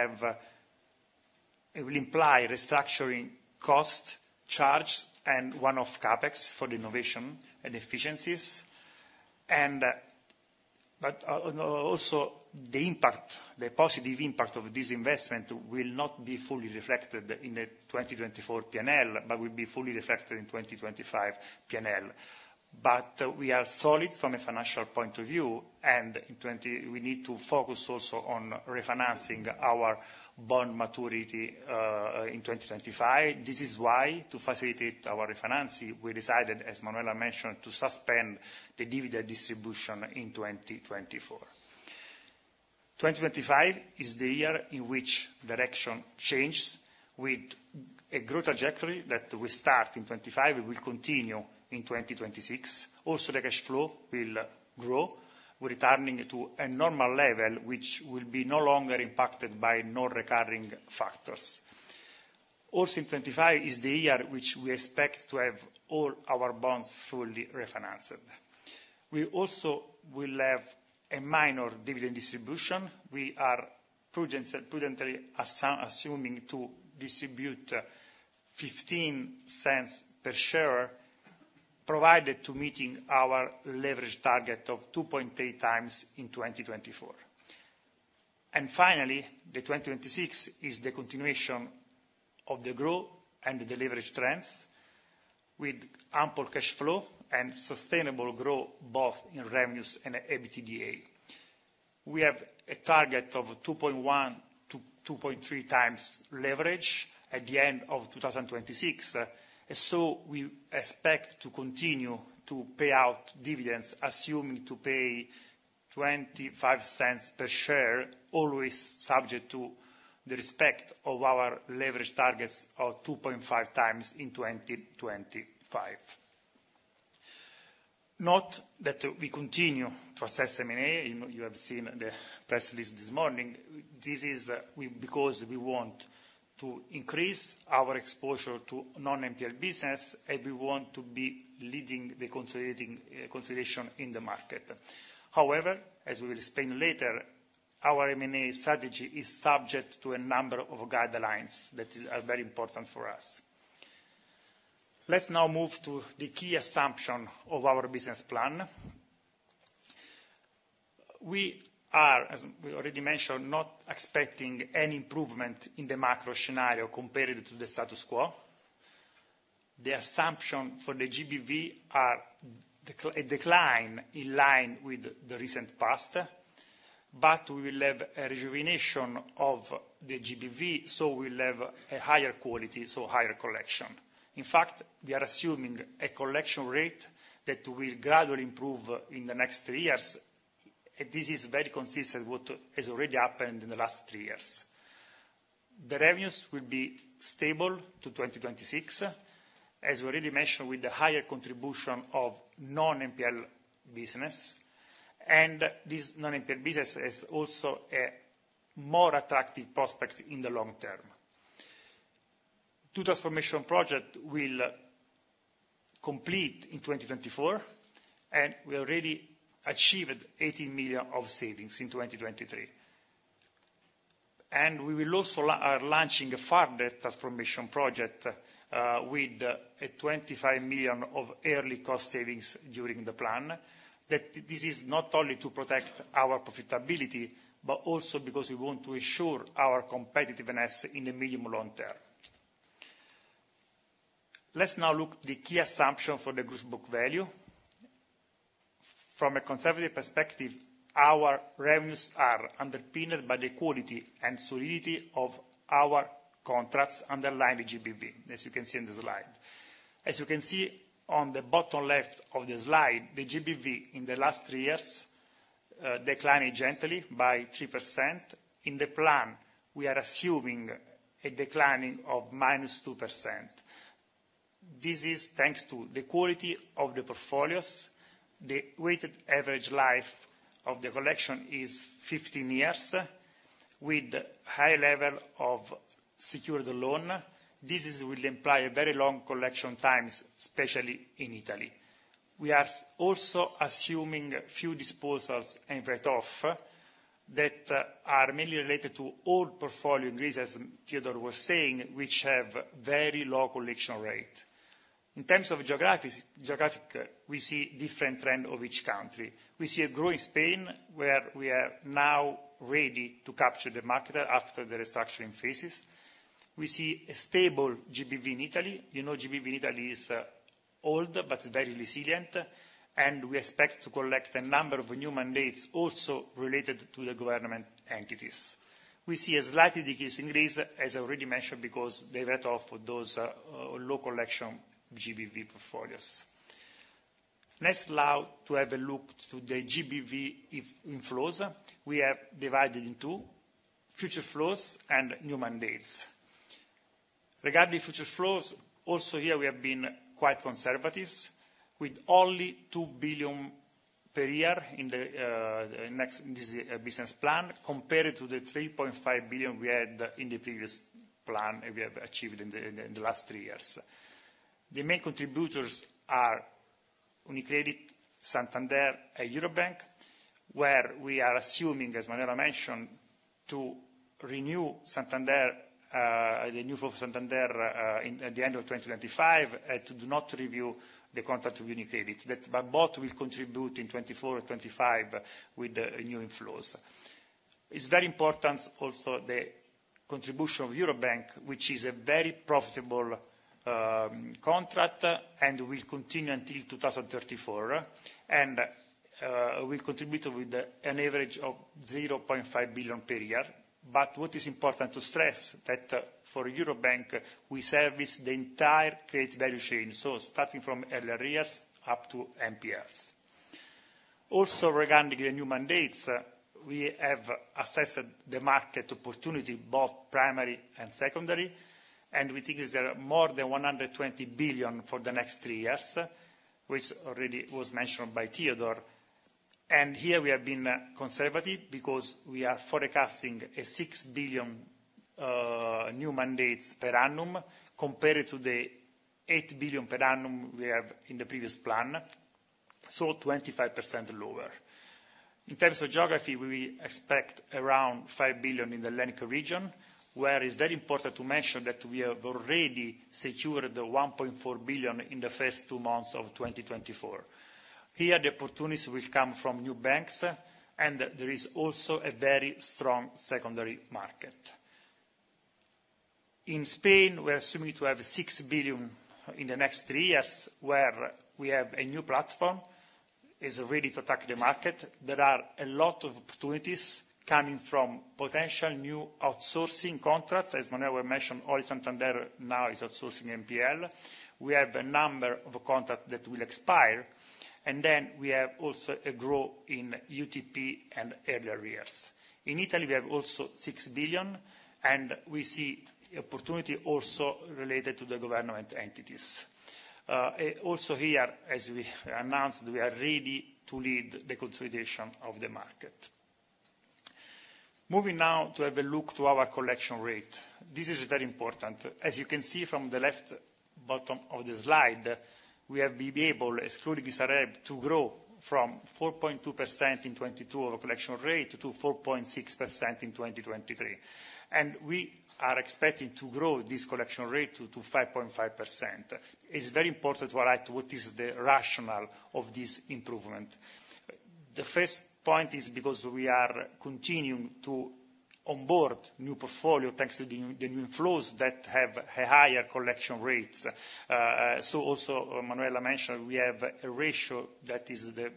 incur restructuring cost charges and one-off CapEx for the innovation and efficiencies. But also, the impact, the positive impact of this investment will not be fully reflected in the 2024 P&L, but will be fully reflected in 2025 P&L. But we are solid from a financial point of view. And we need to focus also on refinancing our bond maturity in 2025. This is why, to facilitate our refinancing, we decided, as Manuela mentioned, to suspend the dividend distribution in 2024. 2025 is the year in which direction changes with a growth trajectory that will start in 2025. It will continue in 2026. Also, the cash flow will grow, returning to a normal level, which will be no longer impacted by non-recurring factors. Also, 2025 is the year which we expect to have all our bonds fully refinanced. We also will have a minor dividend distribution. We are prudently assuming to distribute 0.15 per share, provided to meet our leverage target of 2.3x in 2024. And finally, 2026 is the continuation of the growth and the leverage trends with ample cash flow and sustainable growth both in revenues and EBITDA. We have a target of 2.1x-2.3x leverage at the end of 2026. And so we expect to continue to pay out dividends, assuming to pay 0.25 per share, always subject to the respect of our leverage targets of 2.5x in 2025. Note that we continue to assess M&A. You have seen the press release this morning. This is because we want to increase our exposure to non-NPL business, and we want to be leading the consolidation in the market. However, as we will explain later, our M&A strategy is subject to a number of guidelines that are very important for us. Let's now move to the key assumption of our business plan. We are, as we already mentioned, not expecting any improvement in the macro scenario compared to the status quo. The assumption for the GBV is a decline in line with the recent past. But we will have a rejuvenation of the GBV, so we'll have a higher quality, so higher collection. In fact, we are assuming a collection rate that will gradually improve in the next three years. And this is very consistent with what has already happened in the last three years. The revenues will be stable to 2026, as we already mentioned, with the higher contribution of non-NPL business. And this non-NPL business is also a more attractive prospect in the long term. The transformation project will complete in 2024. And we already achieved 18 million of savings in 2023. We will also be launching a further transformation project with 25 million of early cost savings during the plan. This is not only to protect our profitability, but also because we want to ensure our competitiveness in the medium-long term. Let's now look at the key assumption for the gross book value. From a conservative perspective, our revenues are underpinned by the quality and solidity of our contracts underlying the GBV, as you can see on the slide. As you can see on the bottom left of the slide, the GBV in the last three years declined gently by 3%. In the plan, we are assuming a declining of -2%. This is thanks to the quality of the portfolios. The weighted average life of the collection is 15 years with a high level of secured loan. This will imply a very long collection time, especially in Italy. We are also assuming few disposals and write-offs that are mainly related to old portfolio increases, as Theodore was saying, which have a very low collection rate. In terms of geography, we see a different trend of each country. We see a growth in Spain, where we are now ready to capture the market after the restructuring phases. We see a stable GBV in Italy. You know, GBV in Italy is old, but very resilient. And we expect to collect a number of new mandates also related to the government entities. We see a slightly decreased increase, as I already mentioned, because they write off those low collection GBV portfolios. Let's now have a look at the GBV inflows. We have divided into future flows and new mandates. Regarding future flows, also here, we have been quite conservative with only 2 billion per year in the next business plan compared to the 3.5 billion we had in the previous plan we have achieved in the last three years. The main contributors are UniCredit, Santander, and Eurobank, where we are assuming, as Manuela mentioned, to renew Santander, the new form of Santander at the end of 2025, and to do not review the contract with UniCredit, but both will contribute in 2024 and 2025 with new inflows. It's very important, also, the contribution of Eurobank, which is a very profitable contract and will continue until 2034. And we'll contribute with an average of 0.5 billion per year. But what is important to stress is that, for Eurobank, we service the entire credit value chain, so starting from early arrears up to NPLs. Also, regarding the new mandates, we have assessed the market opportunity, both primary and secondary. We think there are more than 120 billion for the next three years, which already was mentioned by Theodore Here, we have been conservative because we are forecasting 6 billion new mandates per annum compared to the 8 billion per annum we have in the previous plan, so 25% lower. In terms of geography, we expect around 5 billion in the Hellenic region, where it's very important to mention that we have already secured 1.4 billion in the first two months of 2024. Here, the opportunities will come from new banks. There is also a very strong secondary market. In Spain, we are assuming to have 6 billion in the next three years, where we have a new platform ready to attack the market. There are a lot of opportunities coming from potential new outsourcing contracts. As Manuela mentioned, all of Santander now is outsourcing NPL. We have a number of contracts that will expire. And then we have also a growth in UTP and early arrears. In Italy, we have also 6 billion. And we see opportunity also related to the government entities. Also, here, as we announced, we are ready to lead the consolidation of the market. Moving now to have a look at our collection rate. This is very important. As you can see from the left bottom of the slide, we have been able, excluding Sareb, to grow from 4.2% in 2022 of our collection rate to 4.6% in 2023. And we are expecting to grow this collection rate to 5.5%. It's very important to highlight what is the rationale of this improvement. The first point is because we are continuing to onboard new portfolios thanks to the new inflows that have higher collection rates. So, also, Manuela mentioned we have a ratio that is the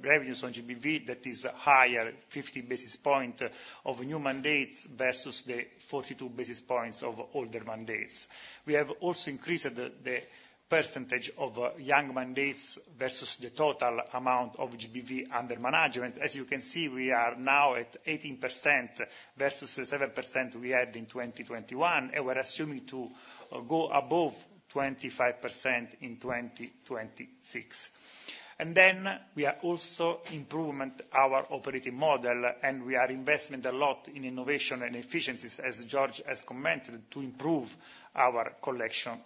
revenues on GBV that is higher, 50 basis points of new mandates versus the 42 basis points of older mandates. We have also increased the percentage of young mandates versus the total amount of GBV under management. As you can see, we are now at 18% versus the 7% we had in 2021. And we are assuming to go above 25% in 2026. And then we are also improving our operating model. And we are investing a lot in innovation and efficiencies, as George has commented, to improve our collection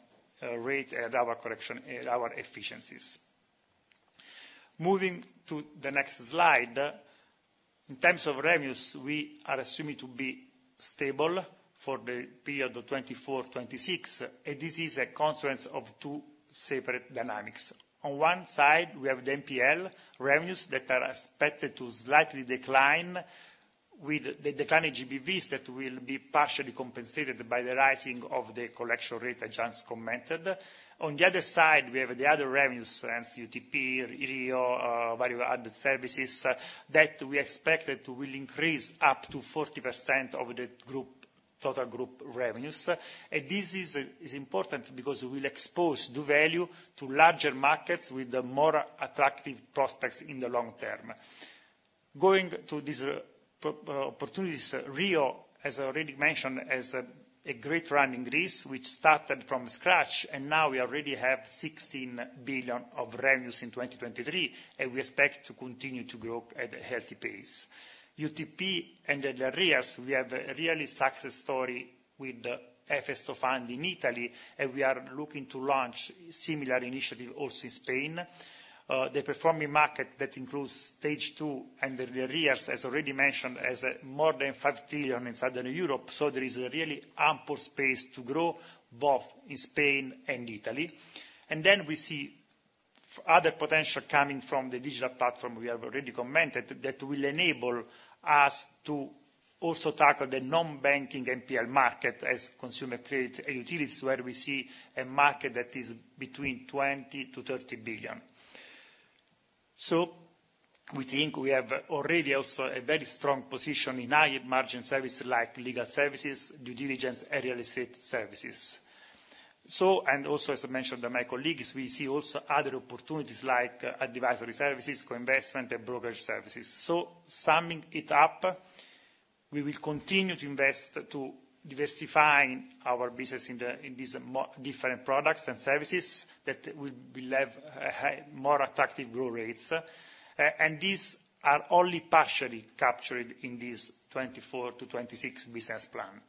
rate and our efficiencies. Moving to the next slide, in terms of revenues, we are assuming to be stable for the period of 2024-2026. This is a consequence of two separate dynamics. On one side, we have the NPL revenues that are expected to slightly decline with the declining GBVs that will be partially compensated by the rising of the collection rate, as George commented. On the other side, we have the other revenues, hence UTP, REO, various other services that we expect to increase up to 40% of the group, total group revenues. This is important because it will expose the value to larger markets with more attractive prospects in the long term. Going to these opportunities, REO, as I already mentioned, is a great run in Greece, which started from scratch. Now, we already have 16 billion of revenues in 2023. We expect to continue to grow at a healthy pace. UTP and LREs, we have a real success story with the Efesto fund in Italy. We are looking to launch a similar initiative also in Spain. The performing market that includes Stage 2 and the LREs, as I already mentioned, is more than 5 trillion in Southern Europe. There is really ample space to grow both in Spain and Italy. Then we see other potential coming from the digital platform we have already commented that will enable us to also tackle the non-banking NPL market as consumer credit and utilities, where we see a market that is between 20 billion-EUR30 billion. We think we have already also a very strong position in high-margin services like legal services, due diligence, and real estate services. And also, as I mentioned to my colleagues, we see also other opportunities like advisory services, co-investment, and brokerage services. So, summing it up, we will continue to invest to diversify our business in these different products and services that will have more attractive growth rates. And these are only partially captured in this 2024 to 2026 business plan.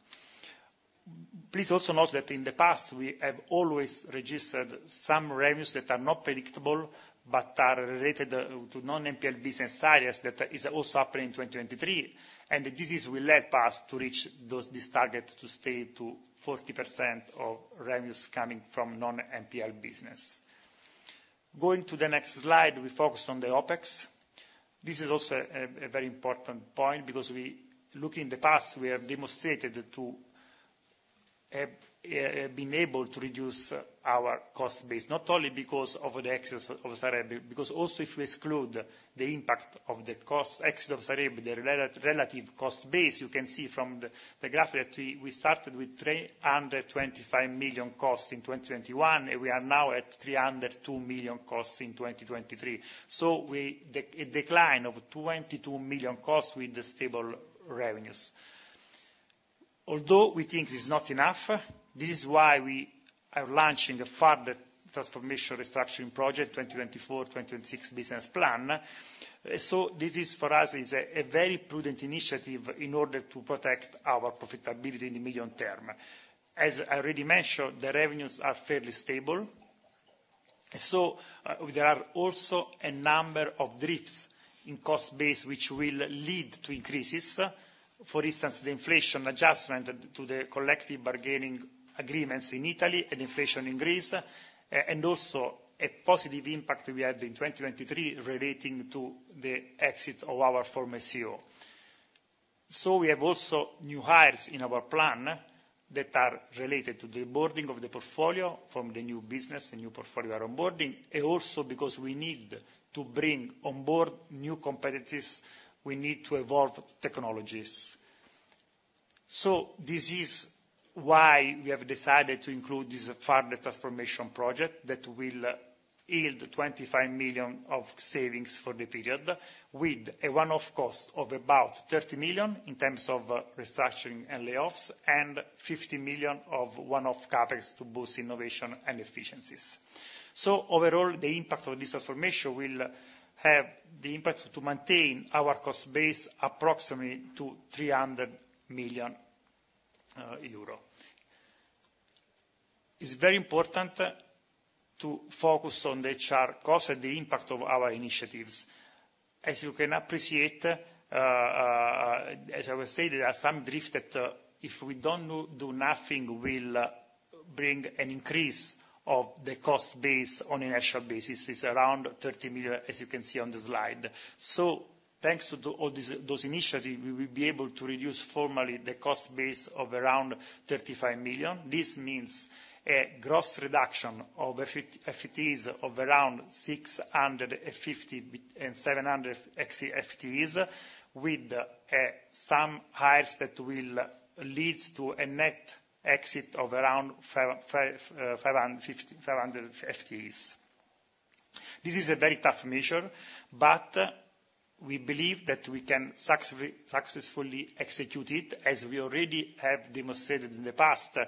Please, also note that in the past, we have always registered some revenues that are not predictable, but are related to non-NPL business areas that are also happening in 2023. And this will help us to reach this target to stay at 40% of revenues coming from non-NPL business. Going to the next slide, we focus on the OpEx. This is also a very important point because, looking in the past, we have demonstrated to have been able to reduce our cost base, not only because of the acquisition of Sareb, but because also, if we exclude the impact of the cost of acquisition of Sareb, the relative cost base, you can see from the graph that we started with 325 million cost in 2021. We are now at 302 million cost in 2023. We have a decline of 22 million cost with stable revenues. Although we think it's not enough, this is why we are launching a further transformation restructuring project, 2024-2026 business plan. This is, for us, a very prudent initiative in order to protect our profitability in the medium term. As I already mentioned, the revenues are fairly stable. So, there are also a number of drifts in cost base, which will lead to increases. For instance, the inflation adjustment to the collective bargaining agreements in Italy and inflation in Greece. And also, a positive impact we had in 2023 relating to the exit of our former CEO. So, we have also new hires in our plan that are related to the onboarding of the portfolio from the new business, the new portfolio we are onboarding. And also, because we need to bring onboard new competencies, we need to evolve technologies. So, this is why we have decided to include this further transformation project that will yield EUR 25 million of savings for the period with a one-off cost of about EUR 30 million in terms of restructuring and layoffs and EUR 50 million of one-off CapEx to boost innovation and efficiencies. So, overall, the impact of this transformation will have the impact to maintain our cost base approximately to 300 million euro. It's very important to focus on the HR cost and the impact of our initiatives. As you can appreciate, as I was saying, there are some drifts that, if we don't do nothing, will bring an increase of the cost base on an actual basis. It's around 30 million, as you can see on the slide. So, thanks to all those initiatives, we will be able to reduce formally the cost base of around 35 million. This means a gross reduction of FTEs of around 650-700 FTEs with some hires that will lead to a net exit of around 550 FTEs. This is a very tough measure. But we believe that we can successfully execute it, as we already have demonstrated in the past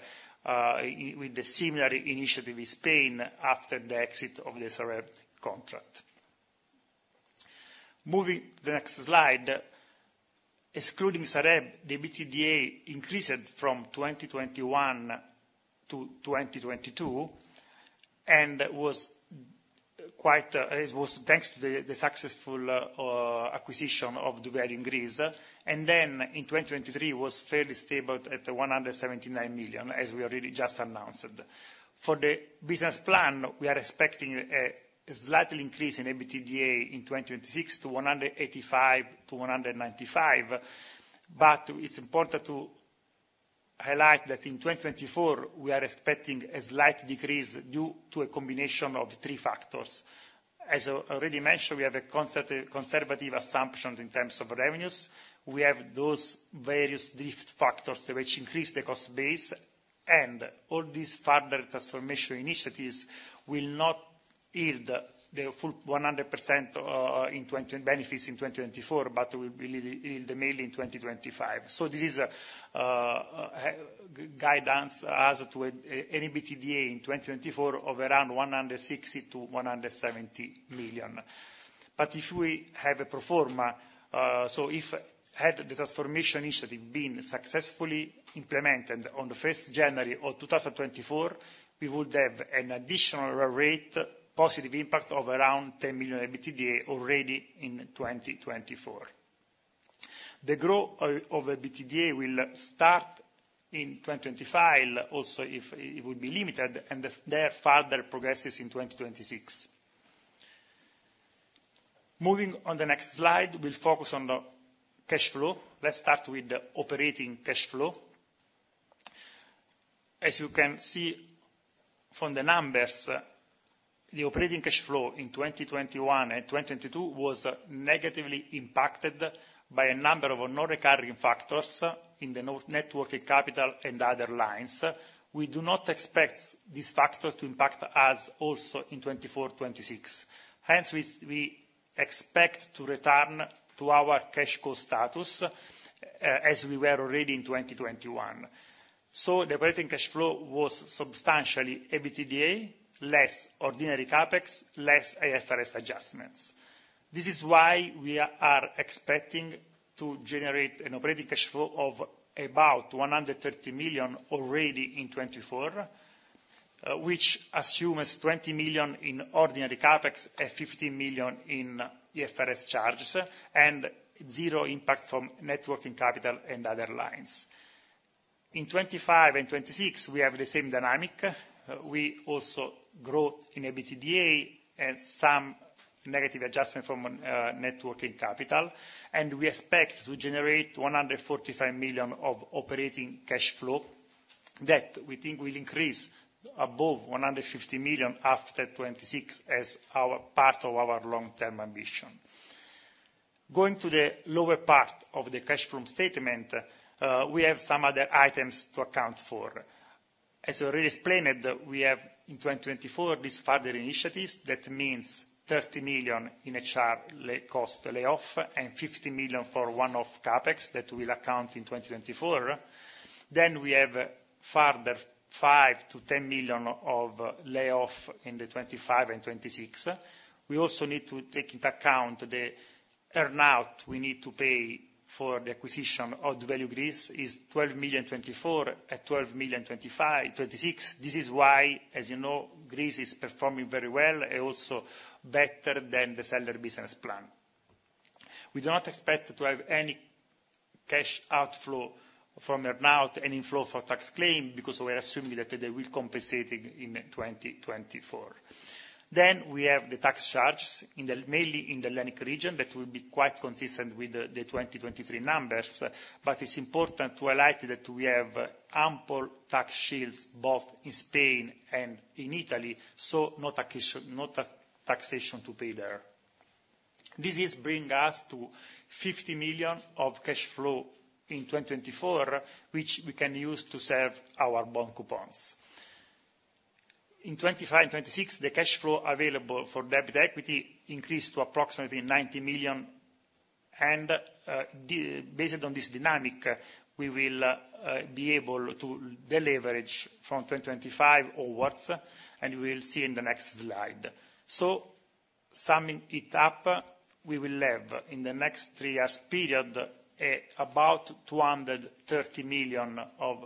with the similar initiative in Spain after the exit of the Sareb contract. Moving to the next slide, excluding Sareb, the EBITDA increased from 2021 to 2022. It was quite, it was thanks to the successful acquisition of doValue in Greece. Then, in 2023, it was fairly stable at 179 million, as we already just announced. For the business plan, we are expecting a slight increase in the EBITDA in 2026 to 185 million-EUR195 million. But it's important to highlight that, in 2024, we are expecting a slight decrease due to a combination of three factors. As I already mentioned, we have a conservative assumption in terms of revenues. We have those various drift factors which increase the cost base. All these further transformation initiatives will not yield the full 100% benefits in 2024, but will yield mainly in 2025. So, this is guidance as to any EBITDA in 2024 of around 160 million-170 million. But if we have a pro forma, so, if the transformation initiative had been successfully implemented on the 1st January of 2024, we would have an additional run rate positive impact of around 10 million EBITDA already in 2024. The growth of EBITDA will start in 2025, also, if it will be limited and there further progresses in 2026. Moving on to the next slide, we'll focus on the cash flow. Let's start with the operating cash flow. As you can see from the numbers, the operating cash flow in 2021 and 2022 was negatively impacted by a number of non-recurring factors in the net working capital and other lines. We do not expect this factor to impact us also in 2024-2026. Hence, we expect to return to our cash flow status as we were already in 2021. The operating cash flow was substantially an EBITDA, less ordinary CapEx, less IFRS adjustments. This is why we are expecting to generate an operating cash flow of about 130 million already in 2024, which assumes 20 million in ordinary CapEx and 15 million in IFRS charges and zero impact from net working capital and other lines. In 2025 and 2026, we have the same dynamic. We also grow in an EBITDA and some negative adjustment from net working capital. We expect to generate 145 million of operating cash flow that we think will increase above 150 million after 2026 as part of our long-term ambition. Going to the lower part of the cash flow statement, we have some other items to account for. As I already explained, we have, in 2024, these further initiatives. That means 30 million in HR cost layoff and 15 million for one-off CapEx that will account in 2024. Then, we have further 5 million-10 million of layoff in 2025 and 2026. We also need to take into account the earnout we need to pay for the acquisition of doValue in Greece is 12 million in 2024 and 12 million in 2026. This is why, as you know, Greece is performing very well and also better than the seller business plan. We do not expect to have any cash outflow from earnout, any flow for tax claim because we are assuming that they will compensate in 2024. Then, we have the tax charges mainly in the Hellenic region that will be quite consistent with the 2023 numbers. But it's important to highlight that we have ample tax shields both in Spain and in Italy. So, no taxation to pay there. This brings us to 50 million of cash flow in 2024, which we can use to serve our bond coupons. In 2025 and 2026, the cash flow available for debt and equity increased to approximately 90 million. And based on this dynamic, we will be able to deleverage from 2025 onwards. And you will see in the next slide. So, summing it up, we will have in the next three years' period about 230 million of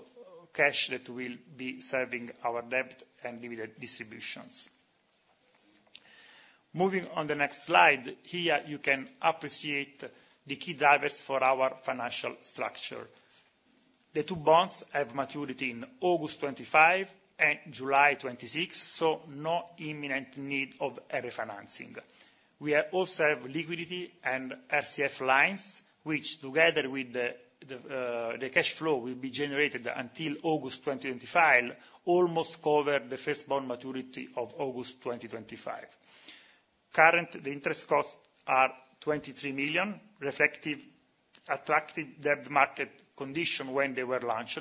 cash that will be serving our debt and dividend distributions. Moving on to the next slide, here, you can appreciate the key drivers for our financial structure. The two bonds have maturity in August 2025 and July 2026. So, no imminent need of refinancing. We also have liquidity and RCF lines, which, together with the cash flow, will be generated until August 2025, almost cover the first bond maturity of August 2025. Currently, the interest costs are 23 million, reflecting attractive debt market condition when they were launched.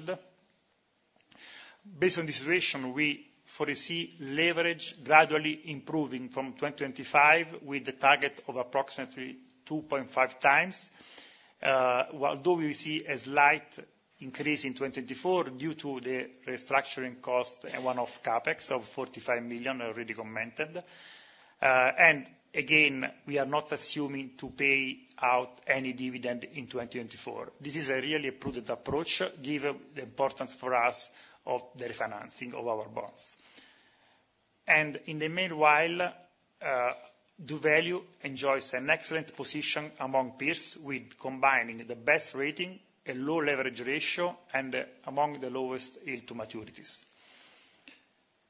Based on the situation, we foresee leverage gradually improving from 2025 with the target of approximately 2.5x. Although, we see a slight increase in 2024 due to the restructuring cost and one-off CapEx of 45 million I already commented. And, again, we are not assuming to pay out any dividend in 2024. This is a really prudent approach, given the importance for us of the refinancing of our bonds. In the meanwhile, doValue enjoys an excellent position among peers with combining the best rating, a low leverage ratio, and among the lowest yield to maturities.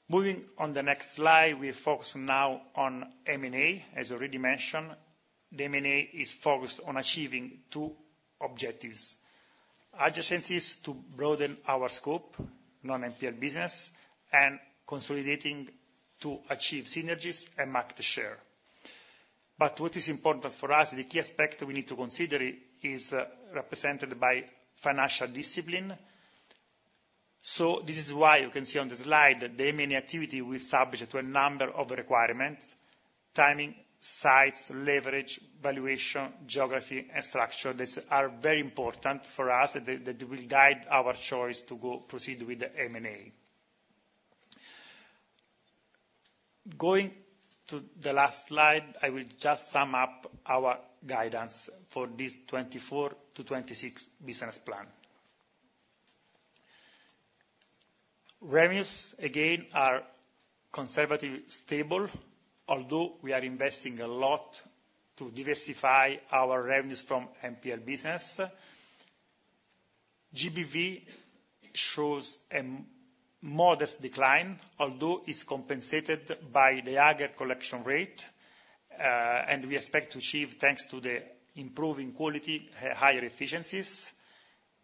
Moving on to the next slide, we focus now on M&A. As I already mentioned, the M&A is focused on achieving two objectives: adjacencies to broaden our scope, non-NPL business, and consolidating to achieve synergies and market share. What is important for us, the key aspect we need to consider is represented by financial discipline. This is why you can see on the slide the M&A activity will be subject to a number of requirements: timing, size, leverage, valuation, geography, and structure that are very important for us and that will guide our choice to proceed with the M&A. Going to the last slide, I will just sum up our guidance for this 2024 to 2026 business plan. Revenues, again, are conservative, stable. Although we are investing a lot to diversify our revenues from NPL business. GBV shows a modest decline, although it's compensated by the aggregate collection rate. We expect to achieve, thanks to the improving quality, higher efficiencies.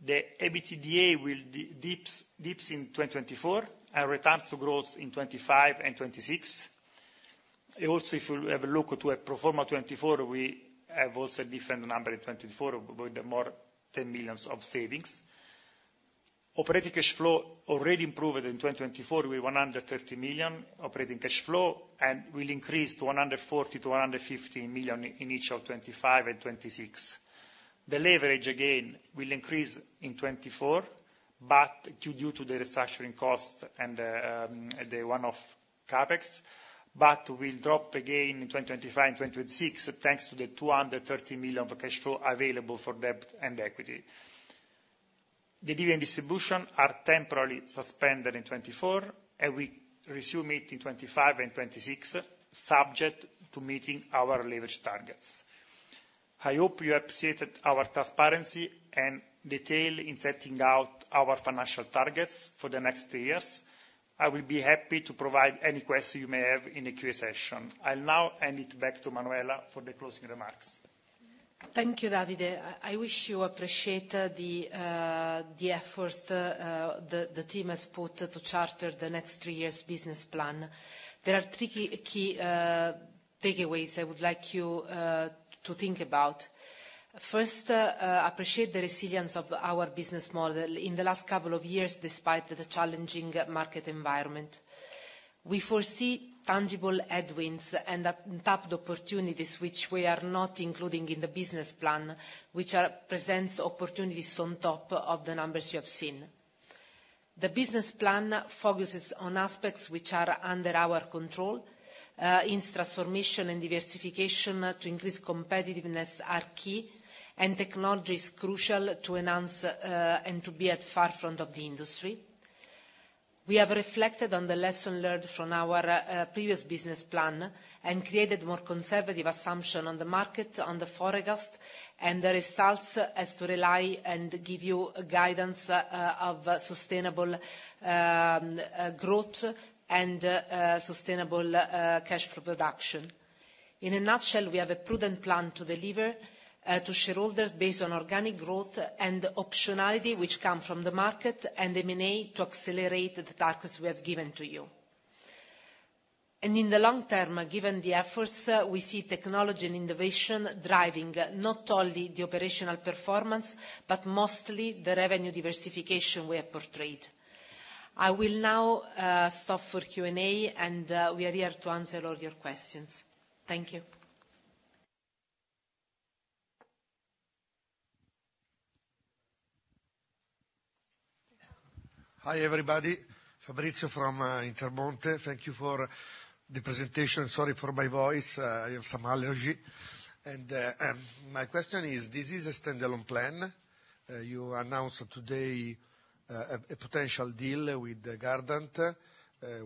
The EBITDA will dip in 2024 and returns to growth in 2025 and 2026. Also, if you have a look to a pro forma 2024, we have also a different number in 2024 with more 10 million of savings. Operating cash flow already improved in 2024 with 130 million operating cash flow and will increase to 140 million-150 million in each of 2025 and 2026. The leverage, again, will increase in 2024, but due to the restructuring cost and the one-off CapEx. Will drop again in 2025 and 2026, thanks to the 230 million of cash flow available for debt and equity. The dividend distribution is temporarily suspended in 2024. We resume it in 2025 and 2026, subject to meeting our leverage targets. I hope you appreciated our transparency and detail in setting out our financial targets for the next three years. I will be happy to provide any questions you may have in a Q&A session. I'll now hand it back to Manuela for the closing remarks. Thank you, Davide. I wish you appreciate the effort the team has put to chart the next three years' business plan. There are three key takeaways I would like you to think about. First, appreciate the resilience of our business model in the last couple of years, despite the challenging market environment. We foresee tangible headwinds and untapped opportunities, which we are not including in the business plan, which presents opportunities on top of the numbers you have seen. The business plan focuses on aspects which are under our control. Its transformation and diversification to increase competitiveness are key. Technology is crucial to enhance and to be at the forefront of the industry. We have reflected on the lessons learned from our previous business plan and created more conservative assumptions on the market, on the forecast, and the results as to rely and give you guidance of sustainable growth and sustainable cash flow production. In a nutshell, we have a prudent plan to deliver to shareholders based on organic growth and optionality, which come from the market, and M&A to accelerate the targets we have given to you. In the long term, given the efforts, we see technology and innovation driving not only the operational performance, but mostly the revenue diversification we have portrayed. I will now stop for Q&A. And we are here to answer all your questions. Thank you. Hi, everybody. Fabrizio from Intermonte. Thank you for the presentation. Sorry for my voice. I have some allergy. And my question is, this is a standalone plan? You announced today a potential deal with Gardant,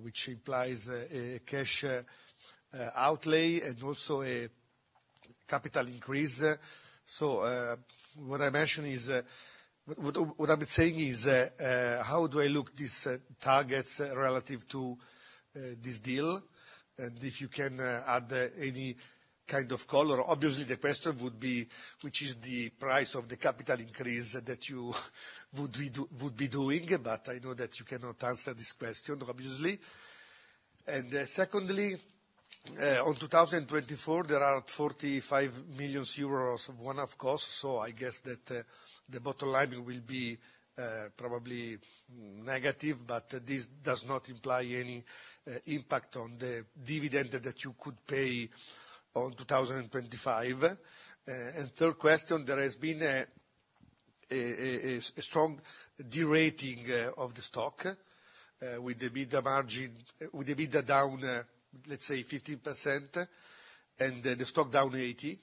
which implies a cash outlay and also a capital increase. So, what I mentioned is what I've been saying is, how do I look at these targets relative to this deal? And if you can add any kind of color, obviously, the question would be, which is the price of the capital increase that you would be doing? But I know that you cannot answer this question, obviously. And secondly, in 2024, there are 45 million euros of one-off costs. So, I guess that the bottom line will be probably negative. But this does not imply any impact on the dividend that you could pay in 2025. And third question, there has been a strong derating of the stock with the EBITDA margin, with the EBITDA down, let's say, 50% and the stock down 80%.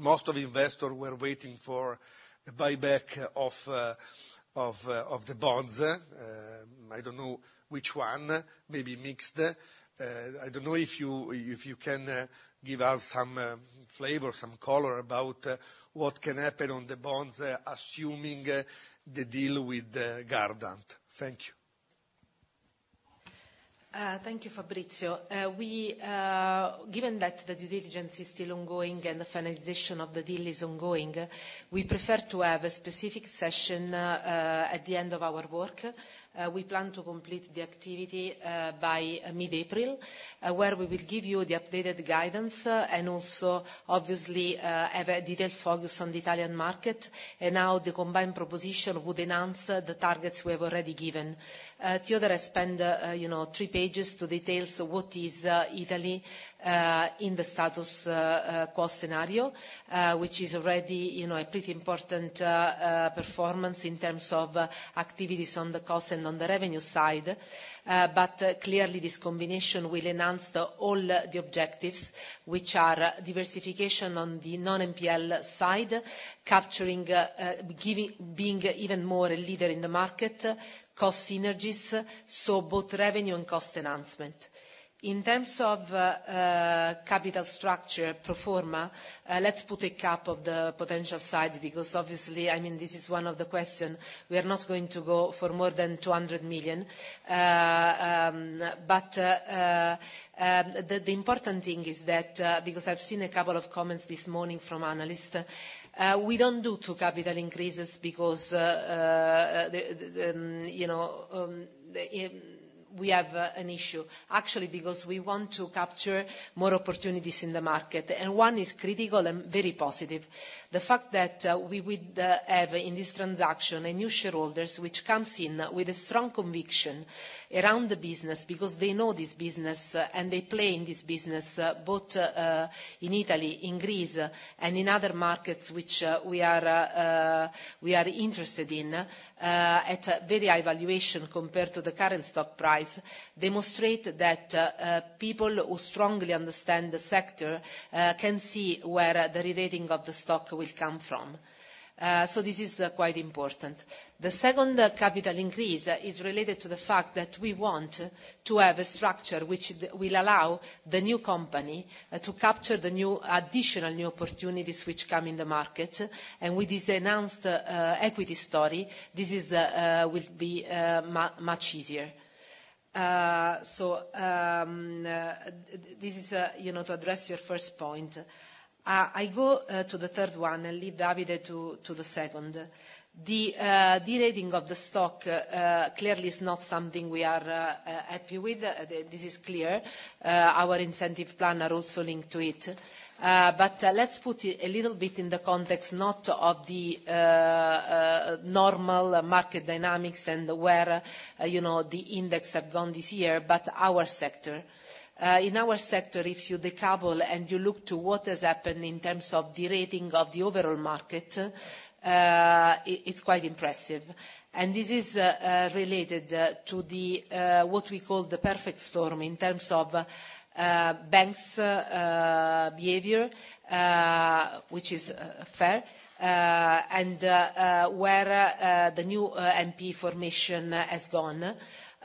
Most of the investors were waiting for a buyback of the bonds. I don't know which one, maybe mixed. I don't know if you can give us some flavor, some color about what can happen on the bonds, assuming the deal with Gardant. Thank you. Thank you, Fabrizio. Given that the due diligence is still ongoing and the finalization of the deal is ongoing, we prefer to have a specific session at the end of our work. We plan to complete the activity by mid-April, where we will give you the updated guidance and also, obviously, have a detailed focus on the Italian market. Now, the combined proposition would enhance the targets we have already given. The other is to spend three pages to detail what is Italy in the status quo scenario, which is already a pretty important performance in terms of activities on the cost and on the revenue side. But clearly, this combination will enhance all the objectives, which are diversification on the non-NPL side, being even more a leader in the market, cost synergies, so both revenue and cost enhancement. In terms of capital structure, pro forma, let's put a cap on the potential side because, obviously, I mean, this is one of the questions. We are not going to go for more than 200 million. But the important thing is that, because I've seen a couple of comments this morning from analysts, we don't do two capital increases because we have an issue. Actually, because we want to capture more opportunities in the market. And one is critical and very positive. The fact that we would have, in this transaction, new shareholders, which come in with a strong conviction around the business because they know this business and they play in this business, both in Italy, in Greece, and in other markets which we are interested in, at a very high valuation compared to the current stock price, demonstrates that people who strongly understand the sector can see where the rerating of the stock will come from. So, this is quite important. The second capital increase is related to the fact that we want to have a structure which will allow the new company to capture the additional new opportunities which come in the market. And with this enhanced equity story, this will be much easier. So, this is to address your first point. I go to the third one and leave Davide to the second. The derating of the stock clearly is not something we are happy with. This is clear. Our incentive plan is also linked to it. But let's put a little bit in the context, not of the normal market dynamics and where the index has gone this year, but our sector. In our sector, if you decouple and you look to what has happened in terms of derating of the overall market, it's quite impressive. And this is related to what we call the perfect storm in terms of banks' behavior, which is fair, and where the new NPL formation has gone.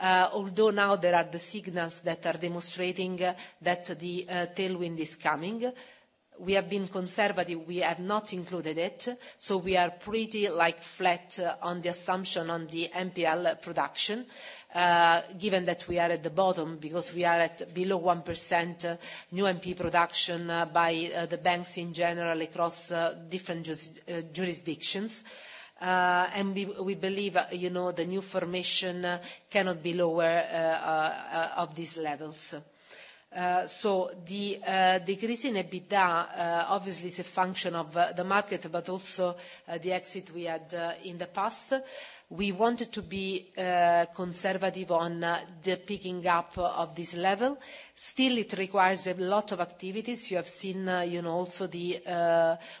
Although now, there are the signals that are demonstrating that the tailwind is coming. We have been conservative. We have not included it. We are pretty flat on the assumption on the NPL production, given that we are at the bottom because we are at below 1% new NPL production by the banks in general across different jurisdictions. We believe the new formation cannot be lower of these levels. The decrease in EBITDA, obviously, is a function of the market, but also the exit we had in the past. We wanted to be conservative on the picking up of this level. Still, it requires a lot of activities. You have seen also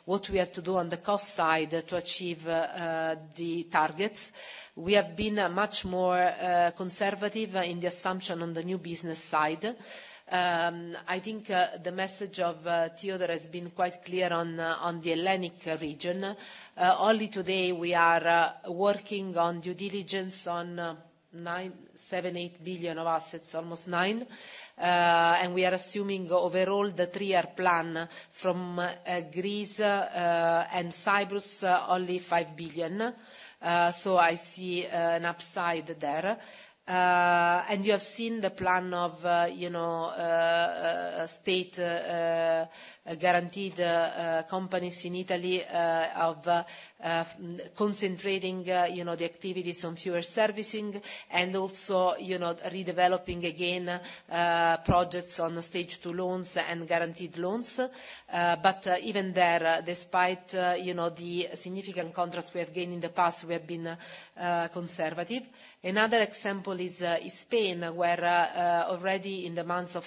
what we have to do on the cost side to achieve the targets. We have been much more conservative in the assumption on the new business side. I think the message of Theodor has been quite clear on the Hellenic region. Only today, we are working on due diligence on 7 billion-EUR8 billion of assets, almost 9. We are assuming, overall, the three-year plan from Greece and Cyprus, only 5 billion. I see an upside there. You have seen the plan of state-guaranteed companies in Italy of concentrating the activities on full servicing and also redeveloping, again, projects on Stage 2 loans and guaranteed loans. Even there, despite the significant contracts we have gained in the past, we have been conservative. Another example is Spain, where already in the months of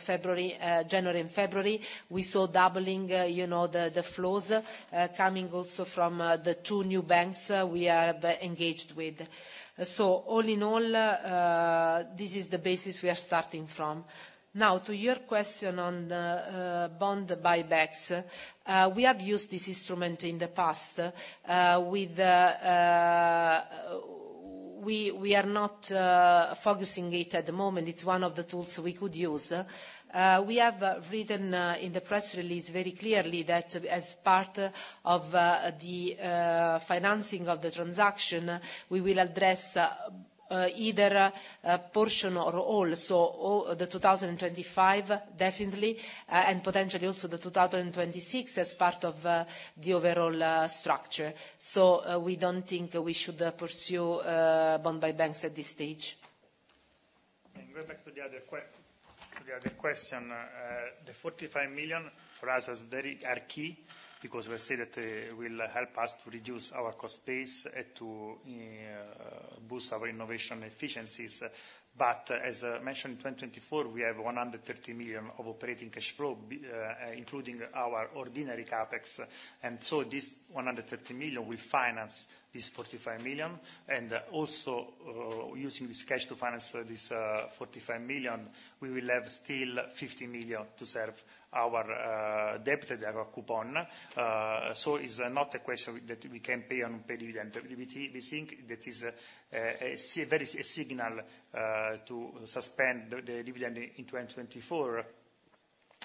January, February, we saw doubling the flows coming also from the two new banks we are engaged with. All in all, this is the basis we are starting from. Now, to your question on bond buybacks, we have used this instrument in the past. We are not focusing it at the moment. It's one of the tools we could use. We have written in the press release very clearly that, as part of the financing of the transaction, we will address either a portion or all. So, the 2025, definitely, and potentially also the 2026 as part of the overall structure. So, we don't think we should pursue bond buybacks at this stage. And going back to the other question, the 45 million, for us, are key because we say that it will help us to reduce our cost base and to boost our innovation efficiencies. But as mentioned, in 2024, we have 130 million of operating cash flow, including our ordinary capex. And so, this 130 million will finance these 45 million. And also, using this cash to finance these 45 million, we will have still 50 million to serve our debts that are coupons. So, it's not a question that we can pay a dividend. We think that it's a signal to suspend the dividend in 2024.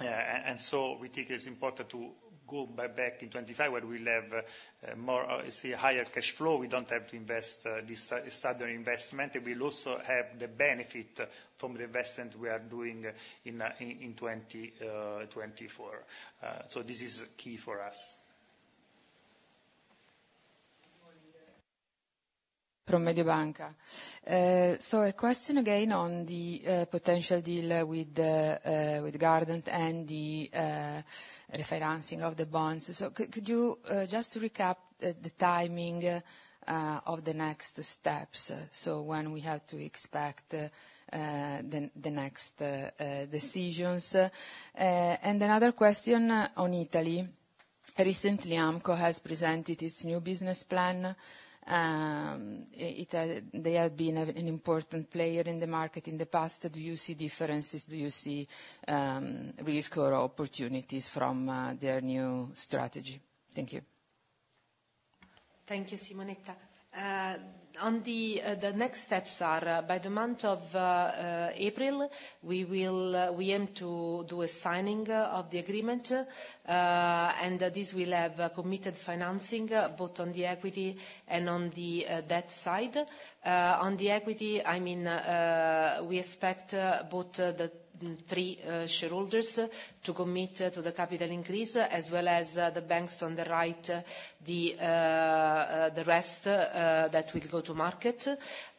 And so, we think it's important to go back in 2025 where we'll have a higher cash flow. We don't have to invest this sudden investment. And we'll also have the benefit from the investment we are doing in 2024. So, this is key for us. From Mediobanca. So, a question again on the potential deal with Gardant and the refinancing of the bonds. So, could you just recap the timing of the next steps? So, when we have to expect the next decisions. And another question on Italy. Recently, AMCO has presented its new business plan. They have been an important player in the market in the past. Do you see differences? Do you see risk or opportunities from their new strategy? Thank you. Thank you, Simonetta. The next steps are, by the month of April, we aim to do a signing of the agreement. This will have committed financing both on the equity and on the debt side. On the equity, I mean, we expect both the three shareholders to commit to the capital increase, as well as the banks to underwrite, the rest that will go to market.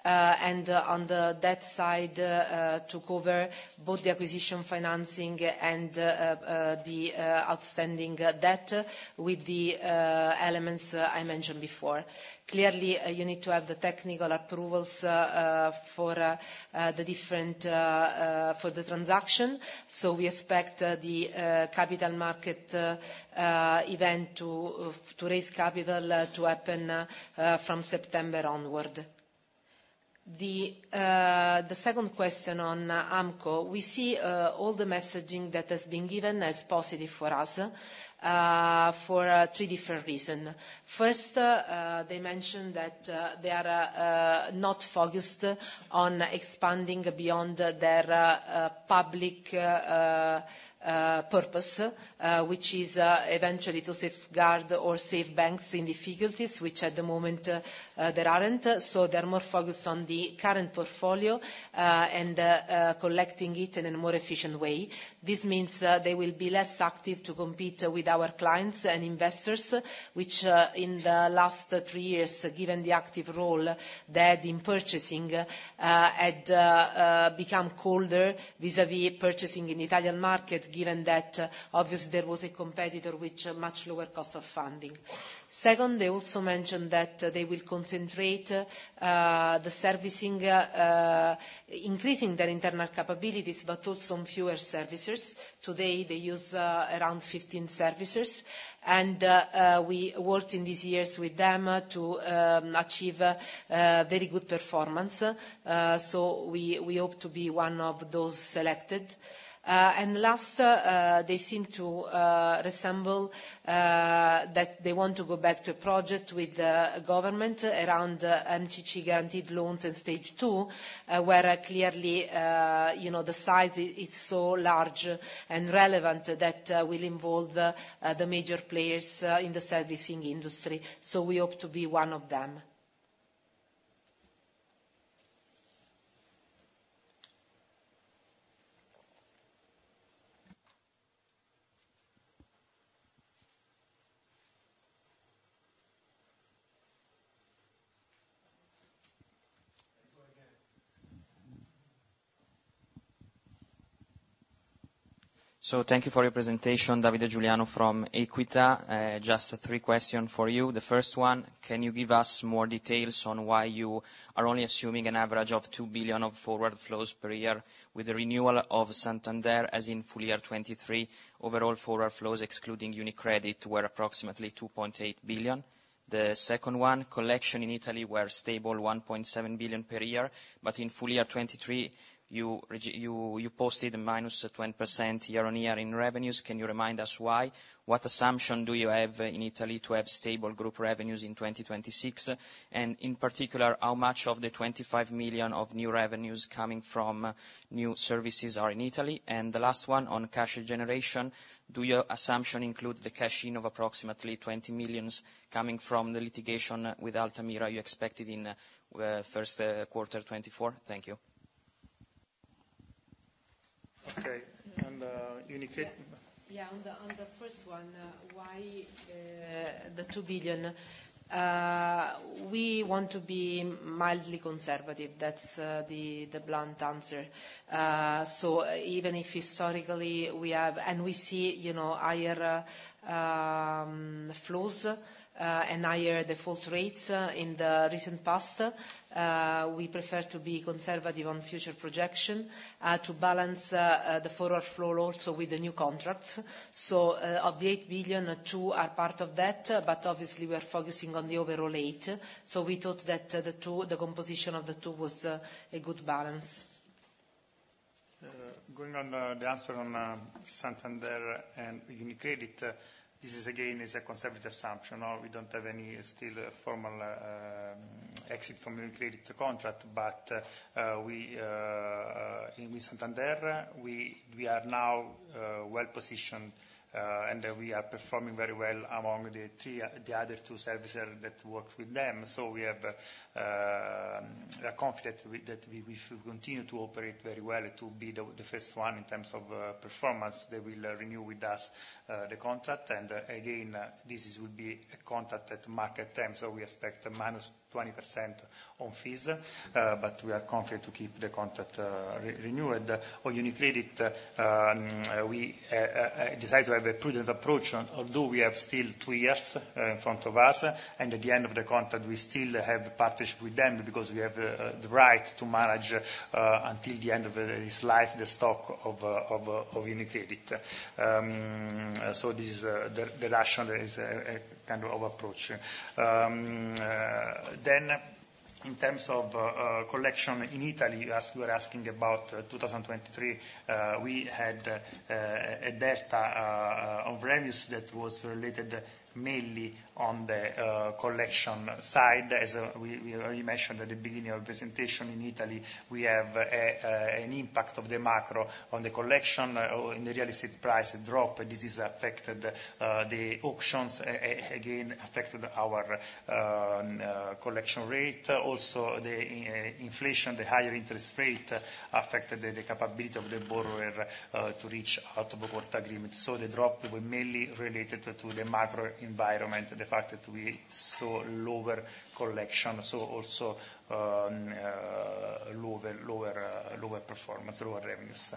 On the debt side, to cover both the acquisition financing and the outstanding debt with the elements I mentioned before. Clearly, you need to have the technical approvals for the transaction. We expect the capital market event to raise capital to happen from September onward. The second question on AMCO, we see all the messaging that has been given as positive for us for three different reasons. First, they mentioned that they are not focused on expanding beyond their public purpose, which is eventually to safeguard or save banks in difficulties, which at the moment, there aren't. So, they are more focused on the current portfolio and collecting it in a more efficient way. This means they will be less active to compete with our clients and investors, which in the last three years, given the active role they had in purchasing, had become colder vis-à-vis purchasing in the Italian market, given that, obviously, there was a competitor with much lower cost of funding. Second, they also mentioned that they will concentrate the servicing, increasing their internal capabilities, but also on fewer services. Today, they use around 15 services. And we worked in these years with them to achieve very good performance. So, we hope to be one of those selected. Last, they seem to resemble that they want to go back to a project with the government around MCC guaranteed loans and stage two, where clearly, the size is so large and relevant that it will involve the major players in the servicing industry. So, we hope to be one of them. So, thank you for your presentation, Davide Giuliano, from Equita. Just three questions for you. The first one, can you give us more details on why you are only assuming an average of 2 billion of forward flows per year with the renewal of Santander, as in full year 2023? Overall forward flows, excluding UniCredit, were approximately 2.8 billion. The second one, collection in Italy were stable 1.7 billion per year, but in full year 2023, you posted -10% year-over-year in revenues. Can you remind us why? What assumption do you have in Italy to have stable group revenues in 2026? And in particular, how much of the 25 million of new revenues coming from new services are in Italy? And the last one, on cash generation, do your assumptions include the cash in of approximately 20 million coming from the litigation with Altamira you expected in first quarter 2024? Thank you. Okay. And UniCredit? Yeah. On the first one, why the 2 billion? We want to be mildly conservative. That's the blunt answer. So, even if historically, we have and we see higher flows and higher default rates in the recent past, we prefer to be conservative on future projection to balance the forward flow also with the new contracts. So, of the 8 billion, two are part of that, but obviously, we are focusing on the overall eight. So, we thought that the composition of the two was a good balance. Going on the answer on Santander and UniCredit, this is again a conservative assumption. We don't have any still formal exit from UniCredit contract. But in Santander, we are now well-positioned and we are performing very well among the other two services that work with them. So, we are confident that we will continue to operate very well to be the first one in terms of performance. They will renew with us the contract. And again, this will be a contract at market time. So, we expect -20% on fees. But we are confident to keep the contract renewed. On UniCredit, we decided to have a prudent approach, although we have still two years in front of us. At the end of the contract, we still have partnership with them because we have the right to manage until the end of its life, the stock of UniCredit. This is the rational kind of approach. In terms of collection in Italy, as we were asking about 2023, we had a delta of revenues that was related mainly on the collection side. As we already mentioned at the beginning of the presentation, in Italy, we have an impact of the macro on the collection. In the real estate price, it dropped. This has affected the auctions, again, affected our collection rate. Also, the inflation, the higher interest rate affected the capability of the borrower to reach out-of-court agreement. The drop was mainly related to the macro environment, the fact that we saw lower collection, so also lower performance, lower revenues.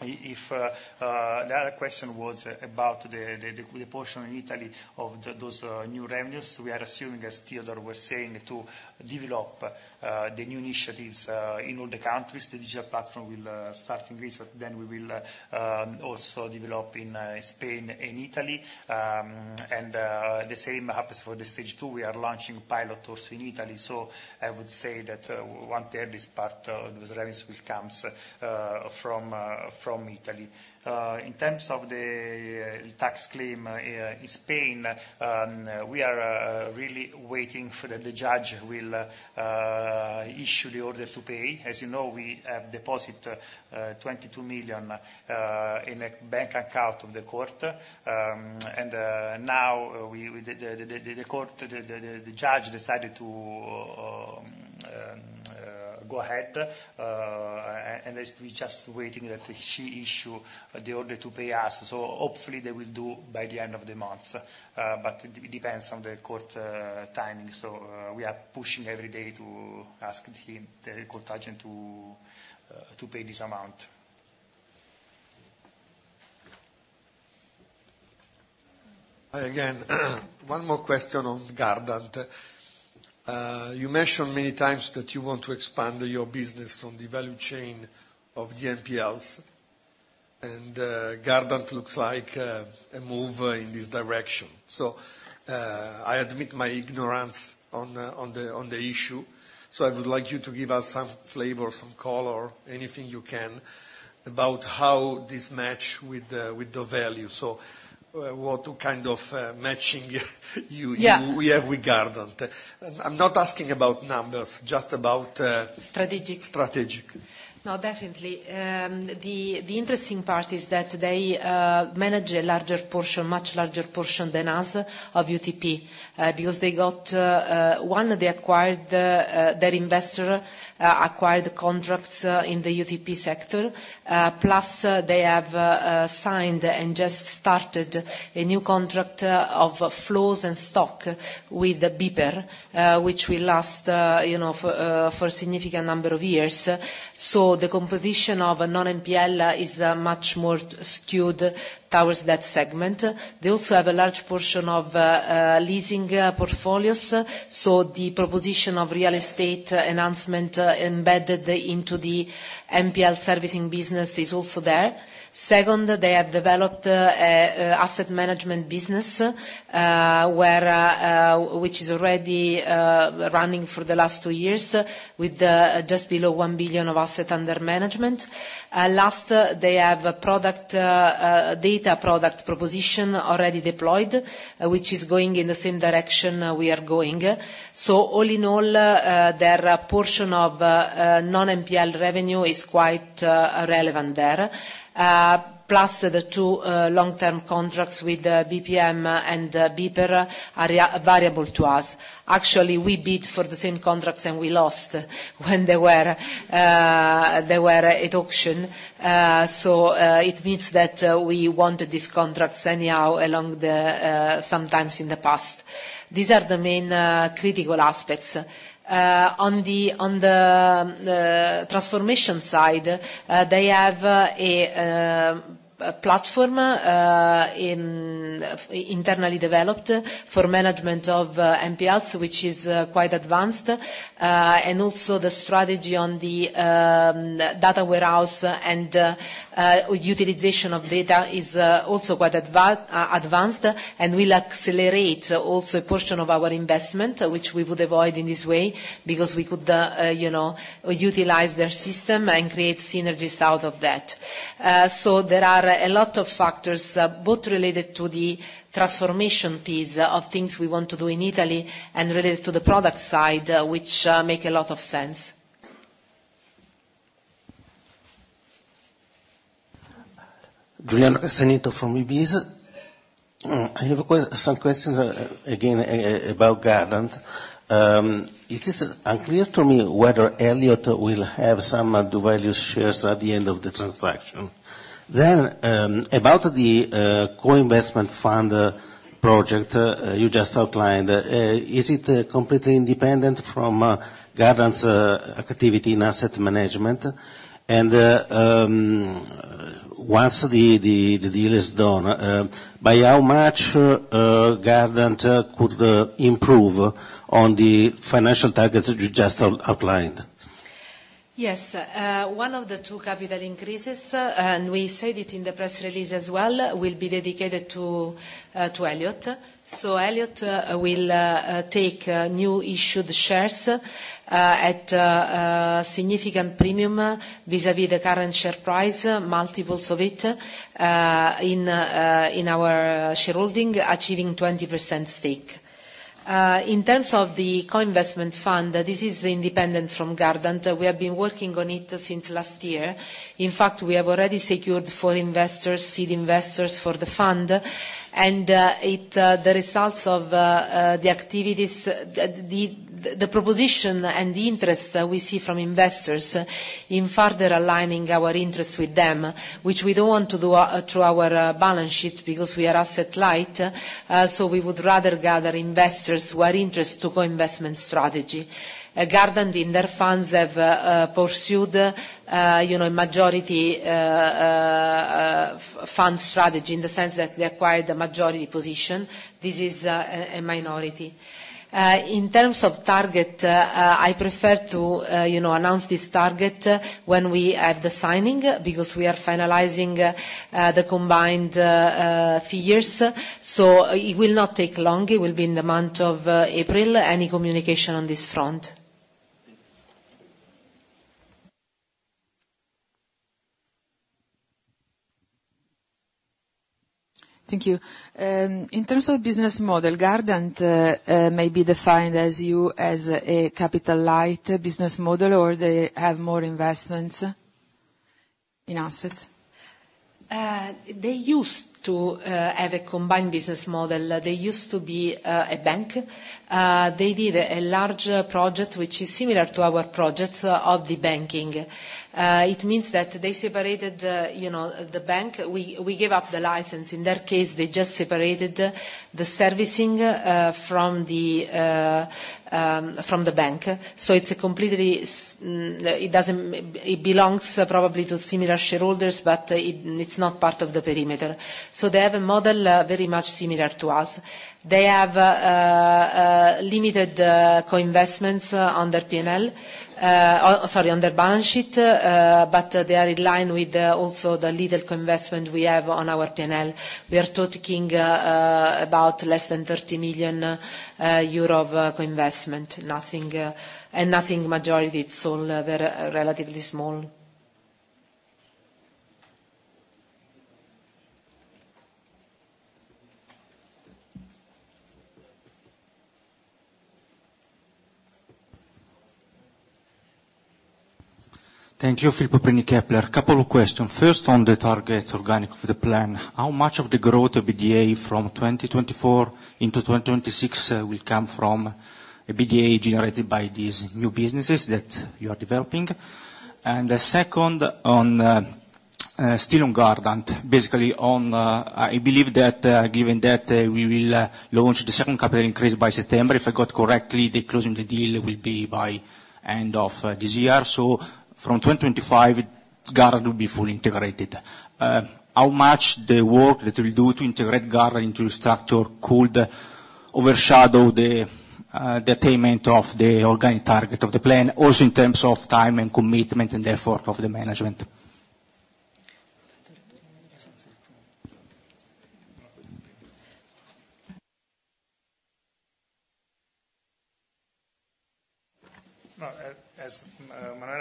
The other question was about the portion in Italy of those new revenues. We are assuming, as Theodore was saying, to develop the new initiatives in all the countries. The digital platform will start in Greece, but then we will also develop in Spain and Italy. And the same happens for the Stage 2. We are launching a pilot also in Italy. So, I would say that one third is part of those revenues will come from Italy. In terms of the tax claim in Spain, we are really waiting for the judge to issue the order to pay. As you know, we have deposited 22 million in a bank account of the court. And now, the judge decided to go ahead. And we're just waiting that she issue the order to pay us. So, hopefully, they will do by the end of the month. But it depends on the court timing. So, we are pushing every day to ask the court agent to pay this amount. Hi, again. One more question on Gardant. You mentioned many times that you want to expand your business on the value chain of the NPLs. And Gardant looks like a move in this direction. So, I admit my ignorance on the issue. So, I would like you to give us some flavor, some color, anything you can about how this matches with doValue. So, what kind of matching we have with Gardant. I'm not asking about numbers, just about strategic. Strategic. No, definitely. The interesting part is that they manage a larger portion, much larger portion than us, of UTP because they got one, their investor acquired contracts in the UTP sector. Plus, they have signed and just started a new contract of flows and stock with BPER, which will last for a significant number of years. So, the composition of non-NPL is much more skewed towards that segment. They also have a large portion of leasing portfolios. So, the proposition of real estate enhancement embedded into the NPL servicing business is also there. Second, they have developed an asset management business, which is already running for the last two years with just below 1 billion of assets under management. Last, they have a data product proposition already deployed, which is going in the same direction we are going. So, all in all, their portion of non-NPL revenue is quite relevant there. Plus, the two long-term contracts with BPM and BPER are variable to us. Actually, we bid for the same contracts and we lost when they were at auction. So, it means that we wanted these contracts anyhow along the sometimes in the past. These are the main critical aspects. On the transformation side, they have a platform internally developed for management of NPLs, which is quite advanced. And also, the strategy on the data warehouse and utilization of data is also quite advanced. And we'll accelerate also a portion of our investment, which we would avoid in this way because we could utilize their system and create synergies out of that. So, there are a lot of factors both related to the transformation piece of things we want to do in Italy and related to the product side, which make a lot of sense. Giuliano Castagneto from BeBeez. I have some questions, again, about Gardant. It is unclear to me whether Elliott will have some doValue shares at the end of the transaction. Then, about the co-investment fund project you just outlined, is it completely independent from Gardant's activity in asset management? And once the deal is done, by how much Gardant could improve on the financial targets you just outlined? Yes. One of the two capital increases, and we said it in the press release as well, will be dedicated to Elliott. So, Elliott will take new-issued shares at a significant premium vis-à-vis the current share price, multiples of it, in our shareholding, achieving 20% stake. In terms of the co-investment fund, this is independent from Gardant. We have been working on it since last year. In fact, we have already secured four investors, seed investors, for the fund. The results of the activities, the proposition and the interest we see from investors in further aligning our interests with them, which we don't want to do through our balance sheet because we are asset light, so we would rather gather investors who are interested in a co-investment strategy. Gardant, in their funds, have pursued a majority fund strategy in the sense that they acquired a majority position. This is a minority. In terms of target, I prefer to announce this target when we have the signing because we are finalizing the combined figures. So, it will not take long. It will be in the month of April, any communication on this front. Thank you. In terms of business model, Gardant may be defined as a capital light business model, or they have more investments in assets? They used to have a combined business model. They used to be a bank. They did a large project, which is similar to our projects of the banking. It means that they separated the bank. We gave up the license. In their case, they just separated the servicing from the bank. So, it belongs probably to similar shareholders, but it's not part of the perimeter. So, they have a model very much similar to us. They have limited co-investments under P&L, sorry, under balance sheet, but they are in line with also the little co-investment we have on our P&L. We are talking about less than 30 million euro of co-investment, and nothing majority. It's all relatively small. Thank you, Filippo Prini, Kepler Cheuvreux. Couple of questions. First, on the target organic of the plan, how much of the growth of EBITDA from 2024 into 2026 will come from EBITDA generated by these new businesses that you are developing? Second, still on Gardant, basically, I believe that given that we will launch the second capital increase by September, if I got correctly, the closing of the deal will be by end of this year. So, from 2025, Gardant will be fully integrated. How much the work that you'll do to integrate Gardant into your structure could overshadow the attainment of the organic target of the plan, also in terms of time and commitment and effort of the management?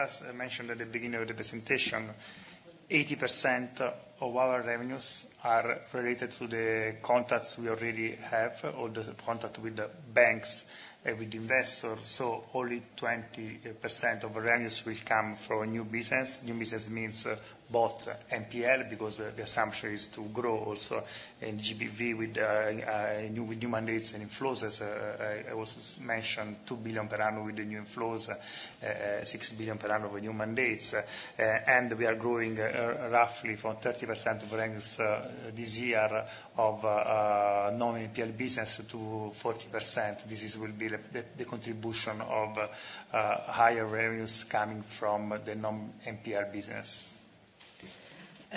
As Manuela mentioned at the beginning of the presentation, 80% of our revenues are related to the contracts we already have or the contract with the banks and with the investors. So, only 20% of our revenues will come from a new business. New business means both NPL because the assumption is to grow also in GBV with new mandates and inflows. As I also mentioned, 2 billion per annum with the new inflows, 6 billion per annum with new mandates. We are growing roughly from 30% of revenues this year of non-NPL business to 40%. This will be the contribution of higher revenues coming from the non-NPL business.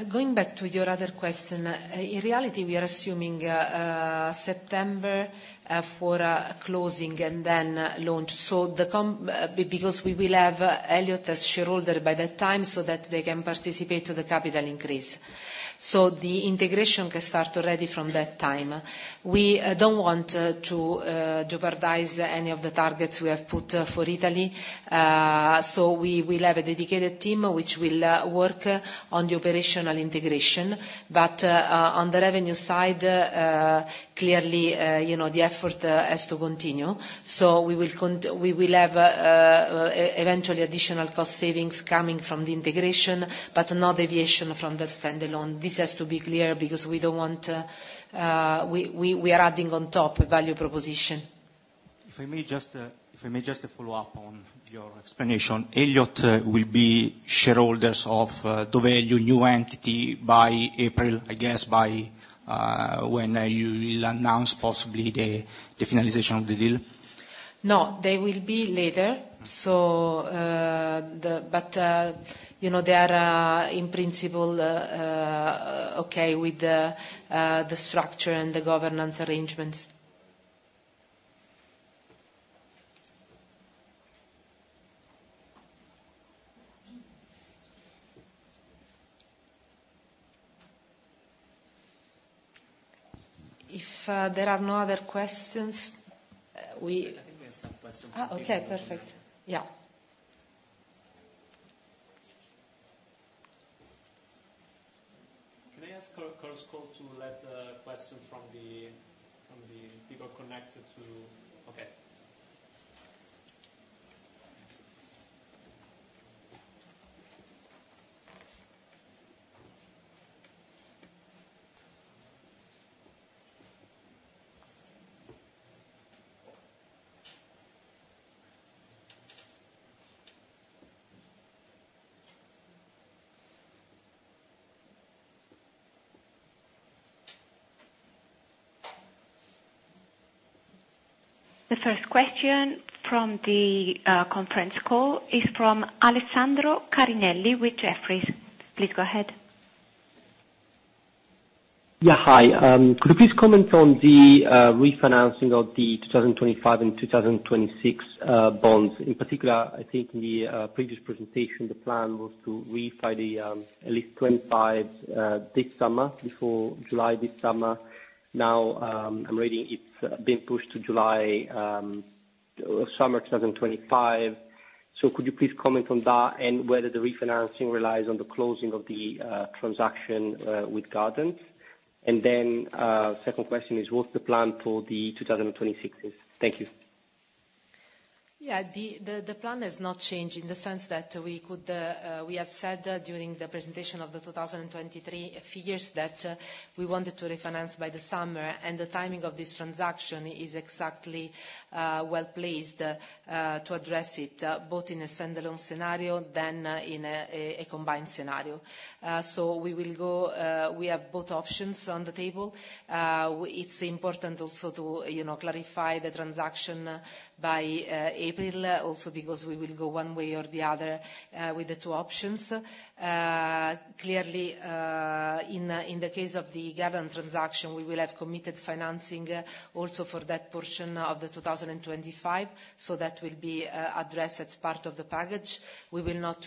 Going back to your other question, in reality, we are assuming September for closing and then launch. Because we will have Elliott as shareholder by that time so that they can participate in the capital increase. We don't want to jeopardize any of the targets we have put for Italy. We will have a dedicated team which will work on the operational integration. But on the revenue side, clearly, the effort has to continue. So, we will have eventually additional cost savings coming from the integration, but no deviation from the standalone. This has to be clear because we don't want we are adding on top a value proposition. If I may just follow up on your explanation, Elliott will be shareholders of doValue new entity by April, I guess, when you will announce possibly the finalization of the deal? No, they will be later. But they are, in principle, okay with the structure and the governance arrangements. If there are no other questions, we. I think we have some questions. Okay, perfect. Yeah. Can I ask Chorus Call to let the question from the people connected to okay. The first question from the conference call is from Alessandro Carinelli with Jefferies. Please go ahead. Yeah, hi. Could you please comment on the refinancing of the 2025 and 2026 bonds? In particular, I think in the previous presentation, the plan was to refinance at least 25 this summer, before July this summer. Now, I'm reading it's been pushed to July summer 2025. So, could you please comment on that and whether the refinancing relies on the closing of the transaction with Gardant? And then, second question is, what's the plan for the 2026s? Thank you. Yeah, the plan has not changed in the sense that we have said during the presentation of the 2023 figures that we wanted to refinance by the summer. And the timing of this transaction is exactly well-placed to address it, both in a standalone scenario than in a combined scenario. So, we have both options on the table. It's important also to clarify the transaction by April also because we will go one way or the other with the two options. Clearly, in the case of the Gardant transaction, we will have committed financing also for that portion of the 2025. So, that will be addressed as part of the package. We will not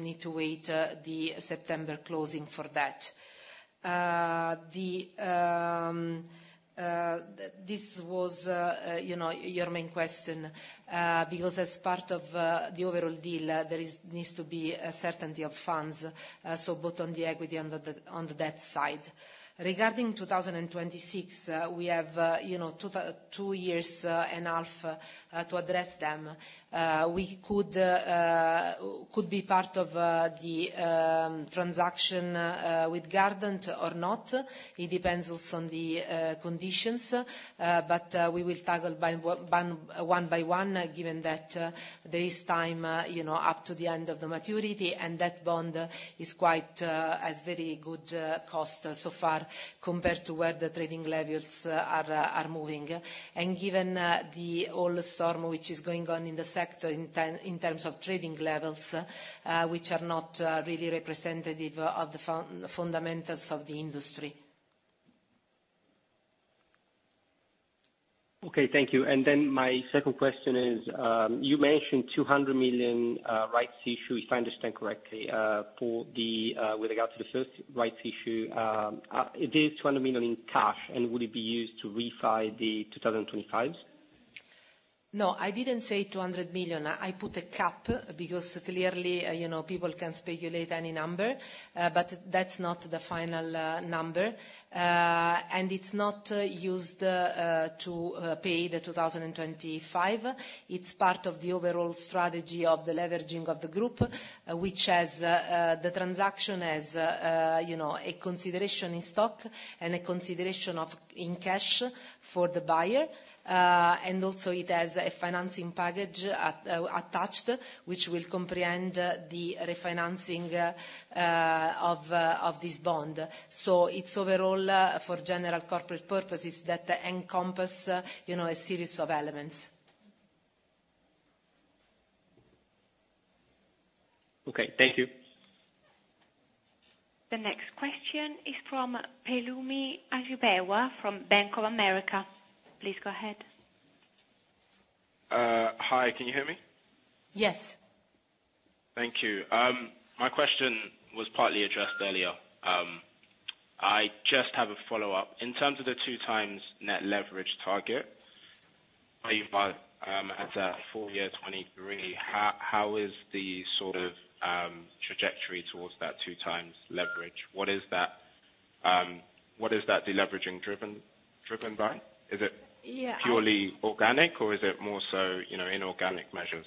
need to wait the September closing for that. This was your main question because as part of the overall deal, there needs to be a certainty of funds, so both on the equity and on the debt side. Regarding 2026, we have two years and a half to address them. We could be part of the transaction with Gardant or not. It depends also on the conditions. But we will tackle one by one given that there is time up to the end of the maturity. And that bond is quite at very good cost so far compared to where the trading levels are moving. And given the whole storm which is going on in the sector in terms of trading levels, which are not really representative of the fundamentals of the industry. Okay, thank you. And then my second question is, you mentioned 200 million rights issue, if I understand correctly, with regard to the first rights issue. It is 200 million in cash. And will it be used to refinance the 2025? No, I didn't say 200 million. I put a cap because clearly, people can speculate any number. But that's not the final number. And it's not used to pay the 2025. It's part of the overall strategy of the leveraging of the group, which has the transaction as a consideration in stock and a consideration in cash for the buyer. And also, it has a financing package attached which will comprise the refinancing of this bond. So, it's overall for general corporate purposes that encompass a series of elements. Okay, thank you. The next question is from Pelumi Ajibewa from Bank of America. Please go ahead. Hi, can you hear me? Yes. Thank you. My question was partly addressed earlier. I just have a follow-up. In terms of the 2x net leverage target, at FY 2023, how is the sort of trajectory towards that 2x leverage? What is that deleveraging driven by? Is it purely organic, or is it more so inorganic measures?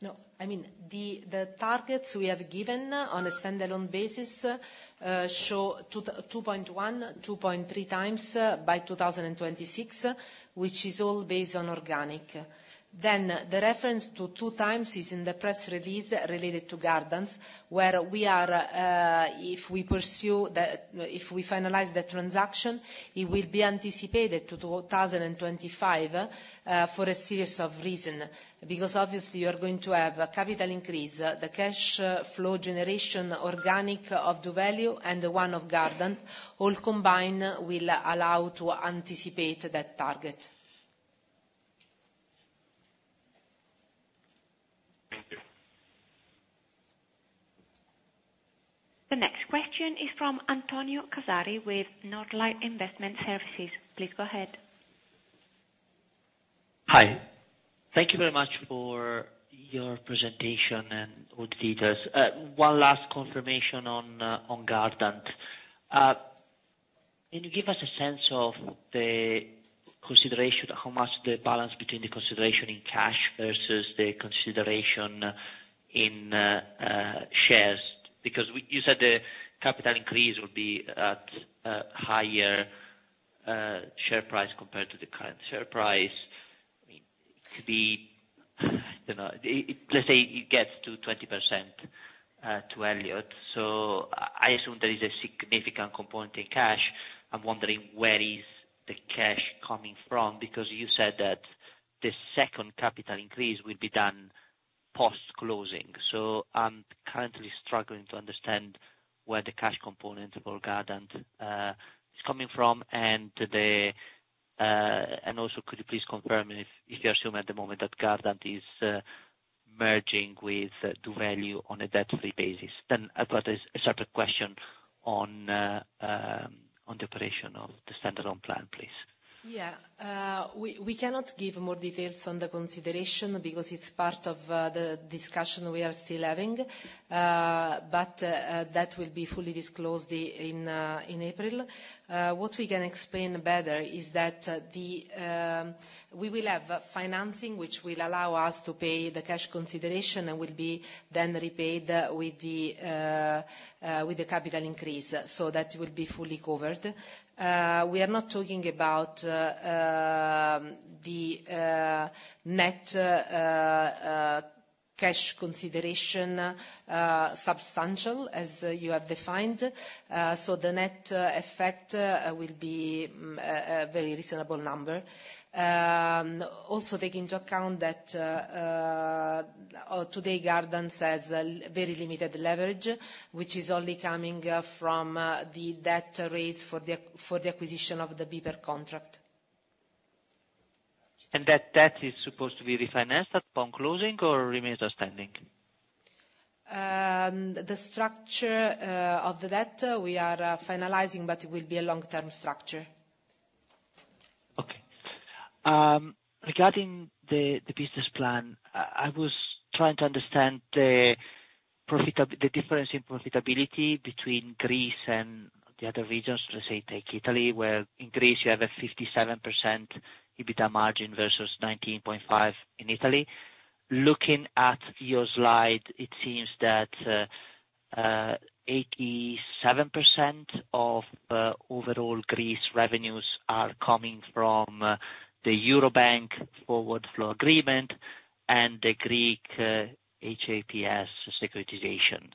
No, I mean, the targets we have given on a standalone basis show 2.1x, 2.3x by 2026, which is all based on organic. Then, the reference to 2x is in the press release related to Gardant, where we are if we pursue if we finalize the transaction, it will be anticipated to 2025 for a series of reasons. Because obviously, you are going to have capital increase, the cash flow generation organic of doValue, and the one of Gardant, all combined will allow to anticipate that target. Thank you. The next question is from Antonio Casari with Northlight Group. Please go ahead. Hi. Thank you very much for your presentation and all the details. One last confirmation on Gardant. Can you give us a sense of the consideration, how much the balance between the consideration in cash versus the consideration in shares? Because you said the capital increase will be at higher share price compared to the current share price. I mean, it could be I don't know. Let's say it gets to 20% to Elliott. So, I assume there is a significant component in cash. I'm wondering where is the cash coming from because you said that the second capital increase will be done post-closing. So, I'm currently struggling to understand where the cash component for Gardant is coming from. And also, could you please confirm if you assume at the moment that Gardant is merging with doValue on a debt-free basis? Then, I've got a separate question on the operation of the standalone plan, please. Yeah, we cannot give more details on the consideration because it's part of the discussion we are still having. But that will be fully disclosed in April. What we can explain better is that we will have financing which will allow us to pay the cash consideration and will be then repaid with the capital increase so that it will be fully covered. We are not talking about the net cash consideration substantial as you have defined. So, the net effect will be a very reasonable number. Also, taking into account that today, Gardant has very limited leverage, which is only coming from the debt raised for the acquisition of the BPER contract. And that debt is supposed to be refinanced upon closing or remains outstanding? The structure of the debt, we are finalizing, but it will be a long-term structure. Okay. Regarding the business plan, I was trying to understand the difference in profitability between Greece and the other regions. Let's say, take Italy, where in Greece, you have a 57% EBITDA margin versus 19.5% in Italy. Looking at your slide, it seems that 87% of overall Greece revenues are coming from the Eurobank forward flow agreement and the Greek HAPS securitization.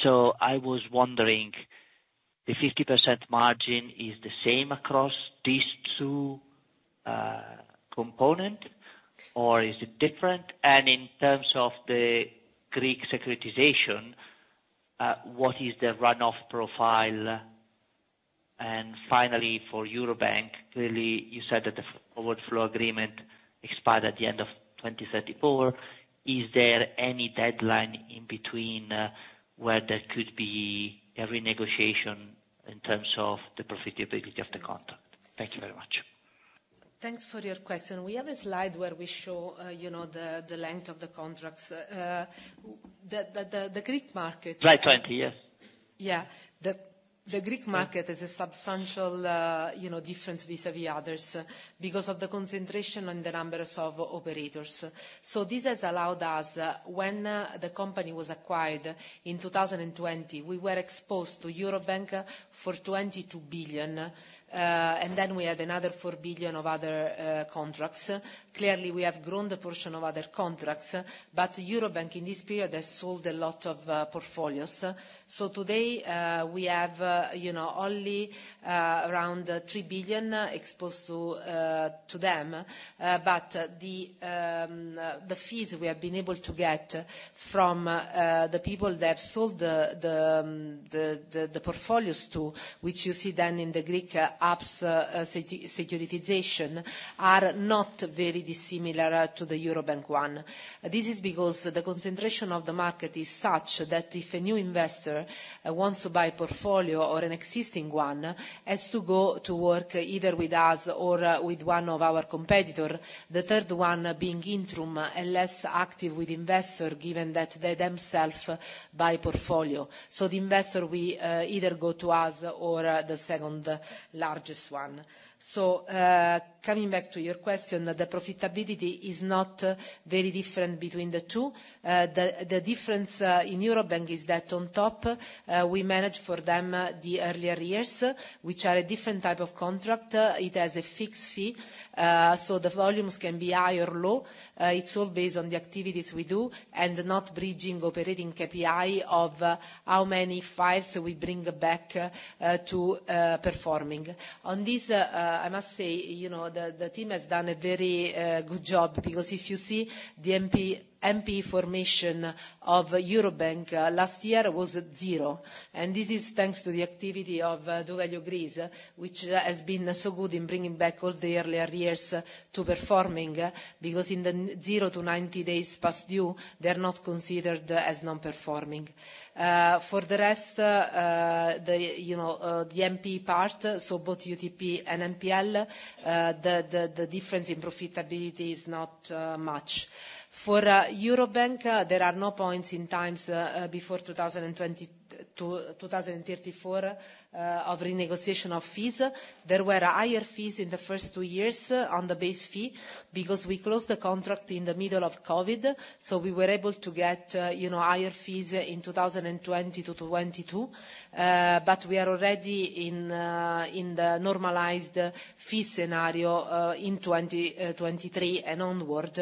So, I was wondering, the 50% margin is the same across these two components, or is it different? And in terms of the Greek securitization, what is the runoff profile? And finally, for Eurobank, clearly, you said that the forward flow agreement expired at the end of 2034. Is there any deadline in between where there could be a renegotiation in terms of the profitability of the contract? Thank you very much. Thanks for your question. We have a slide where we show the length of the contracts. The Greek market. Right, 20, yes. Yeah, the Greek market is a substantial difference vis-à-vis others because of the concentration and the numbers of operators. So, this has allowed us when the company was acquired in 2020, we were exposed to Eurobank for 22 billion. And then, we had another 4 billion of other contracts. Clearly, we have grown the portion of other contracts. But Eurobank, in this period, has sold a lot of portfolios. So, today, we have only around 3 billion exposed to them. But the fees we have been able to get from the people that have sold the portfolios to, which you see then in the Greek HAPS securitization, are not very dissimilar to the Eurobank one. This is because the concentration of the market is such that if a new investor wants to buy a portfolio or an existing one, has to go to work either with us or with one of our competitors, the third one being Intrum and less active with investor given that they themselves buy portfolio. So, the investor, we either go to us or the second largest one. So, coming back to your question, the profitability is not very different between the two. The difference in Eurobank is that on top, we manage for them the early arrears, which are a different type of contract. It has a fixed fee. So, the volumes can be high or low. It's all based on the activities we do and not bridging operating KPI of how many files we bring back to performing. On this, I must say, the team has done a very good job because if you see the NPL formation of Eurobank last year was zero. And this is thanks to the activity of doValue Greece, which has been so good in bringing back all the early arrears to performing because in the 0-90 days past due, they are not considered as non-performing. For the rest, the NPL part, so both UTP and NPL, the difference in profitability is not much. For Eurobank, there are no points in time before 2034 of renegotiation of fees. There were higher fees in the first two years on the base fee because we closed the contract in the middle of COVID. So, we were able to get higher fees in 2020 to 2022. But we are already in the normalized fee scenario in 2023 and onward.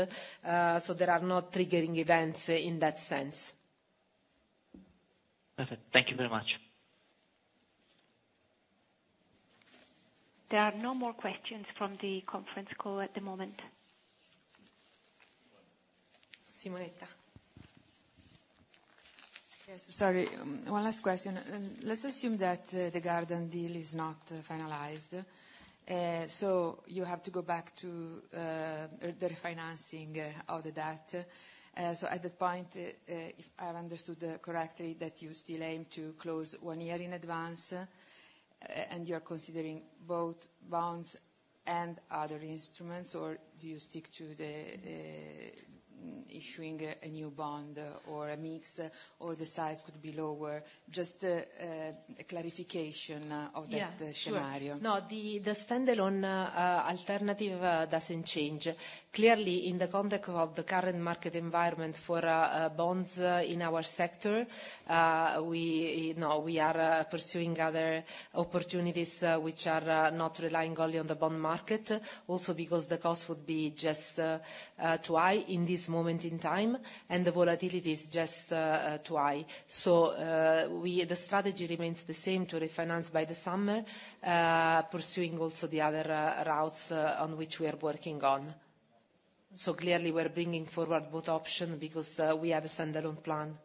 So, there are no triggering events in that sense. Perfect. Thank you very much. There are no more questions from the conference call at the moment. Simonetta. Yes, sorry. One last question. Let's assume that the Gardant deal is not finalized. So, you have to go back to the refinancing of the debt. So, at that point, if I have understood correctly, that you still aim to close one year in advance and you are considering both bonds and other instruments, or do you stick to issuing a new bond or a mix or the size could be lower? Just a clarification of that scenario. Sure. No, the standalone alternative doesn't change. Clearly, in the context of the current market environment for bonds in our sector, we are pursuing other opportunities which are not relying only on the bond market, also because the cost would be just too high in this moment in time. And the volatility is just too high. So, the strategy remains the same to refinance by the summer, pursuing also the other routes on which we are working on. So, clearly, we're bringing forward both options because we have a standalone plan.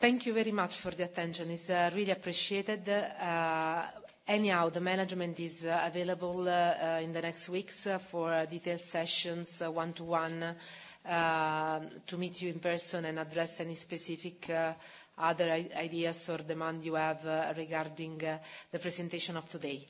Thank you very much for the attention. It's really appreciated. Anyhow, the management is available in the next weeks for detailed sessions one-to-one to meet you in person and address any specific other ideas or demand you have regarding the presentation of today.